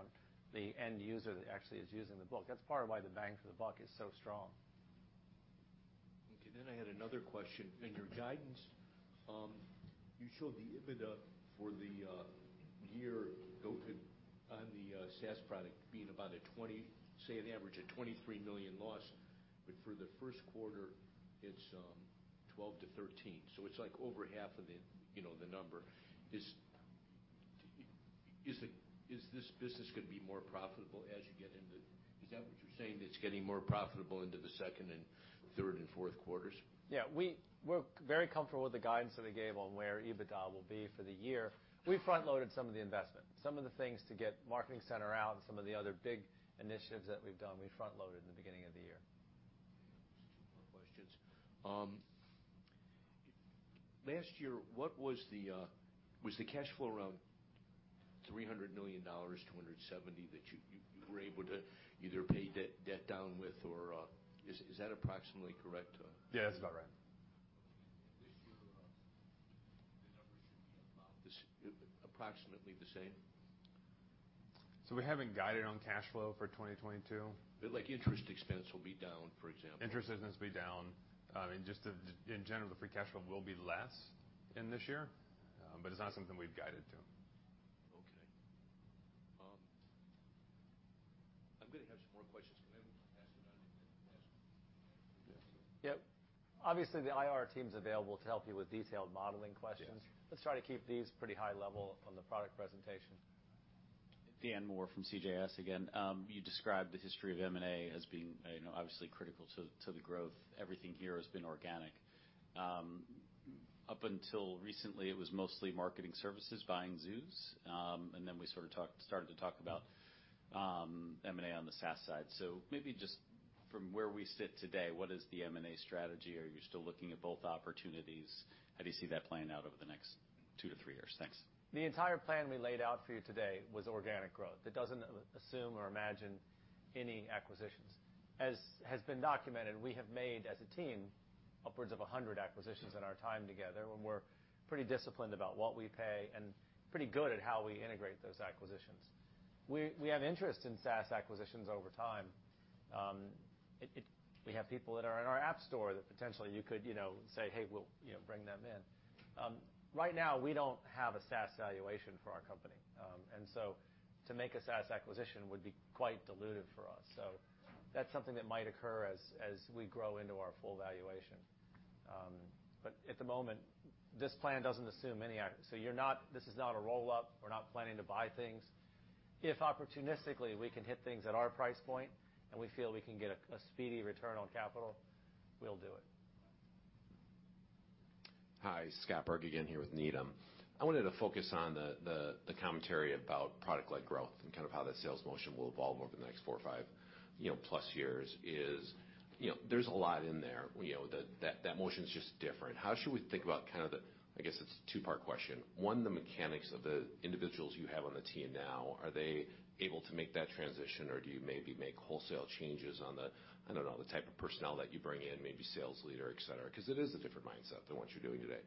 on the end user that actually is using the book. That's part of why the bang for the buck is so strong. Okay, I had another question. In your guidance, you showed the EBITDA for the year on the SaaS product being about $20, say an average of $23 million loss. But for the first quarter, it's $12-$13. It's like over half of the number. Is this business gonna be more profitable as you get into the second and third and fourth quarters? Is that what you're saying? Yeah. We're very comfortable with the guidance that we gave on where EBITDA will be for the year. We front loaded some of the investment. Some of the things to get Marketing Center out and some of the other big initiatives that we've done, we front loaded in the beginning of the year. Just two more questions. Last year, what was the cash flow around $300 million, $270 million that you were able to either pay debt down with? Is that approximately correct? Yeah, that's about right. This year, the numbers should be about approximately the same? We haven't guided on cash flow for 2022. like interest expense will be down, for example. Interest expense will be down. Just in general, the free cash flow will be less in this year. It's not something we've guided to. Okay. I'm gonna have some more questions. Can I ask another? Yes. Yep. Obviously, the IR team's available to help you with detailed modeling questions. Yeah. Let's try to keep these pretty high level on the product presentation. Dan Moore from CJS Securities again. You described the history of M&A as being, you know, obviously critical to the growth. Everything here has been organic. Up until recently, it was mostly marketing services buying Sensis, and then we sort of started to talk about M&A on the SaaS side. Maybe just from where we sit today, what is the M&A strategy? Are you still looking at both opportunities? How do you see that playing out over the next two to three years? Thanks. The entire plan we laid out for you today was organic growth. It doesn't assume or imagine any acquisitions. As has been documented, we have made, as a team, upwards of 100 acquisitions in our time together, and we're pretty disciplined about what we pay and pretty good at how we integrate those acquisitions. We have interest in SaaS acquisitions over time. We have people that are in our App Store that potentially you could, you know, say, "Hey, we'll, you know, bring them in." Right now we don't have a SaaS valuation for our company. To make a SaaS acquisition would be quite dilutive for us. That's something that might occur as we grow into our full valuation. At the moment, this plan doesn't assume any items. You're not, this is not a roll-up. We're not planning to buy things. If opportunistically, we can hit things at our price point, and we feel we can get a speedy return on capital, we'll do it. Hi, Scott Berg again here with Needham. I wanted to focus on the commentary about product-led growth and kind of how that sales motion will evolve over the next four or five, you know, plus years. You know, there's a lot in there. You know, that motion's just different. How should we think about kind of the... I guess it's a two-part question. One, the mechanics of the individuals you have on the team now, are they able to make that transition, or do you maybe make wholesale changes on the, I don't know, the type of personnel that you bring in, maybe sales leader, et cetera? Because it is a different mindset than what you're doing today.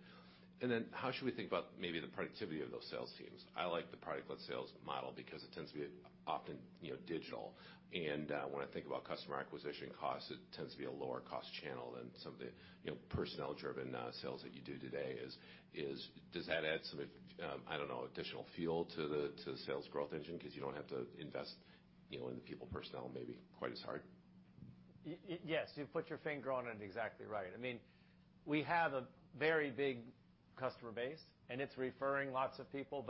How should we think about maybe the productivity of those sales teams? I like the product-led sales model because it tends to be often, you know, digital. When I think about customer acquisition costs, it tends to be a lower cost channel than some of the, you know, personnel-driven sales that you do today is. Does that add some, I don't know, additional fuel to the sales growth engine 'cause you don't have to invest, you know, in the people personnel maybe quite as hard? Yes. You've put your finger on it exactly right. I mean, we have a very big customer base, and it's referring lots of people.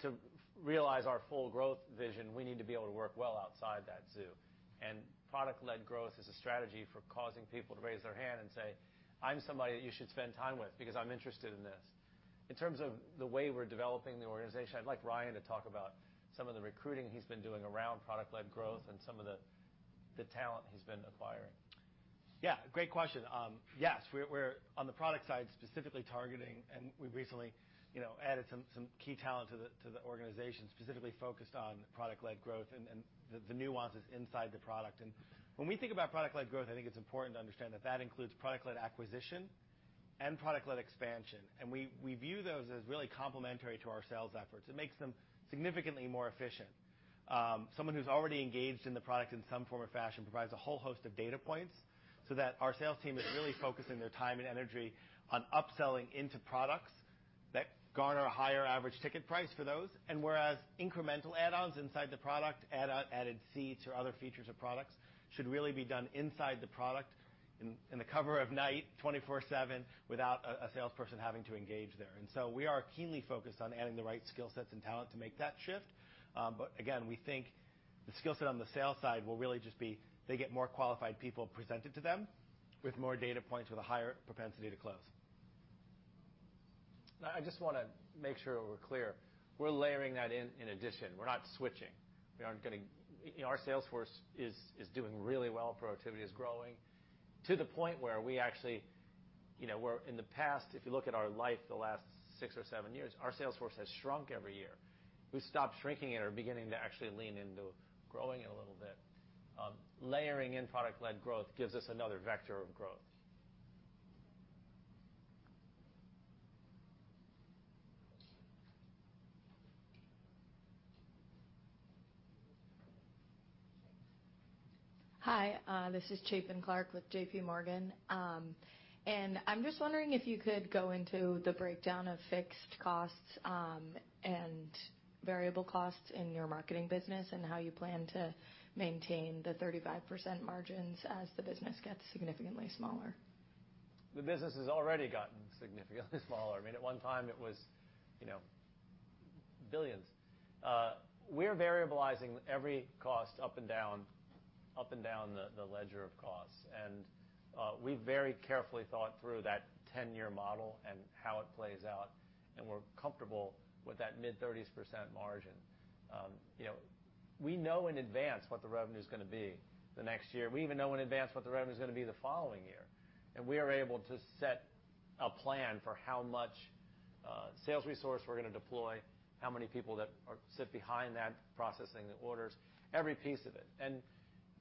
To realize our full growth vision, we need to be able to work well outside that zoo. Product-led growth is a strategy for causing people to raise their hand and say, "I'm somebody that you should spend time with because I'm interested in this." In terms of the way we're developing the organization, I'd like Ryan to talk about some of the recruiting he's been doing around product-led growth and some of the talent he's been acquiring. Yeah. Great question. Yes. We're on the product side, specifically targeting, and we recently, you know, added some key talent to the organization, specifically focused on product-led growth and the nuances inside the product. When we think about product-led growth, I think it's important to understand that includes product-led acquisition and product-led expansion. We view those as really complementary to our sales efforts. It makes them significantly more efficient. Someone who's already engaged in the product in some form or fashion provides a whole host of data points so that our sales team is really focusing their time and energy on upselling into products that garner a higher average ticket price for those. Whereas incremental add-ons inside the product add added seats or other features of products should really be done inside the product in the cover of night, 24/7 without a salesperson having to engage there. We are keenly focused on adding the right skill sets and talent to make that shift. Again, we think the skill set on the sales side will really just be they get more qualified people presented to them with more data points with a higher propensity to close. I just wanna make sure we're clear. We're layering that in in addition. We're not switching. We aren't gonna. You know, our sales force is doing really well. Productivity is growing to the point where we actually you know, where in the past, if you look at our life the last six or seven years, our sales force has shrunk every year. We've stopped shrinking it. We're beginning to actually lean into growing it a little bit. Layering in product-led growth gives us another vector of growth. Hi, this is Chapin Clark with J.P. Morgan. I'm just wondering if you could go into the breakdown of fixed costs, and variable costs in your marketing business and how you plan to maintain the 35% margins as the business gets significantly smaller. The business has already gotten significantly smaller. I mean, at one time it was, you know, billions. We're variabilizing every cost up and down the ledger of costs. We very carefully thought through that 10-year model and how it plays out, and we're comfortable with that mid-30s% margin. You know, we know in advance what the revenue's gonna be the next year. We even know in advance what the revenue's gonna be the following year, and we are able to set a plan for how much sales resource we're gonna deploy, how many people sit behind that processing the orders, every piece of it.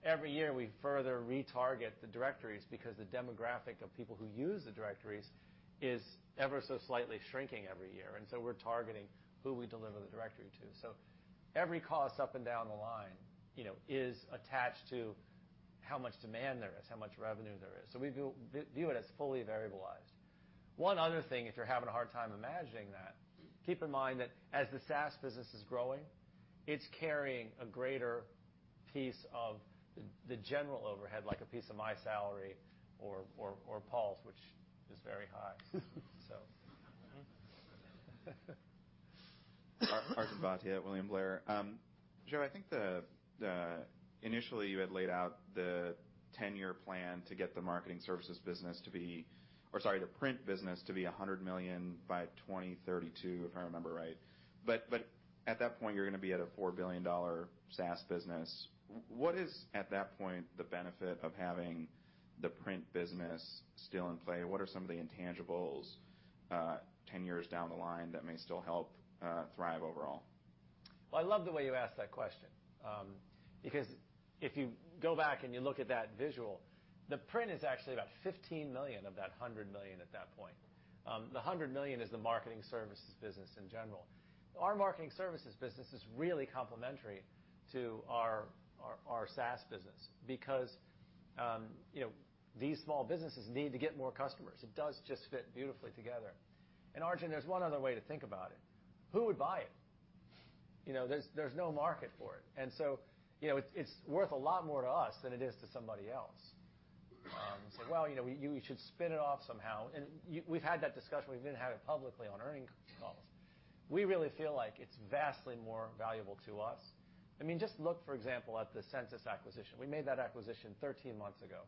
Every year, we further retarget the directories because the demographic of people who use the directories is ever so slightly shrinking every year. We're targeting who we deliver the directory to. Every cost up and down the line, you know, is attached to how much demand there is, how much revenue there is. We view it as fully variabilized. One other thing, if you're having a hard time imagining that, keep in mind that as the SaaS business is growing, it's carrying a greater piece of the general overhead, like a piece of my salary or Paul's, which is very high. Arjun Bhatia, William Blair. Joe, I think initially you had laid out the 10-year plan to get the print business to be $100 million by 2032, if I remember right. At that point, you're gonna be at a $4 billion SaaS business. What is, at that point, the benefit of having the print business still in play? What are some of the intangibles 10 years down the line that may still help Thryv overall? Well, I love the way you asked that question, because if you go back and you look at that visual, the print is actually about $15 million of that $100 million at that point. The $100 million is the marketing services business in general. Our marketing services business is really complementary to our SaaS business because, you know, these small businesses need to get more customers. It does just fit beautifully together. Arjun, there's one other way to think about it. Who would buy it? You know, there's no market for it. You know, it's worth a lot more to us than it is to somebody else. Well, you know, you should spin it off somehow. You, we've had that discussion. We didn't have it publicly on earnings calls. We really feel like it's vastly more valuable to us. I mean, just look, for example, at the Sensis acquisition. We made that acquisition 13 months ago.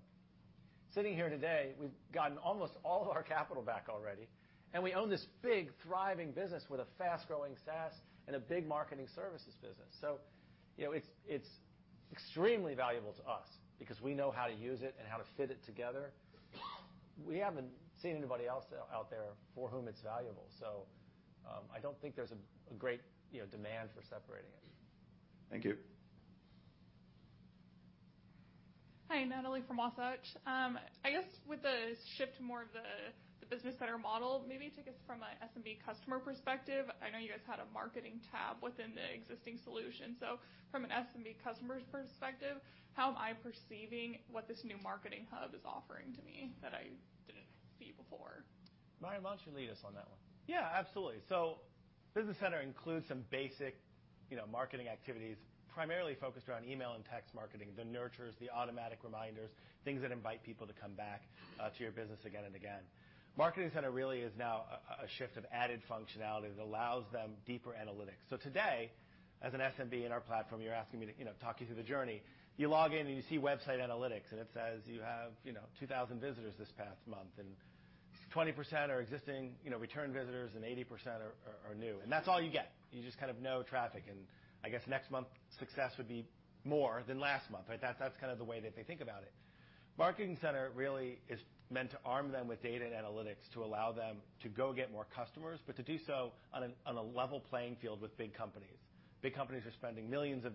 Sitting here today, we've gotten almost all of our capital back already, and we own this big, thriving business with a fast-growing SaaS and a big marketing services business. You know, it's extremely valuable to us because we know how to use it and how to fit it together. We haven't seen anybody else out there for whom it's valuable. I don't think there's a great, you know, demand for separating it. Thank you. Hi, Natalie from Wasatch. I guess with the shift to more of the Business Center model, maybe take us from a SMB customer perspective. I know you guys had a marketing tab within the existing solution. From an SMB customer's perspective, how am I perceiving what this new marketing hub is offering to me that I didn't see before? Mario, why don't you lead us on that one? Yeah, absolutely. Business Center includes some basic, you know, marketing activities, primarily focused around email and text marketing, the nurtures, the automatic reminders, things that invite people to come back to your business again and again. Marketing Center really is now a shift of added functionality that allows them deeper analytics. Today, as an SMB in our platform, you're asking me to, you know, talk you through the journey. You log in, and you see website analytics, and it says you have, you know, 2,000 visitors this past month, and 20% are existing, you know, return visitors and 80% are new. That's all you get. You just kind of know traffic. I guess next month success would be more than last month, right? That's kind of the way that they think about it. Marketing Center really is meant to arm them with data and analytics to allow them to go get more customers, but to do so on a level playing field with big companies. Big companies are spending $ millions in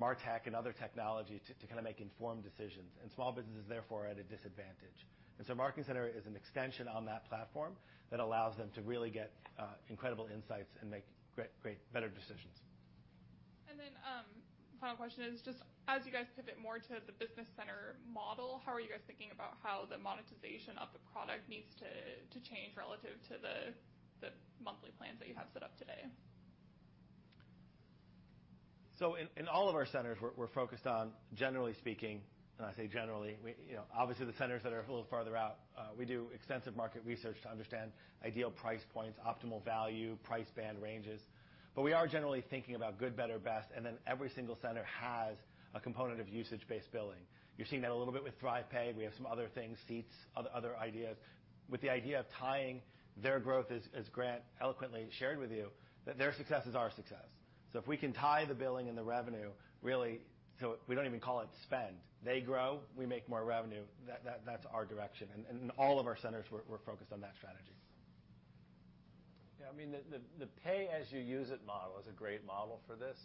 MarTech and other technology to kinda make informed decisions, and small businesses, therefore, are at a disadvantage. Marketing Center is an extension on that platform that allows them to really get incredible insights and make great better decisions. Final question is just, as you guys pivot more to the Business Center model, how are you guys thinking about how the monetization of the product needs to change relative to the monthly plans that you have set up today? In all of our centers, we're focused on, generally speaking, and I say generally, we, you know, obviously, the centers that are a little farther out, we do extensive market research to understand ideal price points, optimal value, price band ranges. But we are generally thinking about good, better, best, and then every single center has a component of usage-based billing. You're seeing that a little bit with ThryvPay. We have some other things, seats, other ideas, with the idea of tying their growth, as Grant eloquently shared with you, that their success is our success. If we can tie the billing and the revenue really so we don't even call it spend. They grow, we make more revenue. That's our direction. All of our centers we're focused on that strategy. Yeah, I mean, the pay-as-you-use-it model is a great model for this.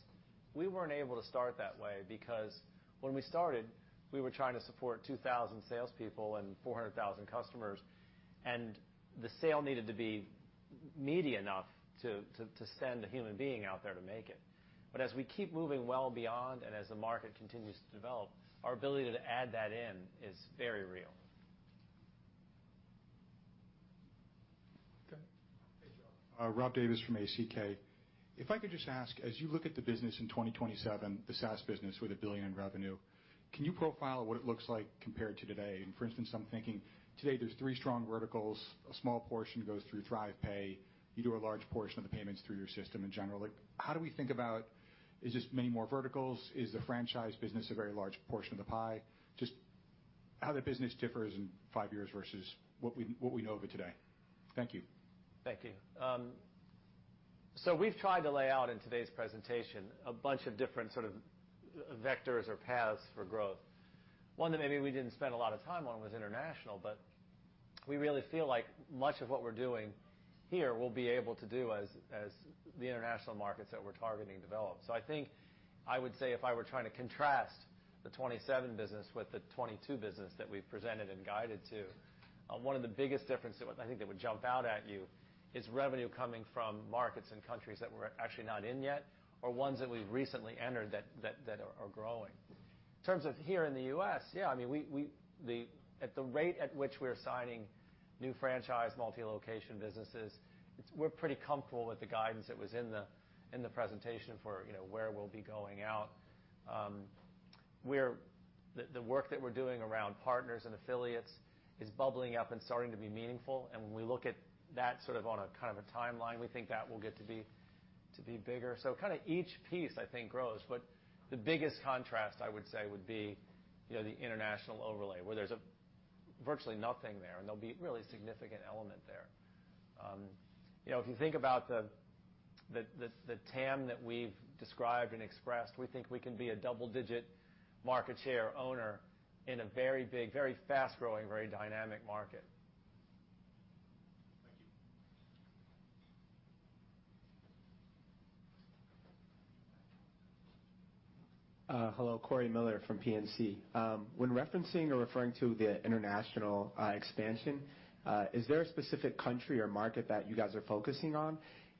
We weren't able to start that way because when we started, we were trying to support 2,000 salespeople and 400,000 customers, and the sale needed to be meaty enough to send a human being out there to make it. As we keep moving well beyond and as the market continues to develop, our ability to add that in is very real. Okay. Hey, Joe. Rob Davis from ACK. If I could just ask, as you look at the business in 2027, the SaaS business with $1 billion in revenue, can you profile what it looks like compared to today? For instance, I'm thinking today there's three strong verticals. A small portion goes through ThryvPay. You do a large portion of the payments through your system in general. Like, how do we think about, is this many more verticals? Is the franchise business a very large portion of the pie? Just how the business differs in five years versus what we know of it today. Thank you. Thank you. We've tried to lay out in today's presentation a bunch of different sort of vectors or paths for growth. One that maybe we didn't spend a lot of time on was international, but we really feel like much of what we're doing here we'll be able to do as the international markets that we're targeting develop. I think I would say if I were trying to contrast the 27 business with the 22 business that we've presented and guided to, one of the biggest differences I think that would jump out at you is revenue coming from markets and countries that we're actually not in yet or ones that we've recently entered that are growing. In terms of here in the U.S., I mean, we at the rate at which we're signing new franchise multi-location businesses, we're pretty comfortable with the guidance that was in the presentation for, you know, where we'll be going out. The work that we're doing around partners and affiliates is bubbling up and starting to be meaningful. When we look at that sort of on a kind of a timeline, we think that will get to be bigger. Kinda each piece, I think, grows, but the biggest contrast I would say would be, you know, the international overlay, where there's virtually nothing there, and there'll be really significant element there. You know, if you think about the TAM that we've described and expressed, we think we can be a double-digit market share owner in a very big, very fast-growing, very dynamic market. Hello, Corey Miller from PNC. When referencing or referring to the international expansion, is there a specific country or market that you guys are focusing on?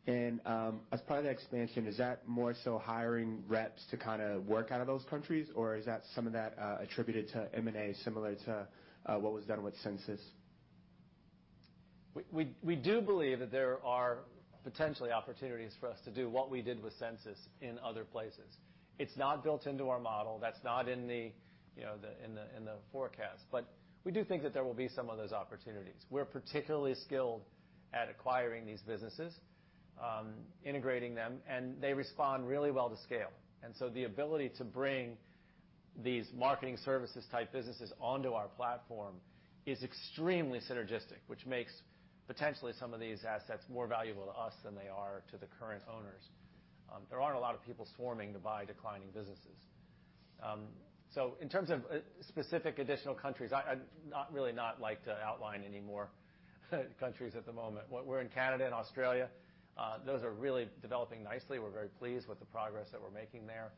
As part of that expansion, is that more so hiring reps to kind of work out of those countries, or is that some of that attributed to M&A similar to what was done with Sensis? We do believe that there are potentially opportunities for us to do what we did with Sensis in other places. It's not built into our model. That's not in the forecast. We do think that there will be some of those opportunities. We're particularly skilled at acquiring these businesses, integrating them, and they respond really well to scale. The ability to bring these marketing services type businesses onto our platform is extremely synergistic, which makes potentially some of these assets more valuable to us than they are to the current owners. There aren't a lot of people swarming to buy declining businesses. In terms of specific additional countries, I'd really not like to outline any more countries at the moment. We're in Canada and Australia. Those are really developing nicely. We're very pleased with the progress that we're making there.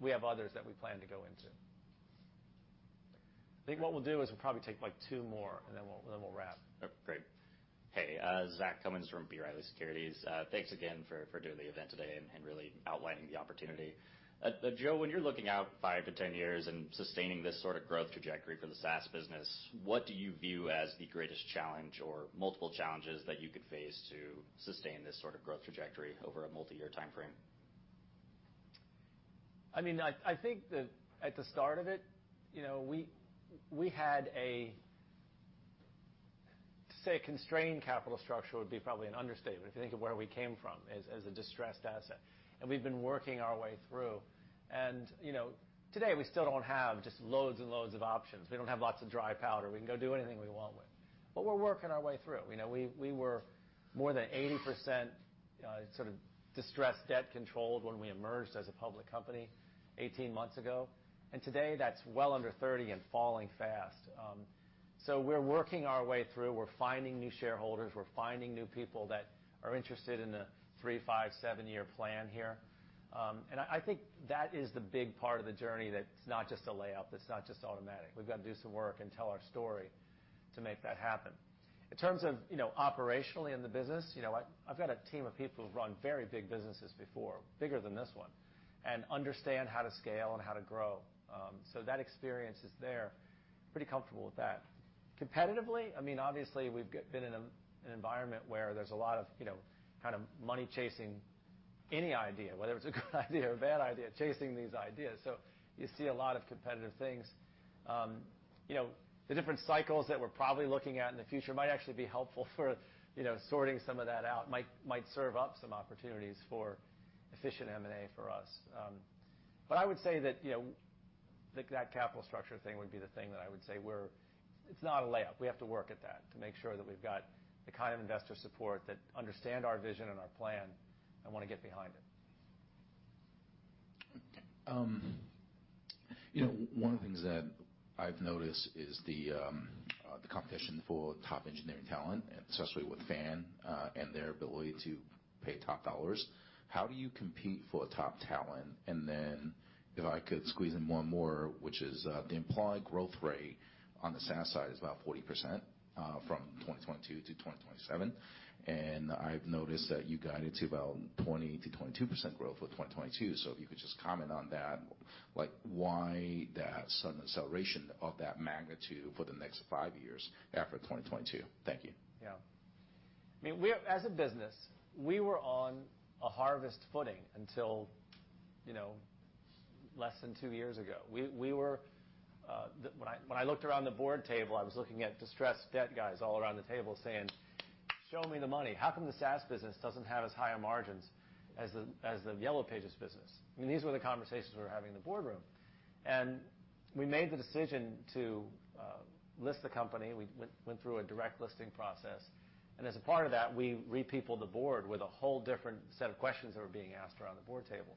We have others that we plan to go into. I think what we'll do is we'll probably take, like, two more, and then we'll wrap. Oh, great. Hey, Zach Cummins from B. Riley Securities. Thanks again for doing the event today and really outlining the opportunity. Joe, when you're looking out 5-10 years and sustaining this sort of growth trajectory for the SaaS business, what do you view as the greatest challenge or multiple challenges that you could face to sustain this sort of growth trajectory over a multiyear timeframe? I mean, I think that at the start of it, you know, we had. To say a constrained capital structure would be probably an understatement if you think of where we came from as a distressed asset, and we've been working our way through. You know, today we still don't have just loads and loads of options. We don't have lots of dry powder we can go do anything we want with, but we're working our way through. You know, we were more than 80% sort of distressed debt controlled when we emerged as a public company 18 months ago, and today that's well under 30% and falling fast. We're working our way through. We're finding new shareholders. We're finding new people that are interested in the three, five, seven-year plan here. I think that is the big part of the journey that's not just a layup. That's not just automatic. We've got to do some work and tell our story to make that happen. In terms of, you know, operationally in the business, you know what? I've got a team of people who've run very big businesses before, bigger than this one, and understand how to scale and how to grow. That experience is there. Pretty comfortable with that. Competitively, I mean, obviously, we've been in an environment where there's a lot of, you know, kind of money chasing any idea, whether it's a good idea or a bad idea, chasing these ideas, so you see a lot of competitive things. You know, the different cycles that we're probably looking at in the future might actually be helpful for, you know, sorting some of that out, might serve up some opportunities for efficient M&A for us. I would say that, you know, like, that capital structure thing would be the thing that I would say where it's not a layup. We have to work at that to make sure that we've got the kind of investor support that understand our vision and our plan and wanna get behind it. You know, one of the things that I've noticed is the competition for top engineering talent, especially with FAANG, and their ability to pay top dollars. How do you compete for top talent? Then if I could squeeze in one more, which is the implied growth rate on the SaaS side is about 40% from 2022 to 2027, and I've noticed that you guided to about 20%-22% growth for 2022. If you could just comment on that, like, why that sudden acceleration of that magnitude for the next five years after 2022? Thank you. Yeah. I mean, as a business, we were on a harvest footing until, you know, less than two years ago. When I looked around the board table, I was looking at distressed debt guys all around the table saying, "Show me the money. How come the SaaS business doesn't have as high a margins as the Yellow Pages business?" I mean, these were the conversations we were having in the boardroom. We made the decision to list the company. We went through a direct listing process, and as a part of that, we re-peopled the board with a whole different set of questions that were being asked around the board table.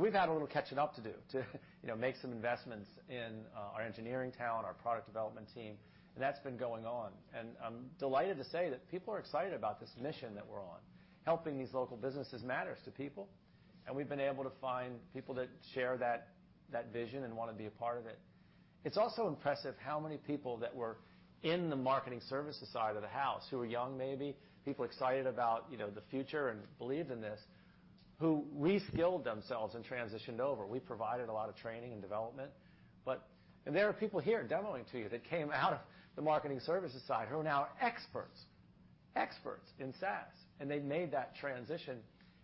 We've had a little catching up to do to, you know, make some investments in our engineering talent, our product development team, and that's been going on. I'm delighted to say that people are excited about this mission that we're on. Helping these local businesses matters to people, and we've been able to find people that share that vision and wanna be a part of it. It's also impressive how many people that were in the marketing services side of the house, who were young maybe, people excited about, you know, the future and believed in this, who re-skilled themselves and transitioned over. We provided a lot of training and development. There are people here demoing to you that came out of the marketing services side who are now experts in SaaS, and they made that transition,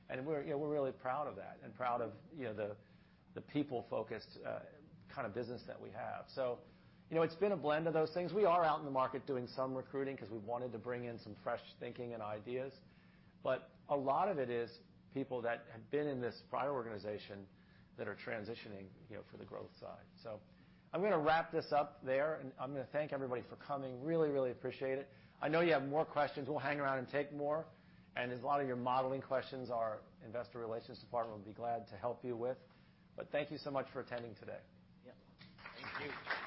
and we're, you know, we're really proud of that and proud of, you know, the people-focused kind of business that we have. It's been a blend of those things. We are out in the market doing some recruiting because we wanted to bring in some fresh thinking and ideas, but a lot of it is people that have been in this prior organization that are transitioning, you know, for the growth side. I'm gonna wrap this up there, and I'm gonna thank everybody for coming. Really, really appreciate it. I know you have more questions. We'll hang around and take more, and as a lot of your modeling questions, our investor relations department will be glad to help you with. Thank you so much for attending today. Yeah. Thank you.